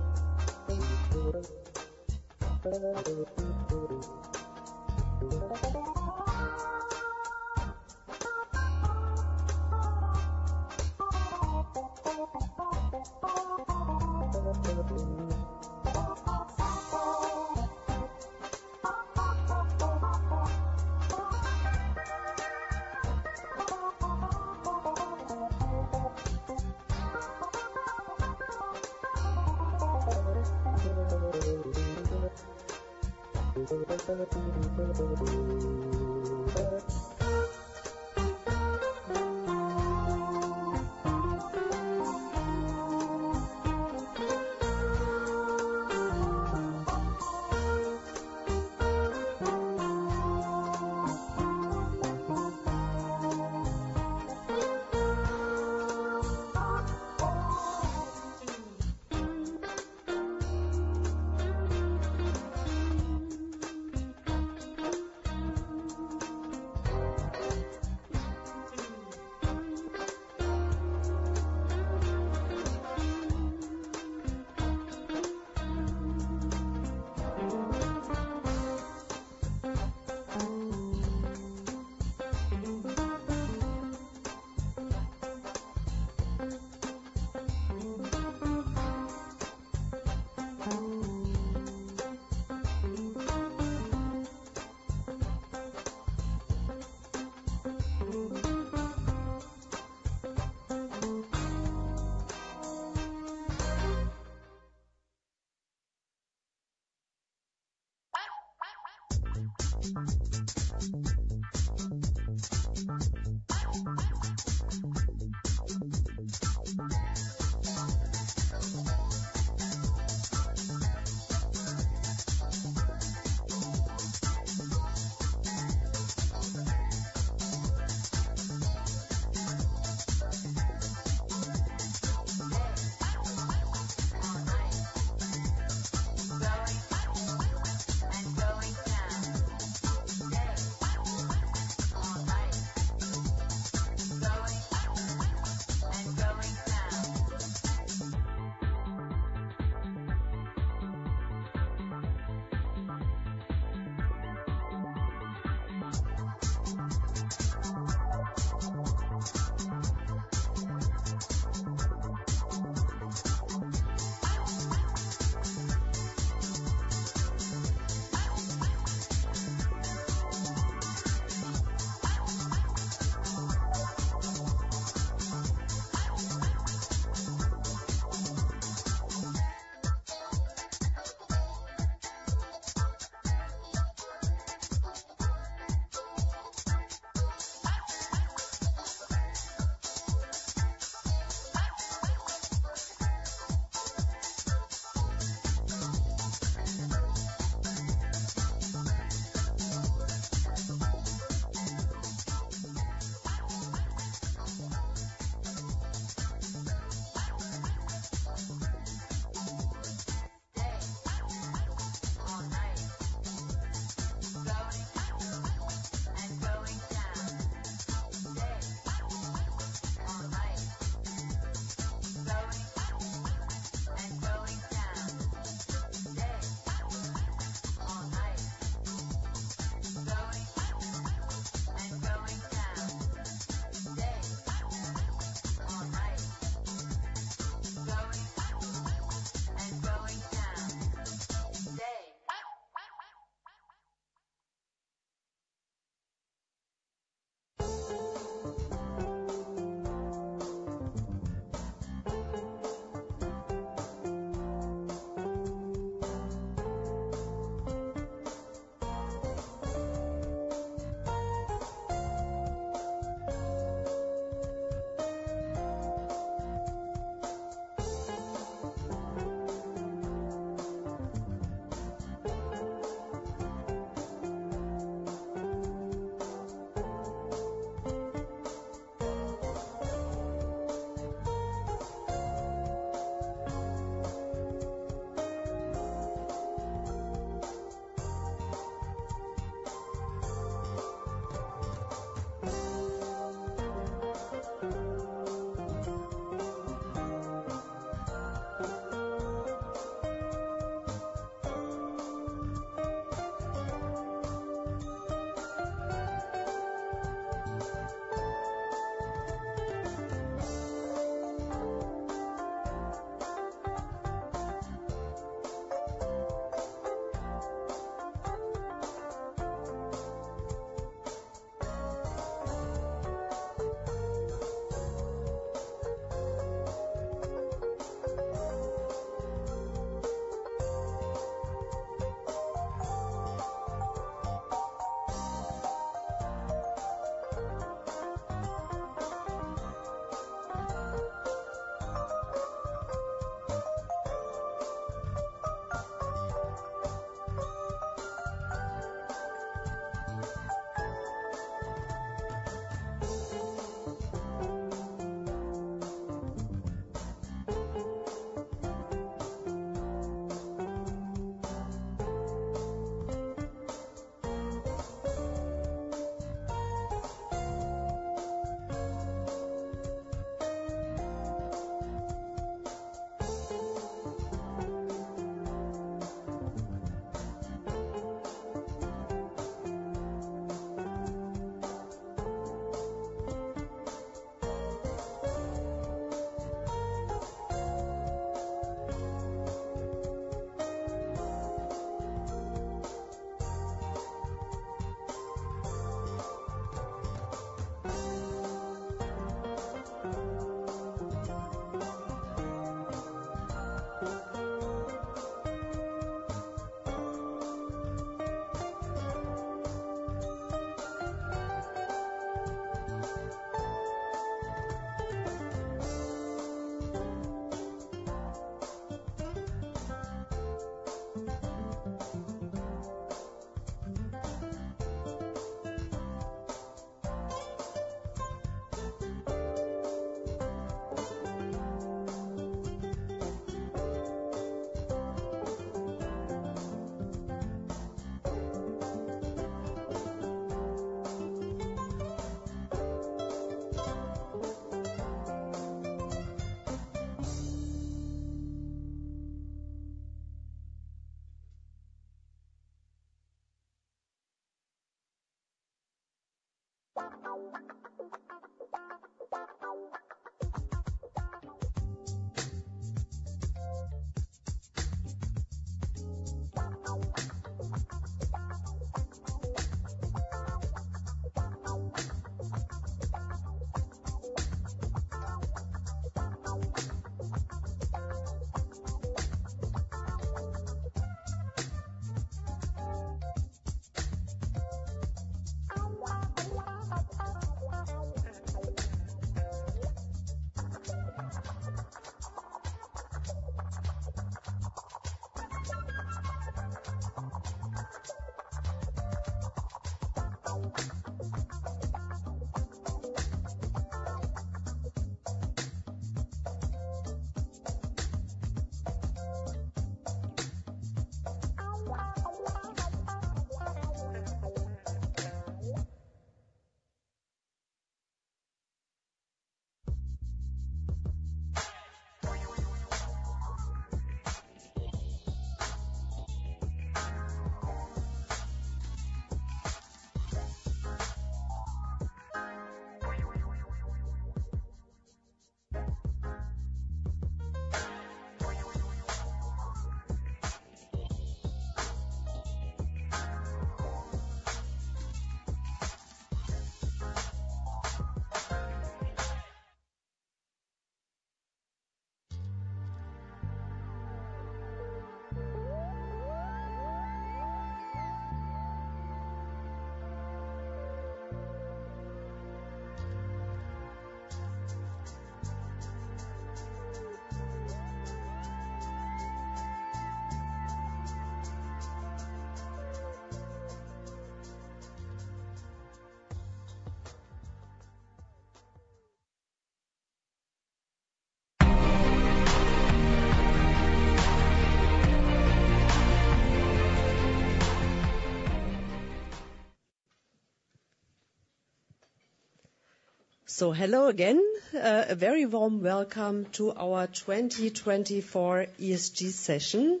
Hello again. A very warm welcome to our 2024 ESG session,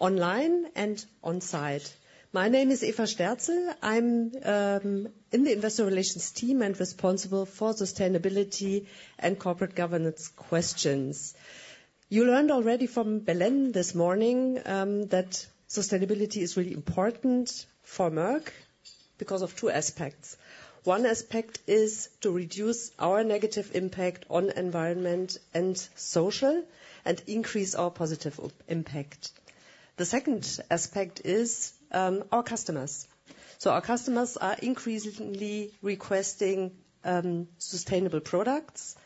online and on site. My name is Eva Sterzl. I'm in the investor relations team and responsible for sustainability and corporate governance questions. You learned already from Belén this morning that sustainability is really important for Merck because of two aspects. One aspect is to reduce our negative impact on the environment and social and increase our positive impact. The second aspect is our customers. So our customers are increasingly requesting sustainable products.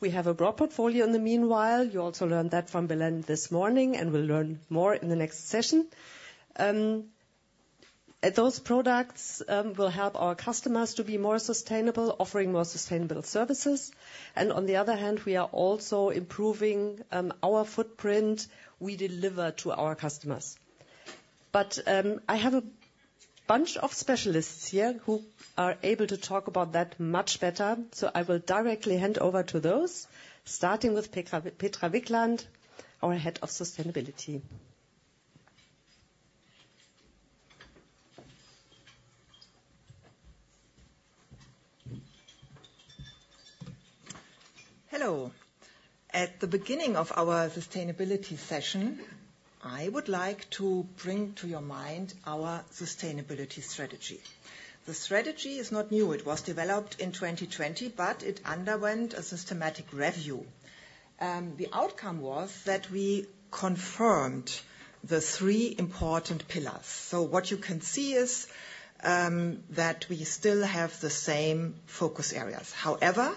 We have a broad portfolio in the meanwhile. You also learned that from Belén this morning, and we'll learn more in the next session. Those products will help our customers to be more sustainable, offering more sustainable services. And on the other hand, we are also improving our footprint we deliver to our customers. But I have a bunch of specialists here who are able to talk about that much better. So I will directly hand over to those, starting with Petra Wicklandt, our head of sustainability.
Hello. At the beginning of our sustainability session, I would like to bring to your mind our sustainability strategy. The strategy is not new. It was developed in 2020, but it underwent a systematic review. The outcome was that we confirmed the three important pillars, so what you can see is that we still have the same focus areas. However,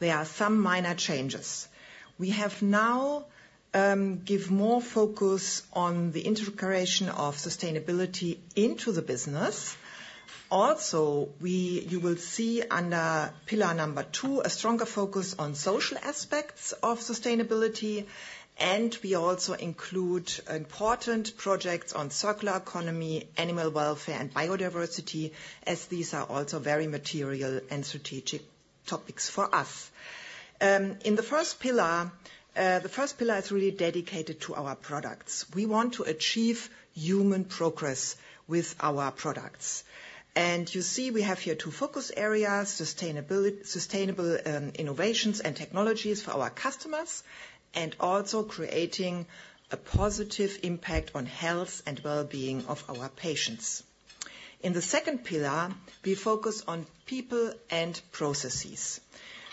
there are some minor changes. We have now given more focus on the integration of sustainability into the business. Also, you will see under pillar number two a stronger focus on social aspects of sustainability, and we also include important projects on circular economy, animal welfare, and biodiversity, as these are also very material and strategic topics for us. In the first pillar, the first pillar is really dedicated to our products. We want to achieve human progress with our products, and you see we have here two focus areas: sustainable innovations and technologies for our customers, and also creating a positive impact on health and well-being of our patients. In the second pillar, we focus on people and processes.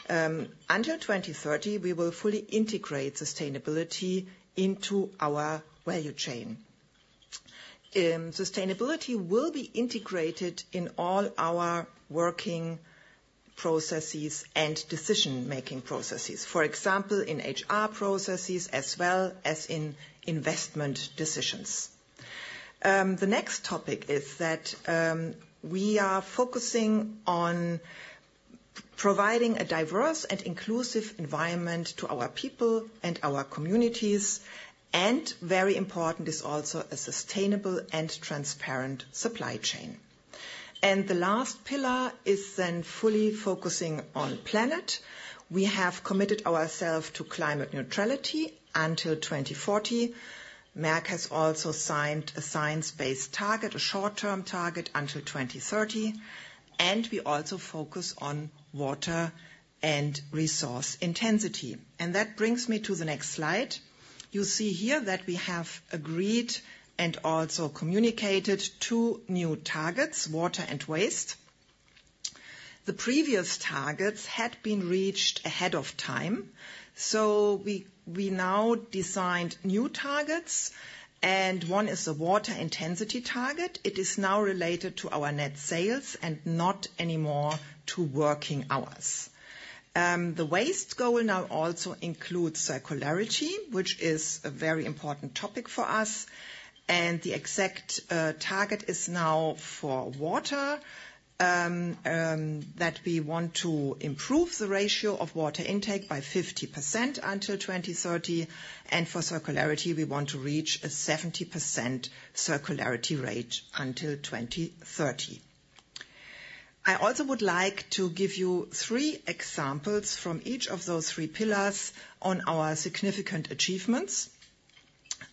Until 2030, we will fully integrate sustainability into our value chain. Sustainability will be integrated in all our working processes and decision-making processes, for example, in HR processes as well as in investment decisions. The next topic is that we are focusing on providing a diverse and inclusive environment to our people and our communities. And very important is also a sustainable and transparent supply chain. And the last pillar is then fully focusing on the planet. We have committed ourselves to climate neutrality until 2040. Merck has also signed a science-based target, a short-term target until 2030. And we also focus on water and resource intensity. And that brings me to the next slide. You see here that we have agreed and also communicated two new targets: water and waste. The previous targets had been reached ahead of time. So we now designed new targets. One is the water intensity target. It is now related to our net sales and not anymore to working hours. The waste goal now also includes circularity, which is a very important topic for us. The exact target is now for water that we want to improve the ratio of water intake by 50% until 2030. For circularity, we want to reach a 70% circularity rate until 2030. I also would like to give you three examples from each of those three pillars on our significant achievements.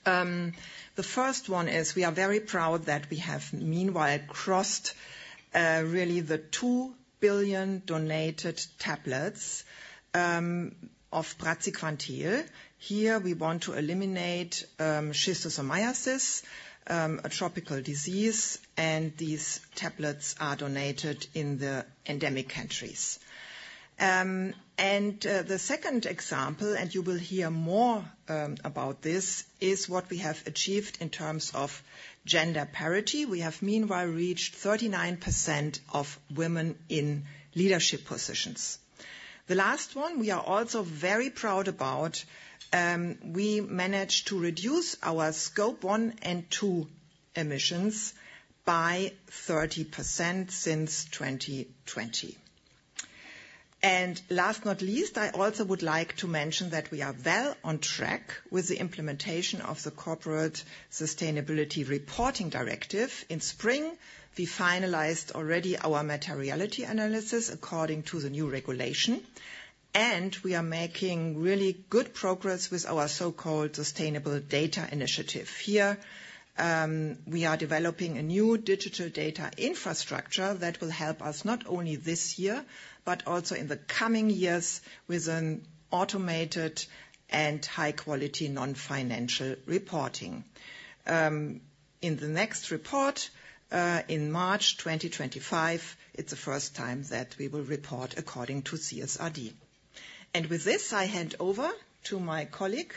The first one is we are very proud that we have meanwhile crossed really the 2 billion donated tablets of Praziquantel. Here, we want to eliminate schistosomiasis, a tropical disease, and these tablets are donated in the endemic countries. The second example, and you will hear more about this, is what we have achieved in terms of gender parity. We have meanwhile reached 39% of women in leadership positions. The last one we are also very proud about, we managed to reduce our Scope 1 and 2 emissions by 30% since 2020. Last but not least, I also would like to mention that we are well on track with the implementation of the Corporate Sustainability Reporting Directive. In spring, we finalized already our materiality analysis according to the new regulation. We are making really good progress with our so-called sustainable data initiative. Here, we are developing a new digital data infrastructure that will help us not only this year, but also in the coming years with an automated and high-quality non-financial reporting.
In the next report, in March 2025, it's the first time that we will report according to CSRD. And with this, I hand over to my colleague,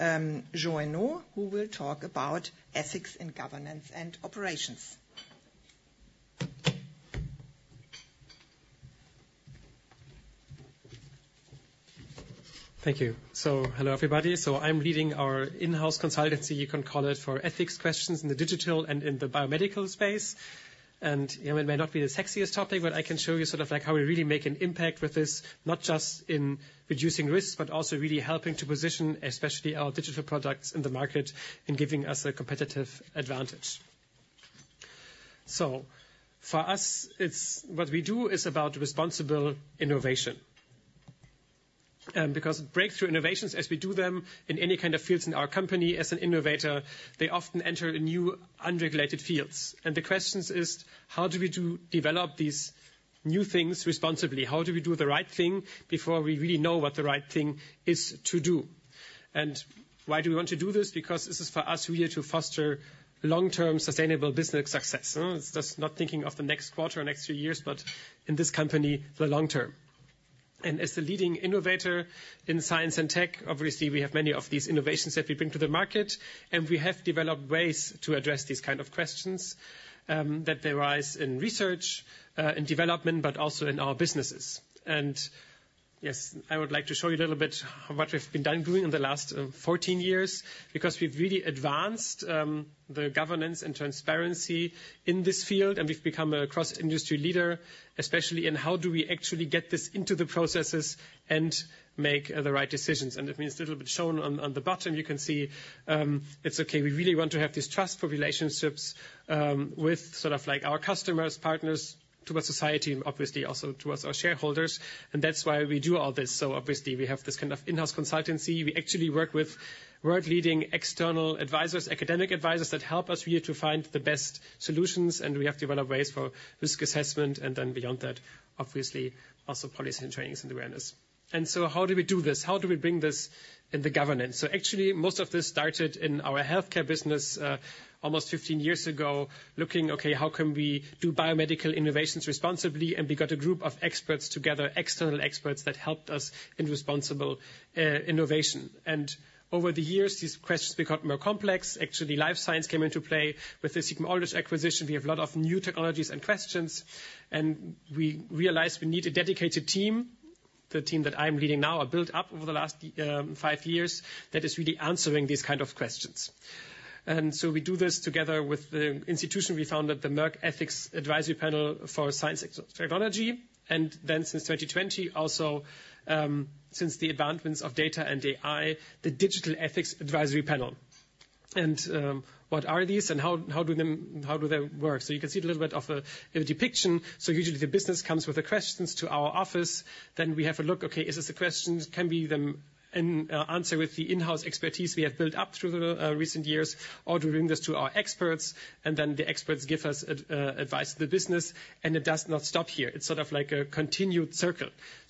Jean-Enno Charton, who will talk about ethics in governance and operations.
Thank you. So hello, everybody. So I'm leading our in-house consultancy, you can call it, for ethics questions in the digital and in the biomedical space. And it may not be the sexiest topic, but I can show you sort of how we really make an impact with this, not just in reducing risks, but also really helping to position, especially our digital products in the market and giving us a competitive advantage. So for us, what we do is about responsible innovation. Because breakthrough innovations, as we do them in any kind of fields in our company as an innovator, they often enter new unregulated fields. And the question is, how do we develop these new things responsibly? How do we do the right thing before we really know what the right thing is to do? And why do we want to do this? Because this is for us really to foster long-term sustainable business success. It's just not thinking of the next quarter or next few years, but in this company, the long term. And as the leading innovator in science and tech, obviously, we have many of these innovations that we bring to the market. And we have developed ways to address these kinds of questions that arise in research, in development, but also in our businesses. And yes, I would like to show you a little bit of what we've been doing in the last 14 years because we've really advanced the governance and transparency in this field. We've become a cross-industry leader, especially in how do we actually get this into the processes and make the right decisions. And it means a little bit shown on the bottom, you can see it's okay, we really want to have these trustful relationships with sort of our customers, partners, to our society, and obviously also to us, our shareholders. And that's why we do all this. So obviously, we have this kind of in-house consultancy. We actually work with world-leading external advisors, academic advisors that help us really to find the best solutions. And we have developed ways for risk assessment. And then beyond that, obviously, also policy and trainings and awareness. And so how do we do this? How do we bring this in the governance? So actually, most of this started in our Healthcare business almost 15 years ago, looking, okay, how can we do biomedical innovations responsibly? And we got a group of experts together, external experts that helped us in responsible innovation. And over the years, these questions became more complex. Actually, Life Science came into play with the Sigma-Aldrich acquisition. We have a lot of new technologies and questions. And we realized we need a dedicated team. The team that I'm leading now are built up over the last five years that is really answering these kinds of questions. And so we do this together with the institution. We founded the Merck Ethics Advisory Panel for Science and Technology. And then since 2020, also since the advancements of data and AI, the Digital Ethics Advisory Panel. And what are these and how do they work? You can see a little bit of a depiction. Usually, the business comes with the questions to our office. Then we have a look. Okay, is this a question? Can we answer with the in-house expertise we have built up through the recent years? Or do we bring this to our experts? And then the experts give us advice to the business. And it does not stop here. It's sort of like a continued circle.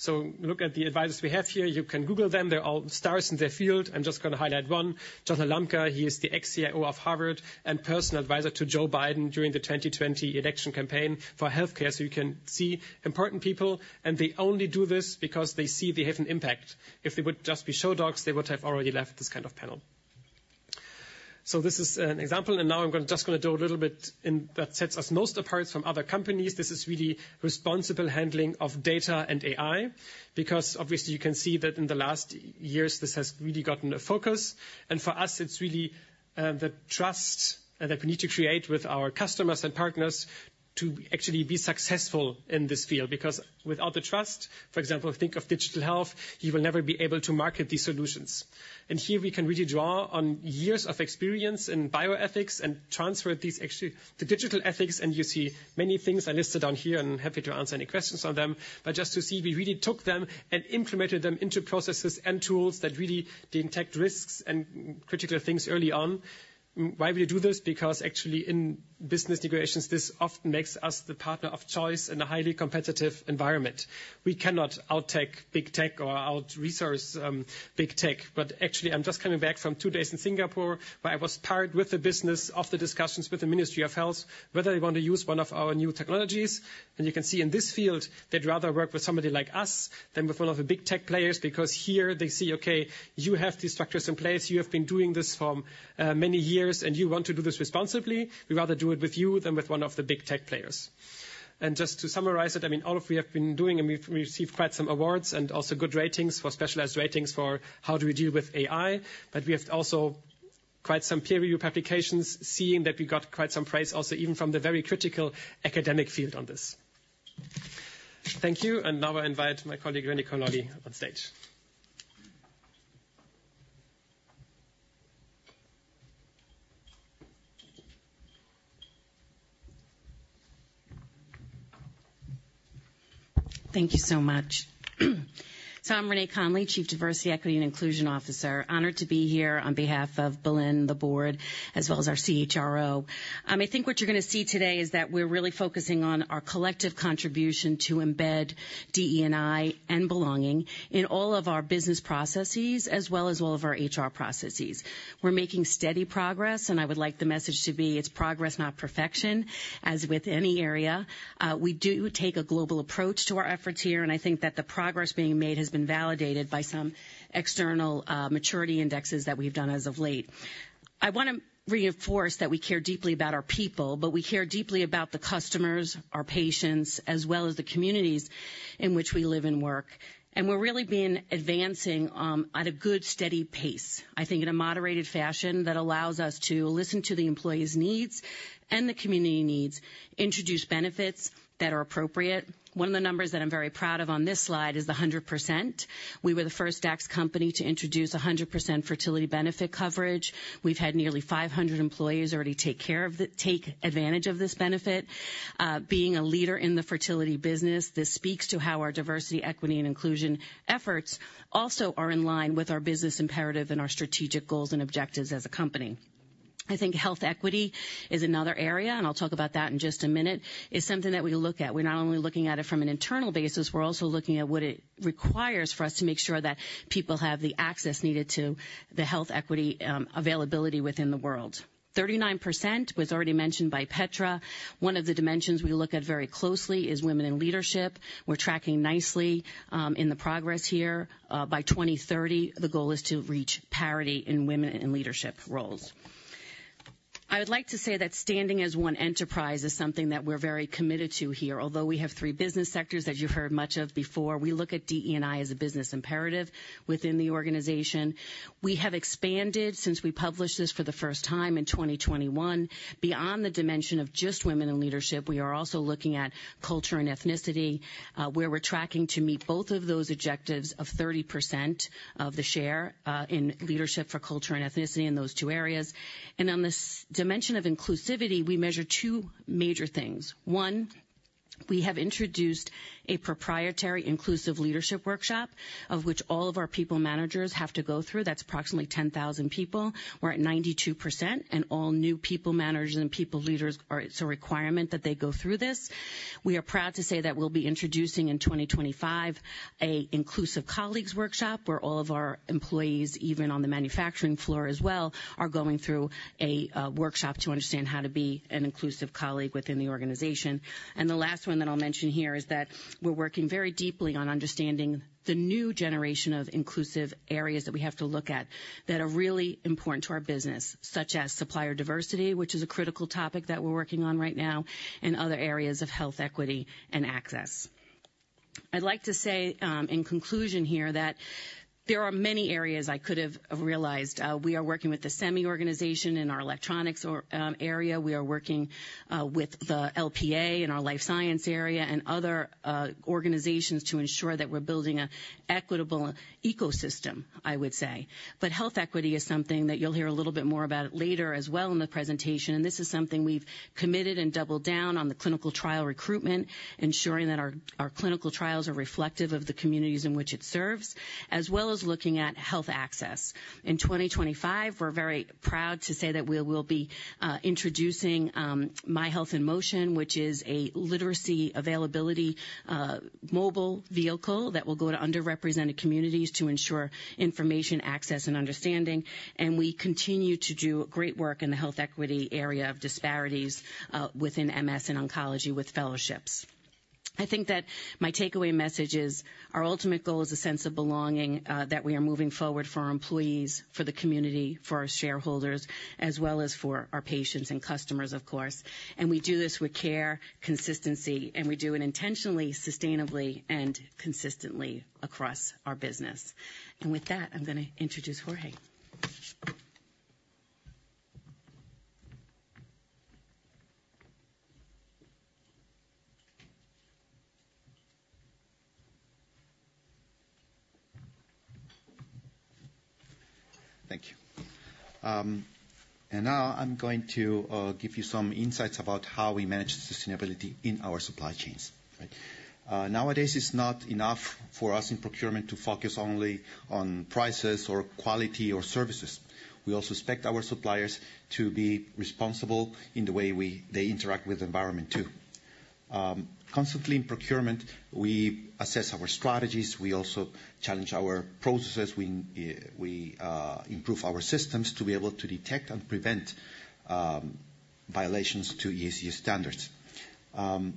Look at the advisors we have here. You can Google them. They're all stars in their field. I'm just going to highlight one. John Halamka, he is the ex-CIO of Harvard and personal advisor to Joe Biden during the 2020 election campaign for Healthcare. You can see important people. And they only do this because they see they have an impact. If they would just be showdogs, they would have already left this kind of panel, so this is an example, and now I'm just going to do a little bit that sets us most apart from other companies. This is really responsible handling of data and AI. Because obviously, you can see that in the last years, this has really gotten a focus, and for us, it's really the trust that we need to create with our customers and partners to actually be successful in this field. Because without the trust, for example, think of digital health, you will never be able to market these solutions, and here we can really draw on years of experience in bioethics and transfer these actually to digital ethics, and you see many things are listed down here and happy to answer any questions on them. Just to see, we really took them and implemented them into processes and tools that really detect risks and critical things early on. Why do we do this? Because actually in business negotiations, this often makes us the partner of choice in a highly competitive environment. We cannot outtech big tech or outresource big tech. But actually, I am just coming back from two days in Singapore, where I was part of the business discussions with the Ministry of Health, whether they want to use one of our new technologies. And you can see in this field that they rather work with somebody like us than with one of the big tech players. Because here they see, okay, you have these structures in place. You have been doing this for many years, and you want to do this responsibly. We'd rather do it with you than with one of the big tech players. And just to summarize it, I mean, all of what we have been doing, and we've received quite some awards and also good ratings for specialized ratings for how do we deal with AI. But we have also quite some peer-reviewed publications, seeing that we got quite some praise also, even from the very critical academic field on this.
Thank you. And now I invite my colleague, Renée Connolly, on stage.
Thank you so much. So I'm Renée Connolly, Chief Diversity, Equity, and Inclusion Officer. Honored to be here on behalf of Belén, the board, as well as our CHRO. I think what you're going to see today is that we're really focusing on our collective contribution to embed DE&I and belonging in all of our business processes, as well as all of our HR processes. We're making steady progress, and I would like the message to be, it's progress, not perfection, as with any area. We do take a global approach to our efforts here, and I think that the progress being made has been validated by some external maturity indexes that we've done as of late. I want to reinforce that we care deeply about our people, but we care deeply about the customers, our patients, as well as the communities in which we live and work, and we're really being advancing at a good, steady pace, I think, in a moderated fashion that allows us to listen to the employees' needs and the community needs, introduce benefits that are appropriate. One of the numbers that I'm very proud of on this slide is the 100%. We were the first DAX company to introduce 100% fertility benefit coverage. We've had nearly 500 employees already take advantage of this benefit. Being a leader in the fertility business, this speaks to how our diversity, equity, and inclusion efforts also are in line with our business imperative and our strategic goals and objectives as a company. I think health equity is another area, and I'll talk about that in just a minute. It is something that we look at. We're not only looking at it from an internal basis, we're also looking at what it requires for us to make sure that people have the access needed to the health equity availability within the world. 39% was already mentioned by Petra. One of the dimensions we look at very closely is women in leadership. We're tracking nicely in the progress here. By 2030, the goal is to reach parity in women in leadership roles. I would like to say that standing as one enterprise is something that we're very committed to here. Although we have three business sectors that you've heard much of before, we look at DE&I as a business imperative within the organization. We have expanded since we published this for the first time in 2021 beyond the dimension of just women in leadership. We are also looking at culture and ethnicity, where we're tracking to meet both of those objectives of 30% of the share in leadership for culture and ethnicity in those two areas, and on the dimension of inclusivity, we measure two major things. One, we have introduced a proprietary inclusive leadership workshop, of which all of our people managers have to go through. That's approximately 10,000 people. We're at 92%, and all new people managers and people leaders are a requirement that they go through this. We are proud to say that we'll be introducing in 2025 an inclusive colleagues workshop where all of our employees, even on the manufacturing floor as well, are going through a workshop to understand how to be an inclusive colleague within the organization. And the last one that I'll mention here is that we're working very deeply on understanding the new generation of inclusive areas that we have to look at that are really important to our business, such as supplier diversity, which is a critical topic that we're working on right now, and other areas of health equity and access. I'd like to say in conclusion here that there are many areas I could have realized. We are working with the SEMI organization in our Electronics area. We are working with the LPA in our Life Science area and other organizations to ensure that we're building an equitable ecosystem, I would say. But health equity is something that you'll hear a little bit more about later as well in the presentation, and this is something we've committed and doubled down on the clinical trial recruitment, ensuring that our clinical trials are reflective of the communities in which it serves, as well as looking at health access. In 2025, we're very proud to say that we will be introducing My Health in Motion, which is a literacy availability mobile vehicle that will go to underrepresented communities to ensure information access and understanding, and we continue to do great work in the health equity area of disparities within MS and oncology with fellowships. I think that my takeaway message is our ultimate goal is a sense of belonging that we are moving forward for our employees, for the community, for our shareholders, as well as for our patients and customers, of course. And we do this with care, consistency, and we do it intentionally, sustainably, and consistently across our business. And with that, I'm going to introduce Jorge.
Thank you. And now I'm going to give you some insights about how we manage sustainability in our supply chains. Nowadays, it's not enough for us in procurement to focus only on prices or quality or services. We also expect our suppliers to be responsible in the way they interact with the environment too. Constantly in procurement, we assess our strategies. We also challenge our processes. We improve our systems to be able to detect and prevent violations to ESG standards.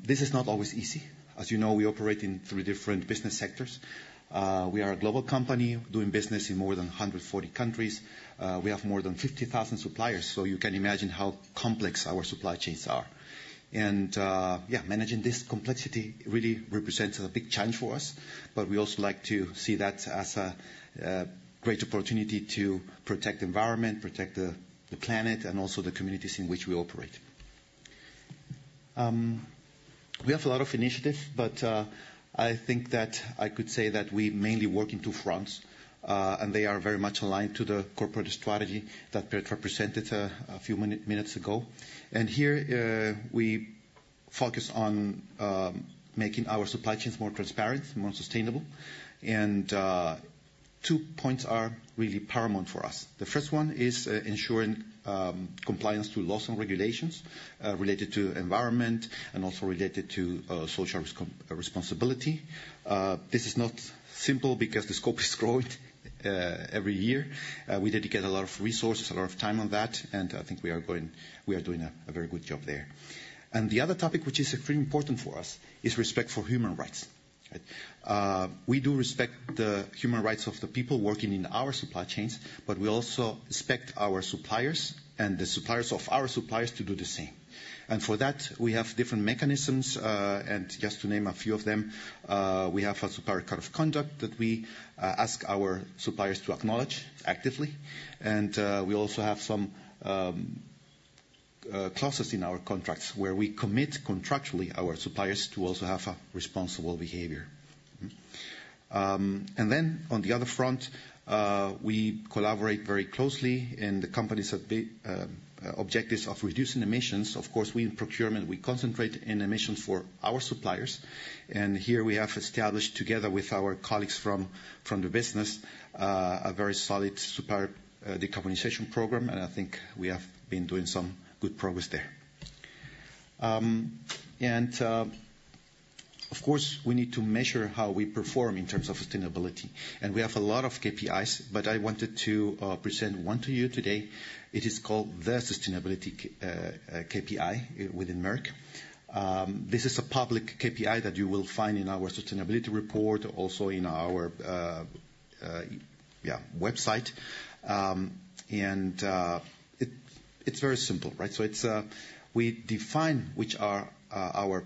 This is not always easy. As you know, we operate in three different business sectors. We are a global company doing business in more than 140 countries. We have more than 50,000 suppliers, so you can imagine how complex our supply chains are. And yeah, managing this complexity really represents a big challenge for us. But we also like to see that as a great opportunity to protect the environment, protect the planet, and also the communities in which we operate. We have a lot of initiatives, but I think that I could say that we mainly work in two fronts, and they are very much aligned to the corporate strategy that Petra presented a few minutes ago. And here, we focus on making our supply chains more transparent, more sustainable. And two points are really paramount for us. The first one is ensuring compliance to laws and regulations related to environment and also related to social responsibility. This is not simple because the scope is growing every year. We dedicate a lot of resources, a lot of time on that, and I think we are doing a very good job there. And the other topic, which is extremely important for us, is respect for human rights. We do respect the human rights of the people working in our supply chains, but we also respect our suppliers and the suppliers of our suppliers to do the same. And for that, we have different mechanisms. And just to name a few of them, we have a supplier code of conduct that we ask our suppliers to acknowledge actively. And we also have some clauses in our contracts where we commit contractually our suppliers to also have responsible behavior. And then on the other front, we collaborate very closely in the companies' objectives of reducing emissions. Of course, we in procurement, we concentrate in emissions for our suppliers. And here we have established, together with our colleagues from the business, a very solid supplier decarbonization program, and I think we have been doing some good progress there. And of course, we need to measure how we perform in terms of sustainability. And we have a lot of KPIs, but I wanted to present one to you today. It is called the Sustainability KPI within Merck. This is a public KPI that you will find in our sustainability report, also in our website. And it's very simple, right? So we define which are our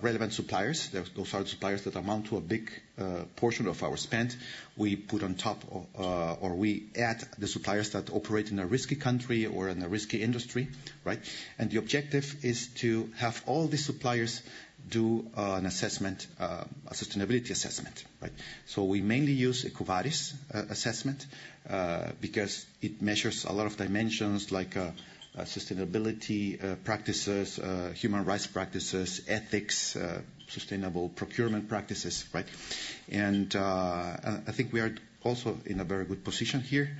relevant suppliers. Those are the suppliers that amount to a big portion of our spend. We put on top or we add the suppliers that operate in a risky country or in a risky industry, right, and the objective is to have all these suppliers do an assessment, a sustainability assessment, right, so we mainly use an EcoVadis assessment because it measures a lot of dimensions like sustainability practices, human rights practices, ethics, sustainable procurement practices, right, and I think we are also in a very good position here,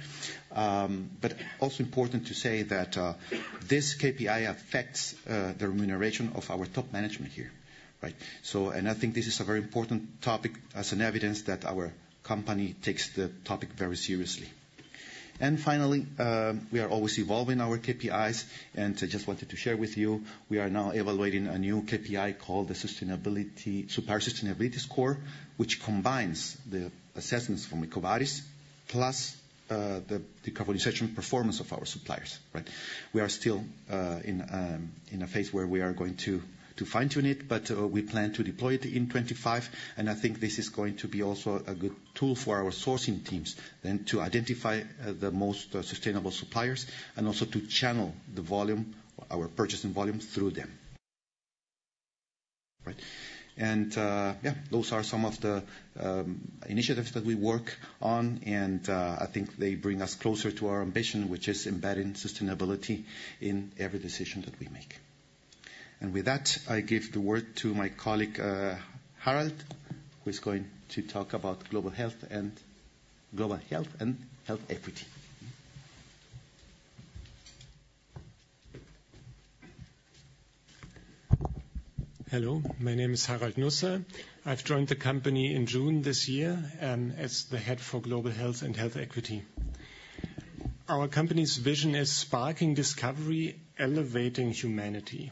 but also important to say that this KPI affects the remuneration of our top management here, right, and I think this is a very important topic as an evidence that our company takes the topic very seriously. And finally, we are always evolving our KPIs, and I just wanted to share with you, we are now evaluating a new KPI called the Sustainability Supplier Sustainability Score, which combines the assessments from the EcoVadis plus the decarbonization performance of our suppliers, right? We are still in a phase where we are going to fine-tune it, but we plan to deploy it in 2025. And I think this is going to be also a good tool for our sourcing teams then to identify the most sustainable suppliers and also to channel the volume, our purchasing volume, through them. And yeah, those are some of the initiatives that we work on, and I think they bring us closer to our ambition, which is embedding sustainability in every decision that we make. With that, I give the word to my colleague Harald, who is going to talk about global health and global health and health equity.
Hello, my name is Harald Nusser. I've joined the company in June this year as the head for global health and health equity. Our company's vision is sparking discovery, elevating humanity,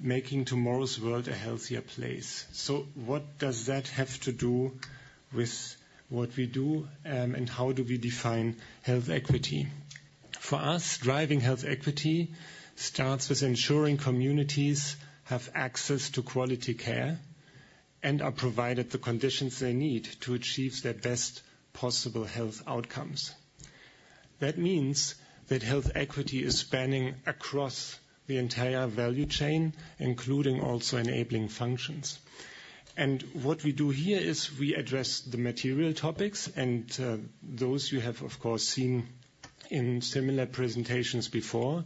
making tomorrow's world a healthier place. What does that have to do with what we do, and how do we define health equity? For us, driving health equity starts with ensuring communities have access to quality care and are provided the conditions they need to achieve their best possible health outcomes. That means that health equity is spanning across the entire value chain, including also enabling functions. And what we do here is we address the material topics, and those you have, of course, seen in similar presentations before,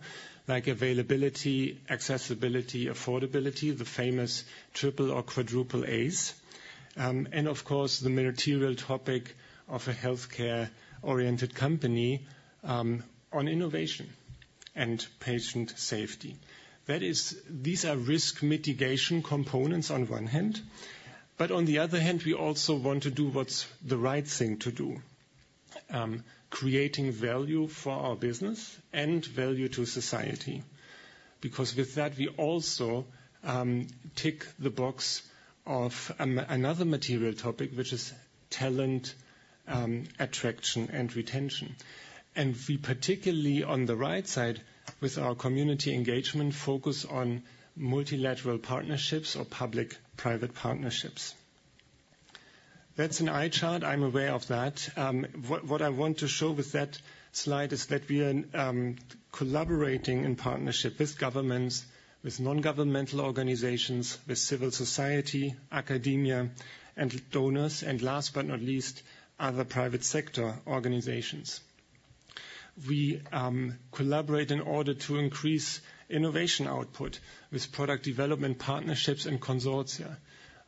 like availability, accessibility, affordability, the famous triple or quadruple A's, and of course, the material topic of a Healthcare-oriented company on innovation and patient safety. These are risk mitigation components on one hand, but on the other hand, we also want to do what's the right thing to do, creating value for our business and value to society. Because with that, we also tick the box of another material topic, which is talent, attraction, and retention. And we particularly, on the right side, with our community engagement, focus on multilateral partnerships or public-private partnerships. That's an eye chart. I'm aware of that. What I want to show with that slide is that we are collaborating in partnership with governments, with non-governmental organizations, with civil society, academia, and donors, and last but not least, other private sector organizations. We collaborate in order to increase innovation output with product development partnerships and consortia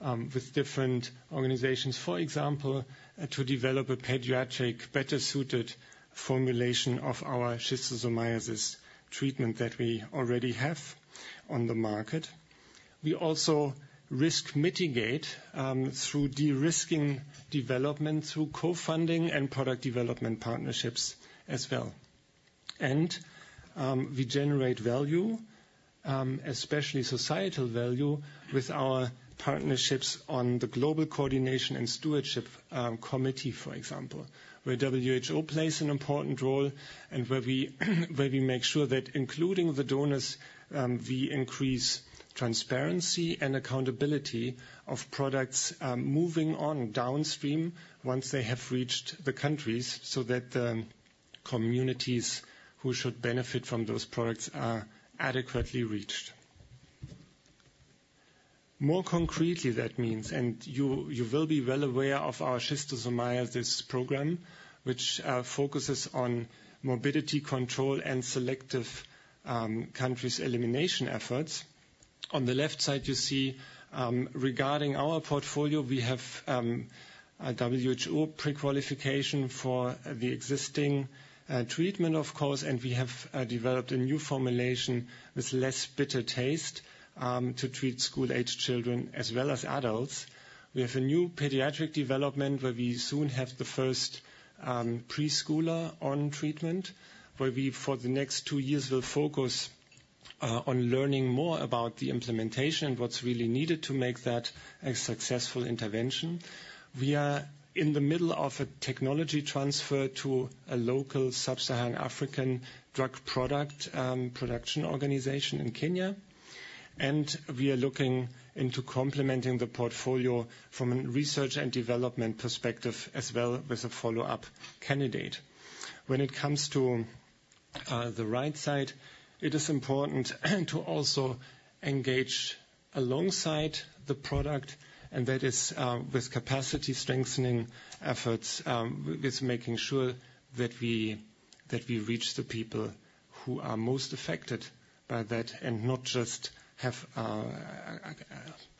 with different organizations, for example, to develop a pediatric better-suited formulation of our schistosomiasis treatment that we already have on the market. We also risk mitigate through de-risking development through co-funding and product development partnerships as well and we generate value, especially societal value, with our partnerships on the Global Coordination and Stewardship Committee, for example, where WHO plays an important role and where we make sure that including the donors, we increase transparency and accountability of products moving on downstream once they have reached the countries so that the communities who should benefit from those products are adequately reached. More concretely, that means, and you will be well aware of our schistosomiasis program, which focuses on morbidity control and selective countries' elimination efforts. On the left side, you see regarding our portfolio, we have WHO pre-qualification for the existing treatment, of course, and we have developed a new formulation with less bitter taste to treat school-aged children as well as adults. We have a new pediatric development where we soon have the first preschooler on treatment, where we for the next two years will focus on learning more about the implementation and what's really needed to make that a successful intervention. We are in the middle of a technology transfer to a local Sub-Saharan African drug production organization in Kenya, and we are looking into complementing the portfolio from a research and development perspective as well with a follow-up candidate. When it comes to the right side, it is important to also engage alongside the product, and that is with capacity strengthening efforts, with making sure that we reach the people who are most affected by that and not just have a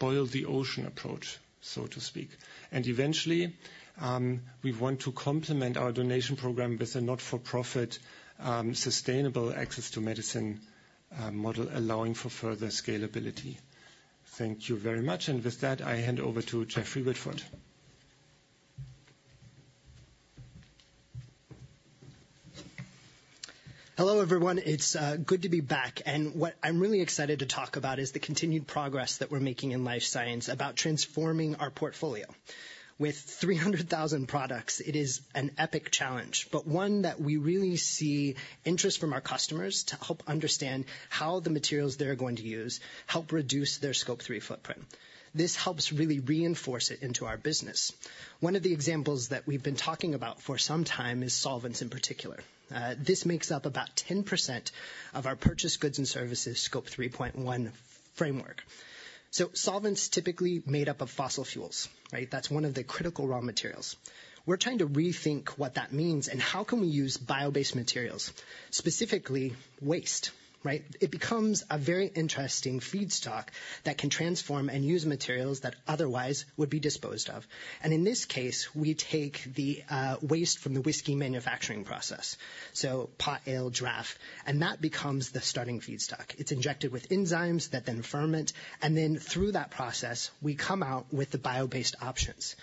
boil-the-ocean approach, so to speak. And eventually, we want to complement our donation program with a not-for-profit sustainable access to medicine model allowing for further scalability. Thank you very much. And with that, I hand over to Jeffrey Whitford.
Hello everyone. It's good to be back. And what I'm really excited to talk about is the continued progress that we're making in Life Science about transforming our portfolio. With 300,000 products, it is an epic challenge, but one that we really see interest from our customers to help understand how the materials they're going to use help reduce their Scope 3 footprint. This helps really reinforce it into our business. One of the examples that we've been talking about for some time is solvents in particular. This makes up about 10% of our purchase goods and services Scope 3.1 framework. So solvents typically made up of fossil fuels, right? That's one of the critical raw materials. We're trying to rethink what that means and how can we use bio-based materials, specifically waste, right? It becomes a very interesting feedstock that can transform and use materials that otherwise would be disposed of. And in this case, we take the waste from the whiskey manufacturing process, so pot ale draff, and that becomes the starting feedstock. It's injected with enzymes that then ferment, and then through that process, we come out with the bio-based options.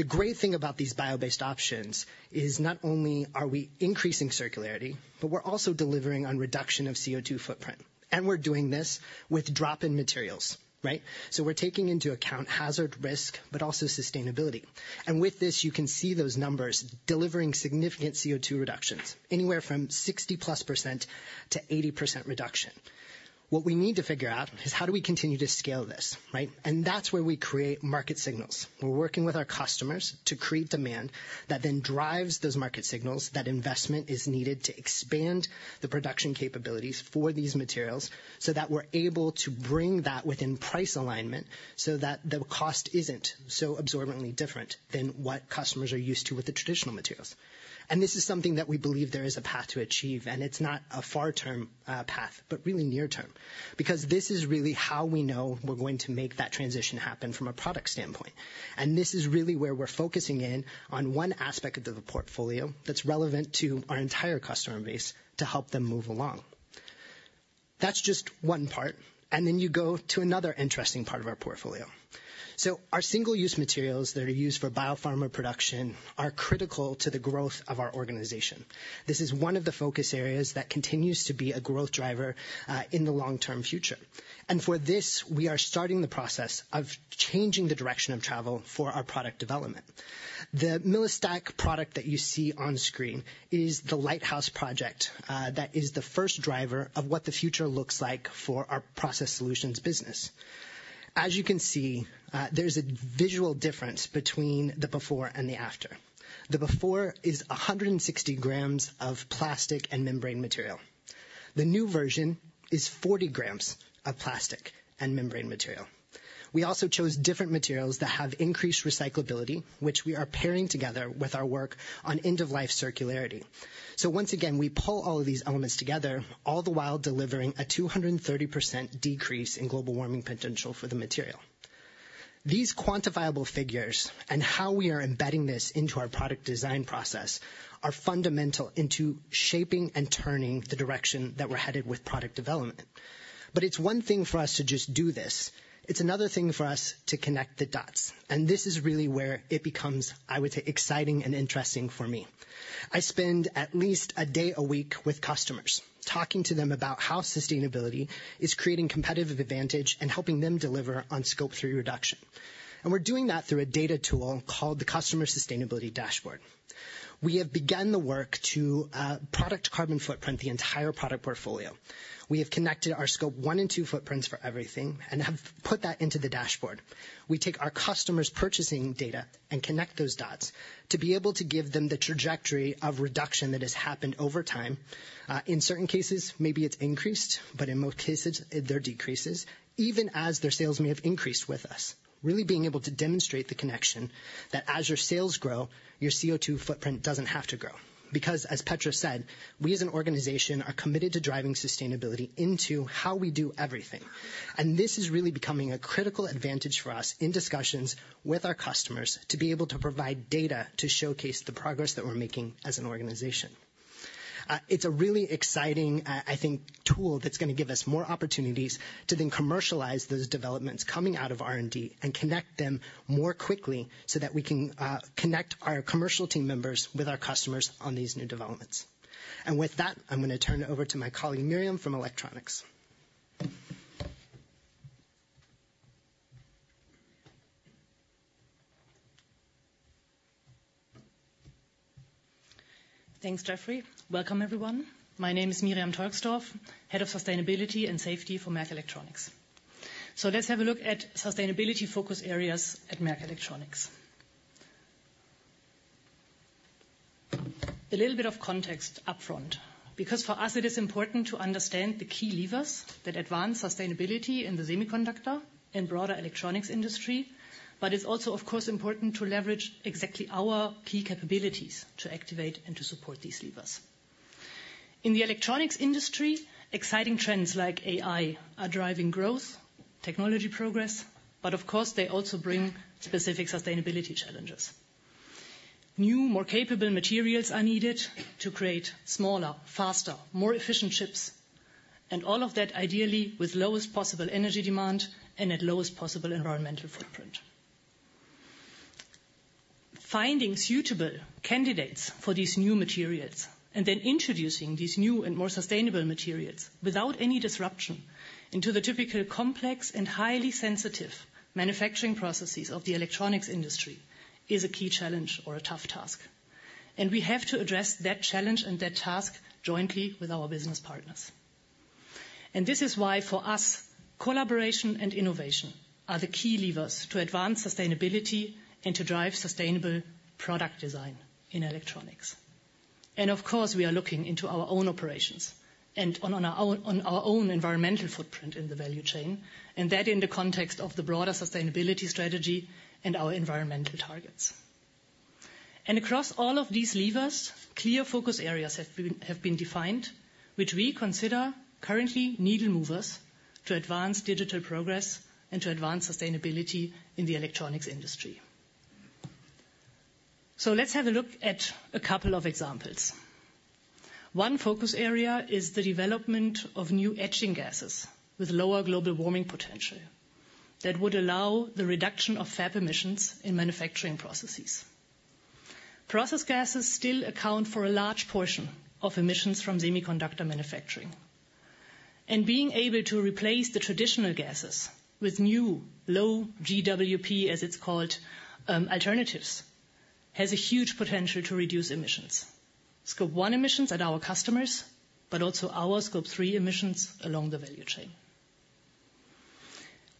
The great thing about these bio-based options is not only are we increasing circularity, but we're also delivering on reduction of CO2 footprint. And we're doing this with drop-in materials, right? So we're taking into account hazard risk, but also sustainability. And with this, you can see those numbers delivering significant CO2 reductions, anywhere from 60% plus to 80% reduction. What we need to figure out is how do we continue to scale this, right? And that's where we create market signals. We're working with our customers to create demand that then drives those market signals that investment is needed to expand the production capabilities for these materials so that we're able to bring that within price alignment so that the cost isn't so astronomically different than what customers are used to with the traditional materials. And this is something that we believe there is a path to achieve, and it's not a far-term path, but really near-term, because this is really how we know we're going to make that transition happen from a product standpoint. And this is really where we're focusing in on one aspect of the portfolio that's relevant to our entire customer base to help them move along. That's just one part, and then you go to another interesting part of our portfolio. So our single-use materials that are used for biopharma production are critical to the growth of our organization. This is one of the focus areas that continues to be a growth driver in the long-term future. And for this, we are starting the process of changing the direction of travel for our product development. The Millistak+ product that you see on screen is the Lighthouse Project that is the first driver of what the future looks like for Process Solutions business. As you can see, there's a visual difference between the before and the after. The before is 160 grams of plastic and membrane material. The new version is 40 grams of plastic and membrane material. We also chose different materials that have increased recyclability, which we are pairing together with our work on end-of-life circularity. So once again, we pull all of these elements together, all the while delivering a 230% decrease in global warming potential for the material. These quantifiable figures and how we are embedding this into our product design process are fundamental into shaping and turning the direction that we're headed with product development. But it's one thing for us to just do this. It's another thing for us to connect the dots, and this is really where it becomes, I would say, exciting and interesting for me. I spend at least a day a week with customers talking to them about how sustainability is creating competitive advantage and helping them deliver on Scope 3 reduction, and we're doing that through a data tool called the Customer Sustainability Dashboard. We have begun the work to produce carbon footprint, the entire product portfolio. We have connected our scope 1 and 2 footprints for everything and have put that into the dashboard. We take our customers' purchasing data and connect those dots to be able to give them the trajectory of reduction that has happened over time. In certain cases, maybe it's increased, but in most cases, there are decreases, even as their sales may have increased with us. Really being able to demonstrate the connection that as your sales grow, your CO2 footprint doesn't have to grow. Because as Petra said, we as an organization are committed to driving sustainability into how we do everything, and this is really becoming a critical advantage for us in discussions with our customers to be able to provide data to showcase the progress that we're making as an organization. It's a really exciting, I think, tool that's going to give us more opportunities to then commercialize those developments coming out of R&D and connect them more quickly so that we can connect our commercial team members with our customers on these new developments, and with that, I'm going to turn it over to my colleague Miriam from Electronics.
Thanks, Jeffrey. Welcome, everyone. My name is Miriam Torsdorf, Head of Sustainability and Safety for Merck Electronics. Let's have a look at sustainability focus areas at Merck Electronics. A little bit of context upfront, because for us, it is important to understand the key levers that advance sustainability in the semiconductor and broader Electronics industry, but it's also, of course, important to leverage exactly our key capabilities to activate and to support these levers. In the Electronics industry, exciting trends like AI are driving growth, technology progress, but of course, they also bring specific sustainability challenges. New, more capable materials are needed to create smaller, faster, more efficient chips, and all of that ideally with lowest possible energy demand and at lowest possible environmental footprint. Finding suitable candidates for these new materials and then introducing these new and more sustainable materials without any disruption into the typical complex and highly sensitive manufacturing processes of the Electronics industry is a key challenge or a tough task. We have to address that challenge and that task jointly with our business partners. This is why for us, collaboration and innovation are the key levers to advance sustainability and to drive sustainable product design in Electronics. Of course, we are looking into our own operations and on our own environmental footprint in the value chain, and that in the context of the broader sustainability strategy and our environmental targets. Across all of these levers, clear focus areas have been defined, which we consider currently needle movers to advance digital progress and to advance sustainability in the Electronics industry. Let's have a look at a couple of examples. One focus area is the development of new etching gases with lower global warming potential that would allow the reduction of F-gas emissions in manufacturing processes. Process gases still account for a large portion of emissions from semiconductor manufacturing, and being able to replace the traditional gases with new low GWP, as it's called, alternatives has a huge potential to reduce emissions: Scope 1 emissions at our customers, but also our Scope 3 emissions along the value chain.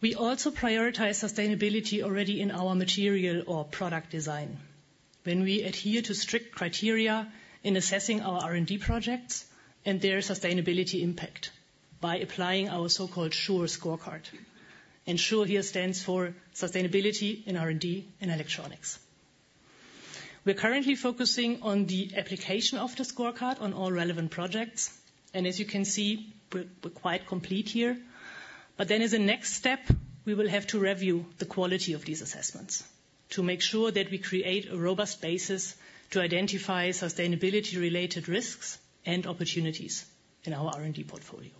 We also prioritize sustainability already in our material or product design when we adhere to strict criteria in assessing our R&D projects and their sustainability impact by applying our so-called SURE scorecard, and SURE here stands for Sustainability in R&D in Electronics. We're currently focusing on the application of the scorecard on all relevant projects, and as you can see, we're quite complete here. But then as a next step, we will have to review the quality of these assessments to make sure that we create a robust basis to identify sustainability-related risks and opportunities in our R&D portfolio.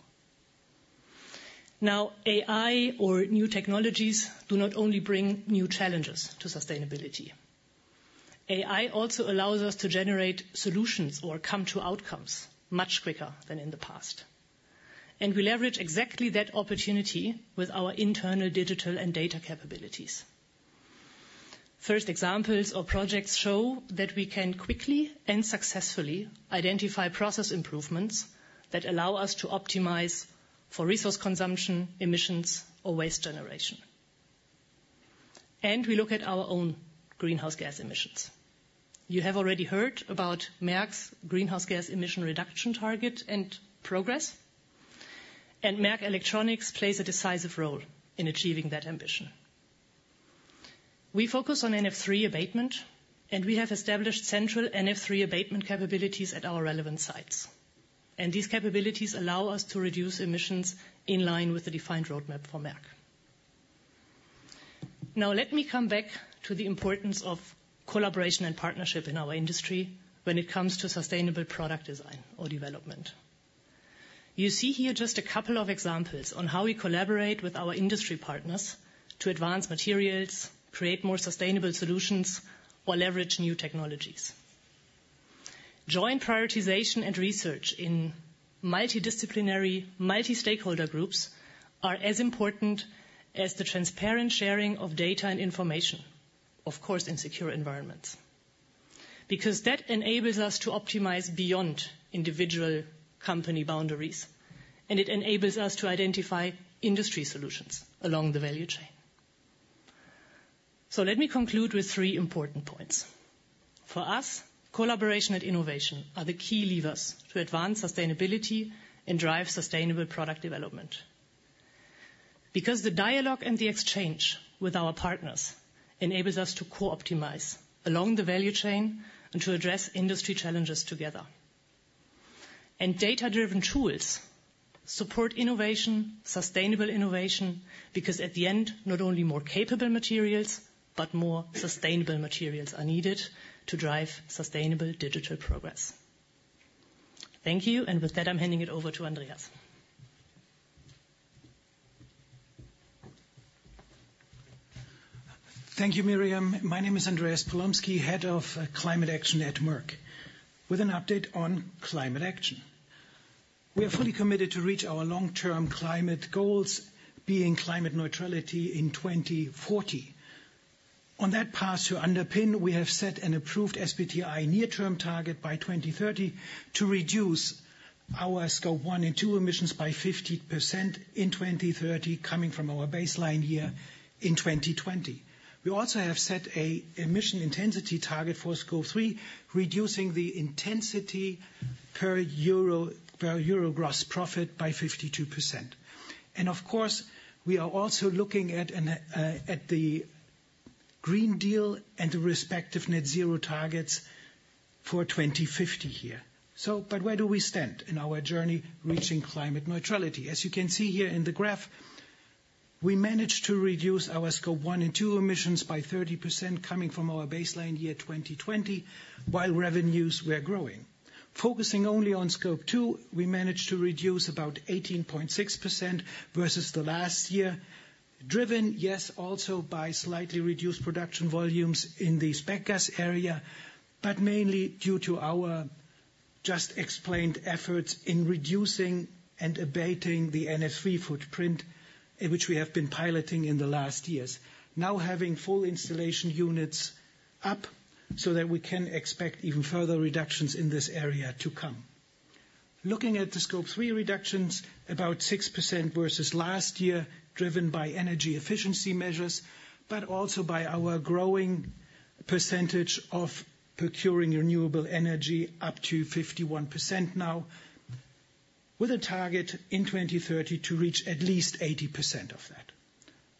Now, AI or new technologies do not only bring new challenges to sustainability. AI also allows us to generate solutions or come to outcomes much quicker than in the past. And we leverage exactly that opportunity with our internal digital and data capabilities. First examples or projects show that we can quickly and successfully identify process improvements that allow us to optimize for resource consumption, emissions, or waste generation. And we look at our own greenhouse gas emissions. You have already heard about Merck's greenhouse gas emission reduction target and progress. And Merck Electronics plays a decisive role in achieving that ambition. We focus on NF3 abatement, and we have established central NF3 abatement capabilities at our relevant sites, and these capabilities allow us to reduce emissions in line with the defined roadmap for Merck. Now, let me come back to the importance of collaboration and partnership in our industry when it comes to sustainable product design or development. You see here just a couple of examples on how we collaborate with our industry partners to advance materials, create more sustainable solutions, or leverage new technologies. Joint prioritization and research in multidisciplinary, multi-stakeholder groups are as important as the transparent sharing of data and information, of course, in secure environments. Because that enables us to optimize beyond individual company boundaries, and it enables us to identify industry solutions along the value chain. So let me conclude with three important points. For us, collaboration and innovation are the key levers to advance sustainability and drive sustainable product development. Because the dialogue and the exchange with our partners enables us to co-optimize along the value chain and to address industry challenges together, and data-driven tools support innovation, sustainable innovation, because at the end, not only more capable materials, but more sustainable materials are needed to drive sustainable digital progress. Thank you, and with that, I'm handing it over to Andreas.
Thank you, Miriam. My name is Andreas Polomski, Head of Climate Action at Merck, with an update on climate action. We are fully committed to reach our long-term climate goals, being climate neutrality in 2040. On that path to underpin, we have set an approved SBTi near-term target by 2030 to reduce our Scope 1 and 2 emissions by 50% in 2030, coming from our baseline year in 2020. We also have set an emission intensity target for Scope 3, reducing the intensity per euro gross profit by 52%, and of course, we are also looking at the Green Deal and the respective net zero targets for 2050 here, but where do we stand in our journey reaching climate neutrality? As you can see here in the graph, we managed to reduce our Scope 1 and 2 emissions by 30%, coming from our baseline year 2020, while revenues were growing. Focusing only on Scope 2, we managed to reduce about 18.6% versus the last year, driven, yes, also by slightly reduced production volumes in the spec gas area, but mainly due to our just explained efforts in reducing and abating the NF3 footprint, which we have been piloting in the last years, now having full installation units up so that we can expect even further reductions in this area to come. Looking at the Scope 3 reductions, about 6% versus last year, driven by energy efficiency measures, but also by our growing percentage of procuring renewable energy up to 51% now, with a target in 2030 to reach at least 80% of that.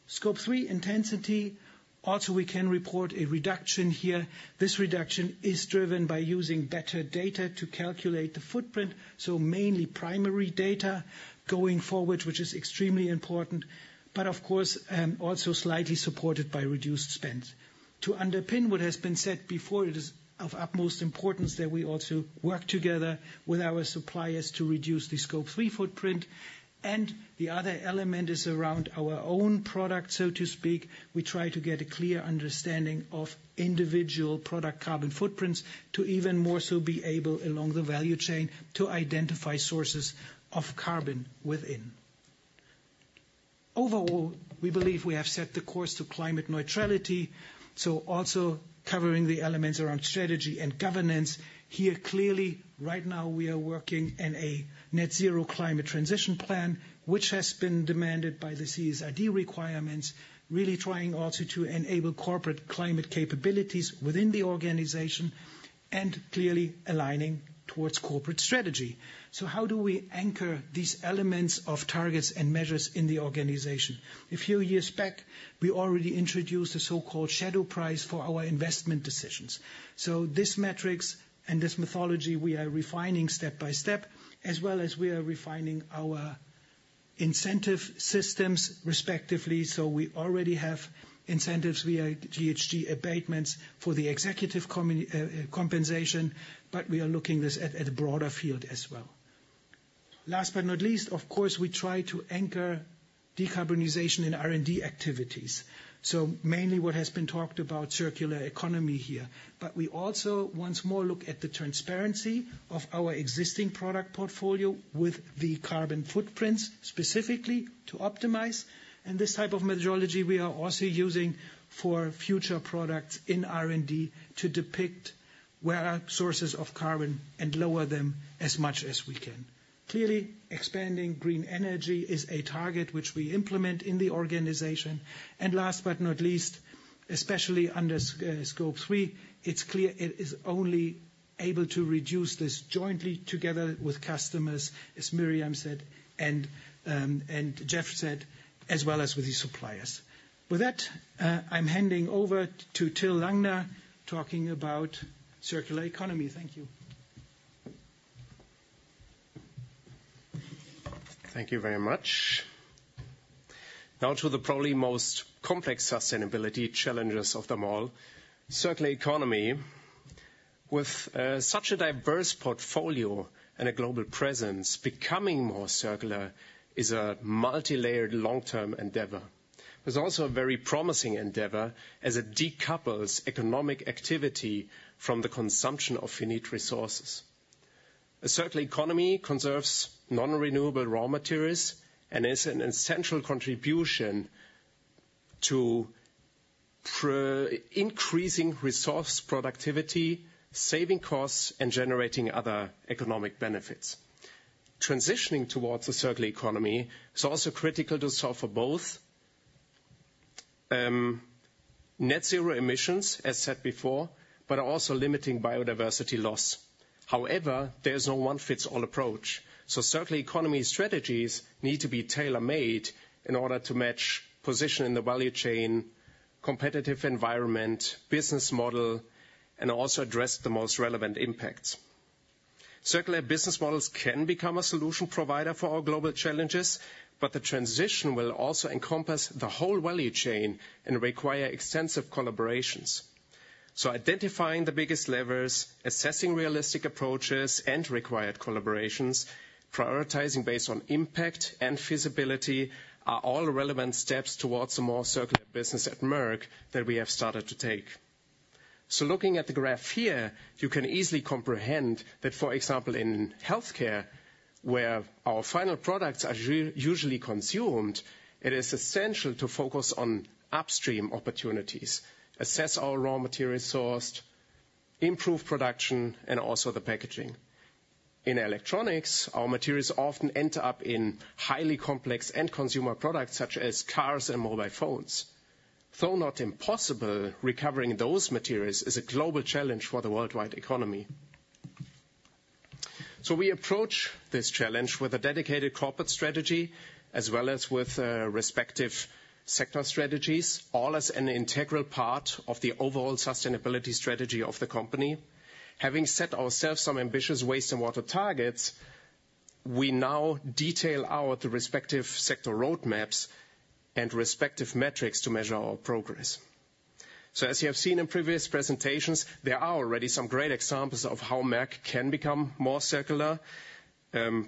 Scope 3 intensity, also we can report a reduction here. This reduction is driven by using better data to calculate the footprint, so mainly primary data going forward, which is extremely important, but of course, also slightly supported by reduced spend. To underpin what has been said before, it is of utmost importance that we also work together with our suppliers to reduce the Scope 3 footprint. And the other element is around our own product, so to speak. We try to get a clear understanding of individual product carbon footprints to even more so be able along the value chain to identify sources of carbon within. Overall, we believe we have set the course to climate neutrality, so also covering the elements around strategy and governance. Here, clearly, right now, we are working on a net zero climate transition plan, which has been demanded by the CSRD requirements, really trying also to enable corporate climate capabilities within the organization and clearly aligning towards corporate strategy. So how do we anchor these elements of targets and measures in the organization? A few years back, we already introduced the so-called shadow price for our investment decisions. So this metrics and this methodology, we are refining step by step, as well as we are refining our incentive systems, respectively. So we already have incentives via GHG abatements for the executive compensation, but we are looking at a broader field as well. Last but not least, of course, we try to anchor decarbonization in R&D activities. So mainly what has been talked about, circular economy here. But we also once more look at the transparency of our existing product portfolio with the carbon footprints specifically to optimize. And this type of methodology we are also using for future products in R&D to depict where our sources of carbon and lower them as much as we can. Clearly, expanding green energy is a target which we implement in the organization. And last but not least, especially under Scope 3, it's clear it is only able to reduce this jointly together with customers, as Miriam said, and Jeff said, as well as with the suppliers. With that, I'm handing over to Till Langner talking about circular economy. Thank you.
Thank you very much. Now to the probably most complex sustainability challenges of them all. Circular economy, with such a diverse portfolio and a global presence, becoming more circular is a multi-layered long-term endeavor. It's also a very promising endeavor as it decouples economic activity from the consumption of finite resources. A circular economy conserves non-renewable raw materials and is an essential contribution to increasing resource productivity, saving costs, and generating other economic benefits. Transitioning towards a circular economy is also critical to solve for both net zero emissions, as said before, but also limiting biodiversity loss. However, there is no one-size-fits-all approach. So circular economy strategies need to be tailor-made in order to match position in the value chain, competitive environment, business model, and also address the most relevant impacts. Circular business models can become a solution provider for our global challenges, but the transition will also encompass the whole value chain and require extensive collaborations. Identifying the biggest levers, assessing realistic approaches, and required collaborations, prioritizing based on impact and feasibility are all relevant steps towards a more circular business at Merck that we have started to take. Looking at the graph here, you can easily comprehend that, for example, in Healthcare, where our final products are usually consumed, it is essential to focus on upstream opportunities, assess our raw material source, improve production, and also the packaging. In Electronics, our materials often end up in highly complex end-consumer products such as cars and mobile phones. Though not impossible, recovering those materials is a global challenge for the worldwide economy. We approach this challenge with a dedicated corporate strategy, as well as with respective sector strategies, all as an integral part of the overall sustainability strategy of the company. Having set ourselves some ambitious waste and water targets, we now detail out the respective sector roadmaps and respective metrics to measure our progress. So as you have seen in previous presentations, there are already some great examples of how Merck can become more circular,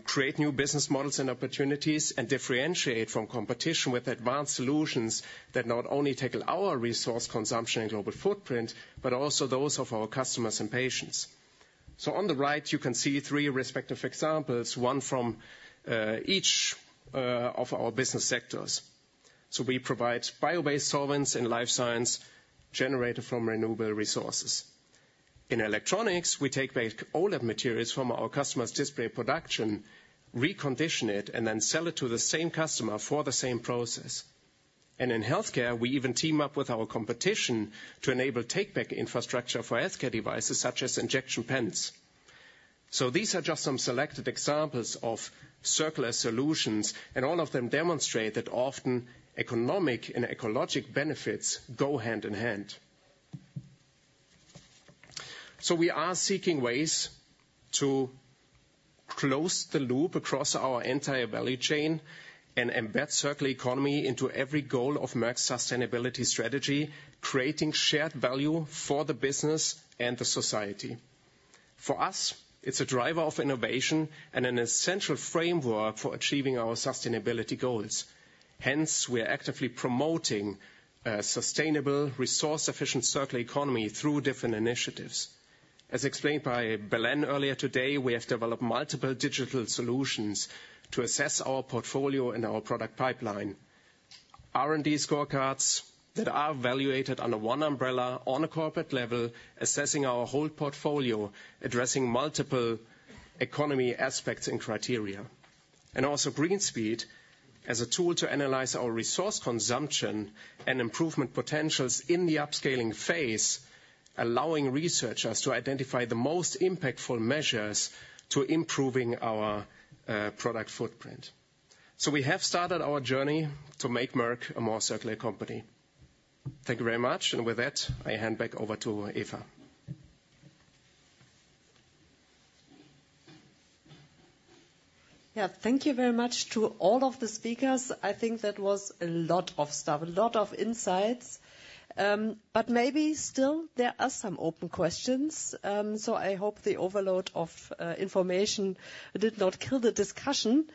create new business models and opportunities, and differentiate from competition with advanced solutions that not only tackle our resource consumption and global footprint, but also those of our customers and patients. So on the right, you can see three respective examples, one from each of our business sectors. So we provide bio-based solvents and Life Science generated from renewable resources. In Electronics, we take back OLED materials from our customers' Display production, recondition it, and then sell it to the same customer for the same process. And in Healthcare, we even team up with our competition to enable take-back infrastructure for Healthcare devices such as injection pens. So these are just some selected examples of circular solutions, and all of them demonstrate that often economic and ecologic benefits go hand in hand. So we are seeking ways to close the loop across our entire value chain and embed circular economy into every goal of Merck's sustainability strategy, creating shared value for the business and the society. For us, it's a driver of innovation and an essential framework for achieving our sustainability goals. Hence, we are actively promoting a sustainable, resource-efficient circular economy through different initiatives. As explained by Belén earlier today, we have developed multiple digital solutions to assess our portfolio and our product pipeline, R&D scorecards that are evaluated under one umbrella on a corporate level, assessing our whole portfolio, addressing multiple economy aspects and criteria, and also GreenSpeed as a tool to analyze our resource consumption and improvement potentials in the upscaling phase, allowing researchers to identify the most impactful measures to improving our product footprint, so we have started our journey to make Merck a more circular company. Thank you very much, and with that, I hand back over to Eva.
Yeah, thank you very much to all of the speakers. I think that was a lot of stuff, a lot of insights, but maybe still, there are some open questions, so I hope the overload of information did not kill the discussion.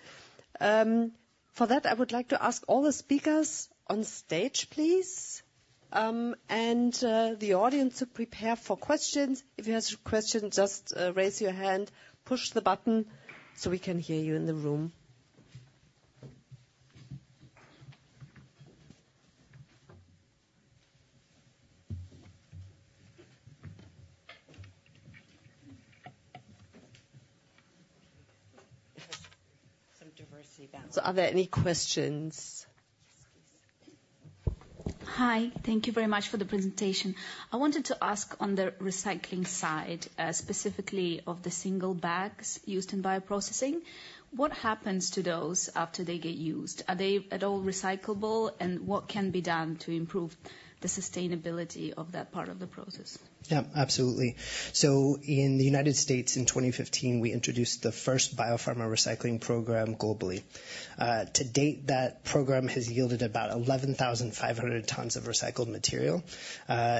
For that, I would like to ask all the speakers on stage, please, and the audience to prepare for questions. If you have a question, just raise your hand, push the button so we can hear you in the room. So are there any questions?
Hi, thank you very much for the presentation. I wanted to ask on the recycling side, specifically of the single bags used in bioprocessing, what happens to those after they get used? Are they at all recyclable, and what can be done to improve the sustainability of that part of the process? Yeah, absolutely. So in the United States, in 2015, we introduced the first biopharma recycling program globally. To date, that program has yielded about 11,500 tons of recycled material.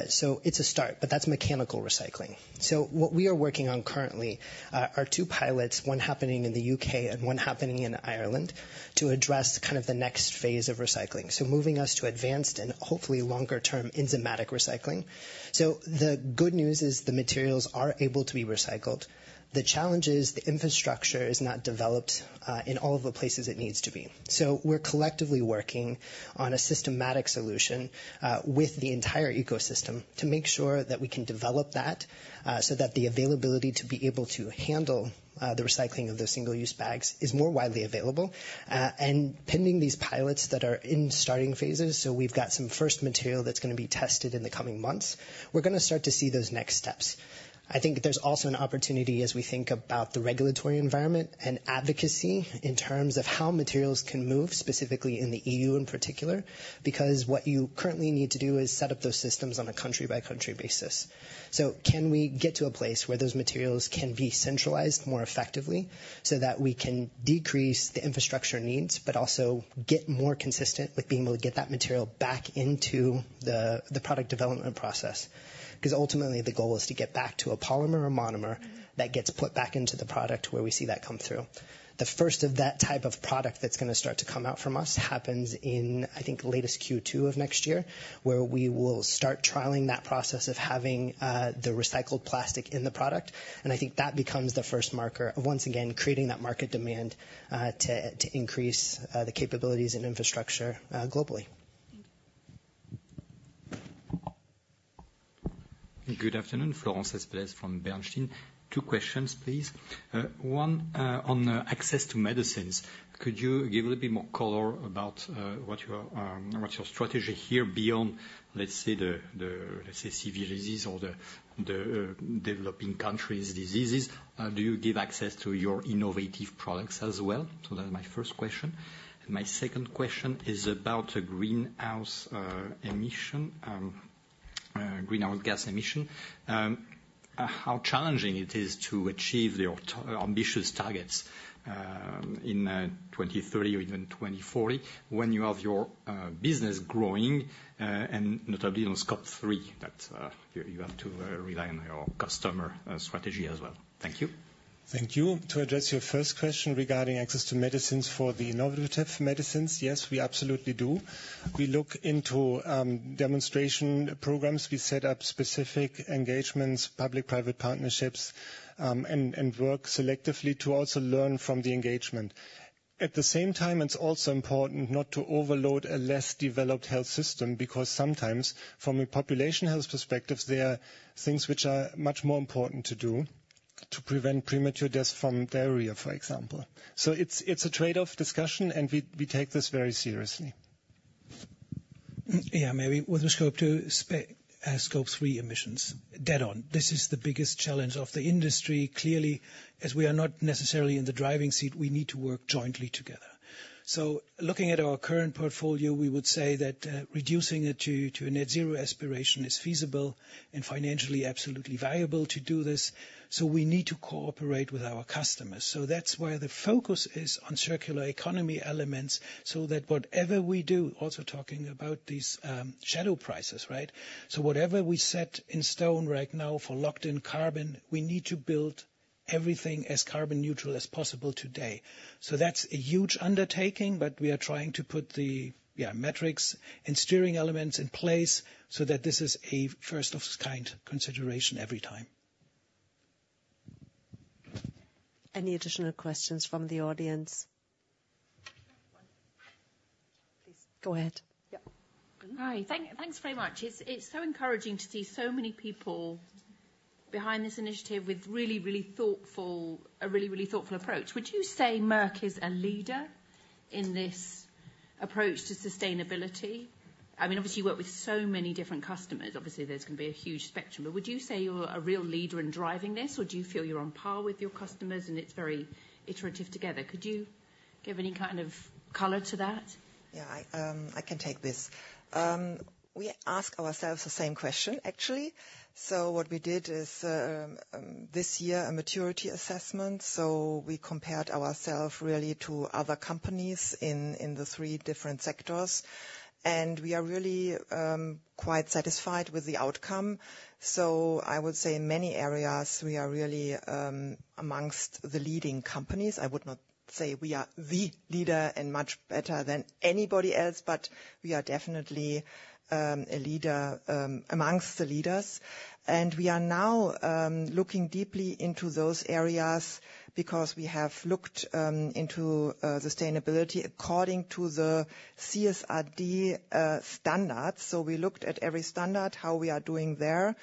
So it's a start, but that's mechanical recycling.
So what we are working on currently are two pilots, one happening in the U.K. and one happening in Ireland, to address kind of the next phase of recycling, so moving us to advanced and hopefully longer-term enzymatic recycling. So the good news is the materials are able to be recycled. The challenge is the infrastructure is not developed in all of the places it needs to be. So we're collectively working on a systematic solution with the entire ecosystem to make sure that we can develop that so that the availability to be able to handle the recycling of those single-use bags is more widely available. And pending these pilots that are in starting phases, so we've got some first material that's going to be tested in the coming months, we're going to start to see those next steps. I think there's also an opportunity as we think about the regulatory environment and advocacy in terms of how materials can move, specifically in the E.U. in particular, because what you currently need to do is set up those systems on a country-by-country basis. So can we get to a place where those materials can be centralized more effectively so that we can decrease the infrastructure needs, but also get more consistent with being able to get that material back into the product development process? Because ultimately, the goal is to get back to a polymer or monomer that gets put back into the product where we see that come through. The first of that type of product that's going to start to come out from us happens in, I think, latest Q2 of next year, where we will start trialing that process of having the recycled plastic in the product, and I think that becomes the first marker of, once again, creating that market demand to increase the capabilities and infrastructure globally.
Good afternoon, Florent Céspedes from Bernstein. Two questions, please. One on access to medicines. Could you give a little bit more color about what your strategy here beyond, let's say, the CV disease or the developing countries' diseases? Do you give access to your innovative products as well, so that's my first question. And my second question is about the greenhouse gas emission, how challenging it is to achieve your ambitious targets in 2030 or even 2040 when you have your business growing and notably on Scope 3 that you have to rely on your customer strategy as well. Thank you.
Thank you. To address your first question regarding access to medicines for the innovative medicines, yes, we absolutely do. We look into demonstration programs. We set up specific engagements, public-private partnerships, and work selectively to also learn from the engagement. At the same time, it's also important not to overload a less developed health system because sometimes, from a population health perspective, there are things which are much more important to do to prevent premature deaths from diarrhea, for example. So it's a trade-off discussion, and we take this very seriously. Yeah, maybe with Scope 3 emissions. Dead on. This is the biggest challenge of the industry. Clearly, as we are not necessarily in the driving seat, we need to work jointly together. So looking at our current portfolio, we would say that reducing it to a net-zero aspiration is feasible and financially absolutely viable to do this. So we need to cooperate with our customers. So that's where the focus is on circular economy elements so that whatever we do, also talking about these shadow prices, right? So whatever we set in stone right now for locked-in carbon, we need to build everything as carbon-neutral as possible today. So that's a huge undertaking, but we are trying to put the metrics and steering elements in place so that this is a first-of-its-kind consideration every time.
Any additional questions from the audience? Go ahead.
Yeah. Hi. Thanks very much. It's so encouraging to see so many people behind this initiative with a really, really thoughtful approach. Would you say Merck is a leader in this approach to sustainability? I mean, obviously, you work with so many different customers. Obviously, there's going to be a huge spectrum. But would you say you're a real leader in driving this, or do you feel you're on par with your customers and it's very iterative together? Could you give any kind of color to that?
Yeah, I can take this. We ask ourselves the same question, actually. So what we did is this year, a maturity assessment. So we compared ourselves really to other companies in the three different sectors. And we are really quite satisfied with the outcome. So I would say in many areas, we are really amongst the leading companies. I would not say we are the leader and much better than anybody else, but we are definitely a leader amongst the leaders, and we are now looking deeply into those areas because we have looked into sustainability according to the CSRD standards, so we looked at every standard, how we are doing there,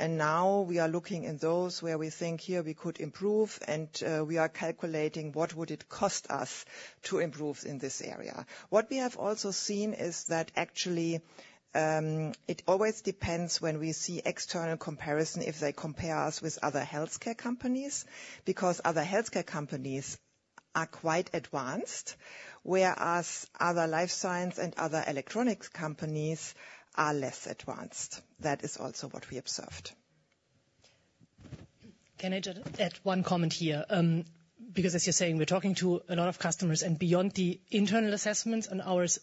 and now we are looking in those where we think, "Here, we could improve," and we are calculating what would it cost us to improve in this area. What we have also seen is that actually it always depends when we see external comparison if they compare us with other Healthcare companies because other Healthcare companies are quite advanced, whereas other Life Science and other Electronics companies are less advanced. That is also what we observed.
Can I just add one comment here? Because as you're saying, we're talking to a lot of customers, and beyond the internal assessments and ours,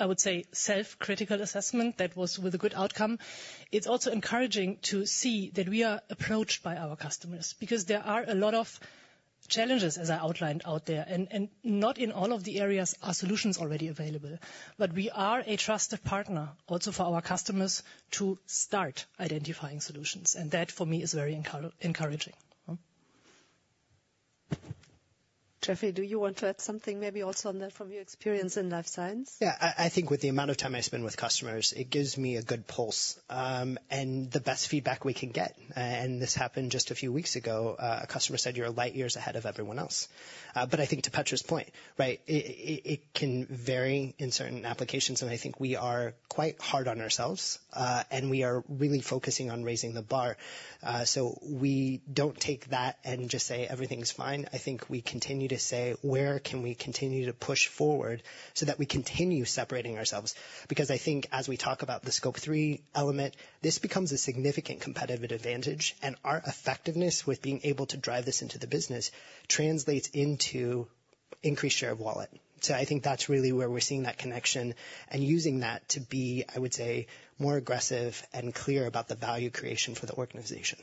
I would say self-critical assessment that was with a good outcome, it's also encouraging to see that we are approached by our customers because there are a lot of challenges, as I outlined out there, and not in all of the areas are solutions already available, but we are a trusted partner also for our customers to start identifying solutions, and that, for me, is very encouraging.
Jeffrey, do you want to add something maybe also on that from your experience in Life Science?
Yeah, I think with the amount of time I spend with customers, it gives me a good pulse and the best feedback we can get, and this happened just a few weeks ago. A customer said, "You're light years ahead of everyone else." But I think to Petra's point, right, it can vary in certain applications, and I think we are quite hard on ourselves, and we are really focusing on raising the bar. So we don't take that and just say, "Everything's fine." I think we continue to say, "Where can we continue to push forward so that we continue separating ourselves?" Because I think as we talk about the Scope 3 element, this becomes a significant competitive advantage, and our effectiveness with being able to drive this into the business translates into increased share of wallet. So I think that's really where we're seeing that connection and using that to be, I would say, more aggressive and clear about the value creation for the organization.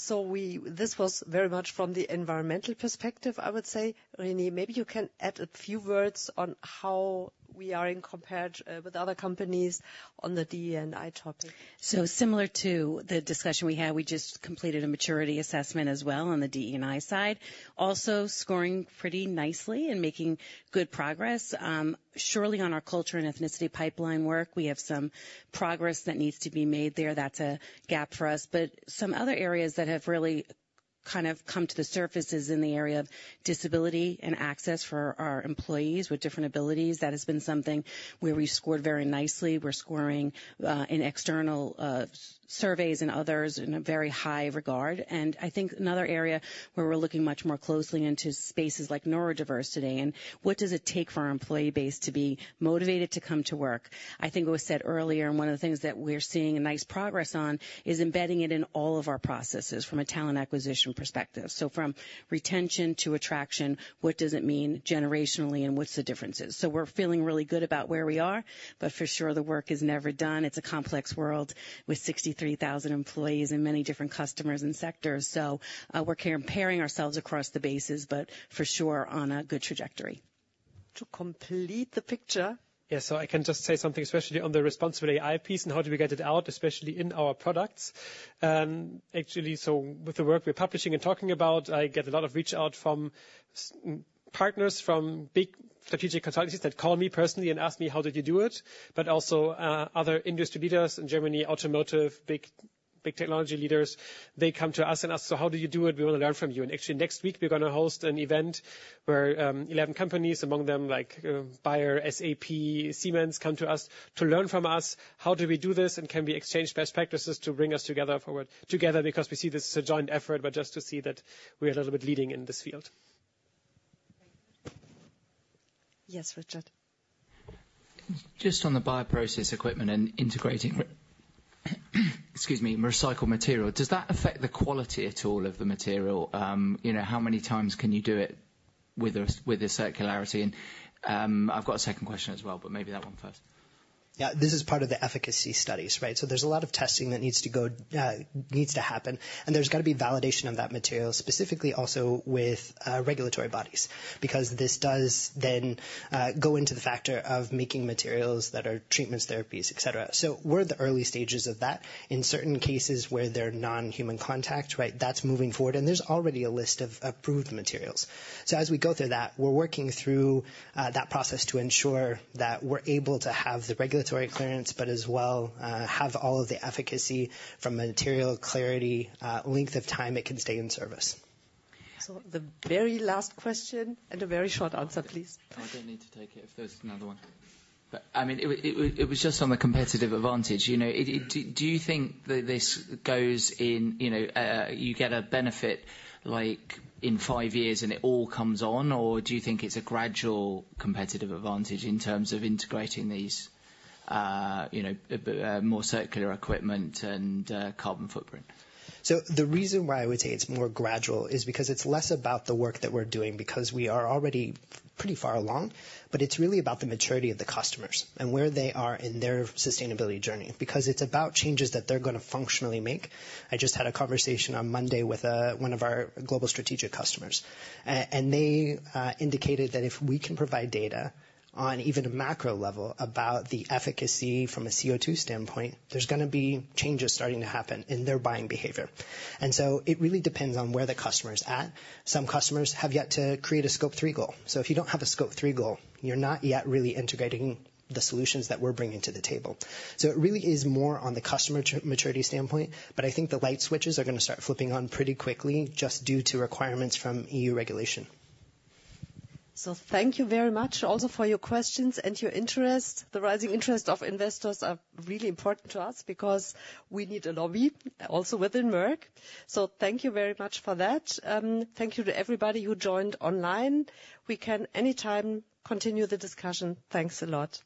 So this was very much from the environmental perspective, I would say.
Renée, maybe you can add a few words on how we are compared with other companies on the DE&I topic.
So similar to the discussion we had, we just completed a maturity assessment as well on the DE&I side, also scoring pretty nicely and making good progress. Surely on our culture and ethnicity pipeline work, we have some progress that needs to be made there. That's a gap for us. But some other areas that have really kind of come to the surface is in the area of disability and access for our employees with different abilities. That has been something where we scored very nicely. We're scoring in external surveys and others in a very high regard. And I think another area where we're looking much more closely into spaces like neurodiversity and what does it take for our employee base to be motivated to come to work. I think it was said earlier, and one of the things that we're seeing nice progress on is embedding it in all of our processes from a talent acquisition perspective. So from retention to attraction, what does it mean generationally and what's the differences? So we're feeling really good about where we are, but for sure, the work is never done. It's a complex world with 63,000 employees and many different customers and sectors. So we're comparing ourselves across the bases, but for sure on a good trajectory.
To complete the picture.
Yeah, so I can just say something, especially on the responsibility KPIs and how do we get it out, especially in our products. Actually, so with the work we're publishing and talking about, I get a lot of reach out from partners, from big strategic consultancies that call me personally and ask me, "How did you do it?" But also other industry leaders in Germany, automotive, big technology leaders, they come to us and ask, "So how do you do it? We want to learn from you." And actually, next week, we're going to host an event where 11 companies, among them like Bayer, SAP, Siemens, come to us to learn from us, "How do we do this? And can we exchange best practices to bring us together forward together?" Because we see this as a joint effort, but just to see that we're a little bit leading in this field.
Yes, Richard.
Just on the bioprocess equipment and integrating recycled material, excuse me, does that affect the quality at all of the material? How many times can you do it with a circularity? And I've got a second question as well, but maybe that one first. Yeah, this is part of the efficacy studies, right? So there's a lot of testing that needs to happen, and there's got to be validation of that material, specifically also with regulatory bodies because this does then go into the factor of making materials that are treatments, therapies, etc. So we're at the early stages of that. In certain cases where they're non-human contact, right, that's moving forward, and there's already a list of approved materials. So as we go through that, we're working through that process to ensure that we're able to have the regulatory clearance, but as well have all of the efficacy from material clarity, length of time it can stay in service.
So the very last question and a very short answer, please.
I don't need to take it if there's another one. But I mean, it was just on the competitive advantage. Do you think that this goes in, you get a benefit like in five years and it all comes on, or do you think it's a gradual competitive advantage in terms of integrating these more circular equipment and carbon footprint?
The reason why I would say it's more gradual is because it's less about the work that we're doing because we are already pretty far along, but it's really about the maturity of the customers and where they are in their sustainability journey because it's about changes that they're going to functionally make. I just had a conversation on Monday with one of our global strategic customers, and they indicated that if we can provide data on even a macro level about the efficacy from a CO2 standpoint, there's going to be changes starting to happen in their buying behavior. It really depends on where the customer's at. Some customers have yet to create a Scope 3 goal. If you don't have a Scope 3 goal, you're not yet really integrating the solutions that we're bringing to the table. So it really is more on the customer maturity standpoint, but I think the light switches are going to start flipping on pretty quickly just due to requirements from EU regulation.
So thank you very much also for your questions and your interest. The rising interest of investors are really important to us because we need a lobby also within Merck. So thank you very much for that. Thank you to everybody who joined online. We can anytime continue the discussion. Thanks a lot.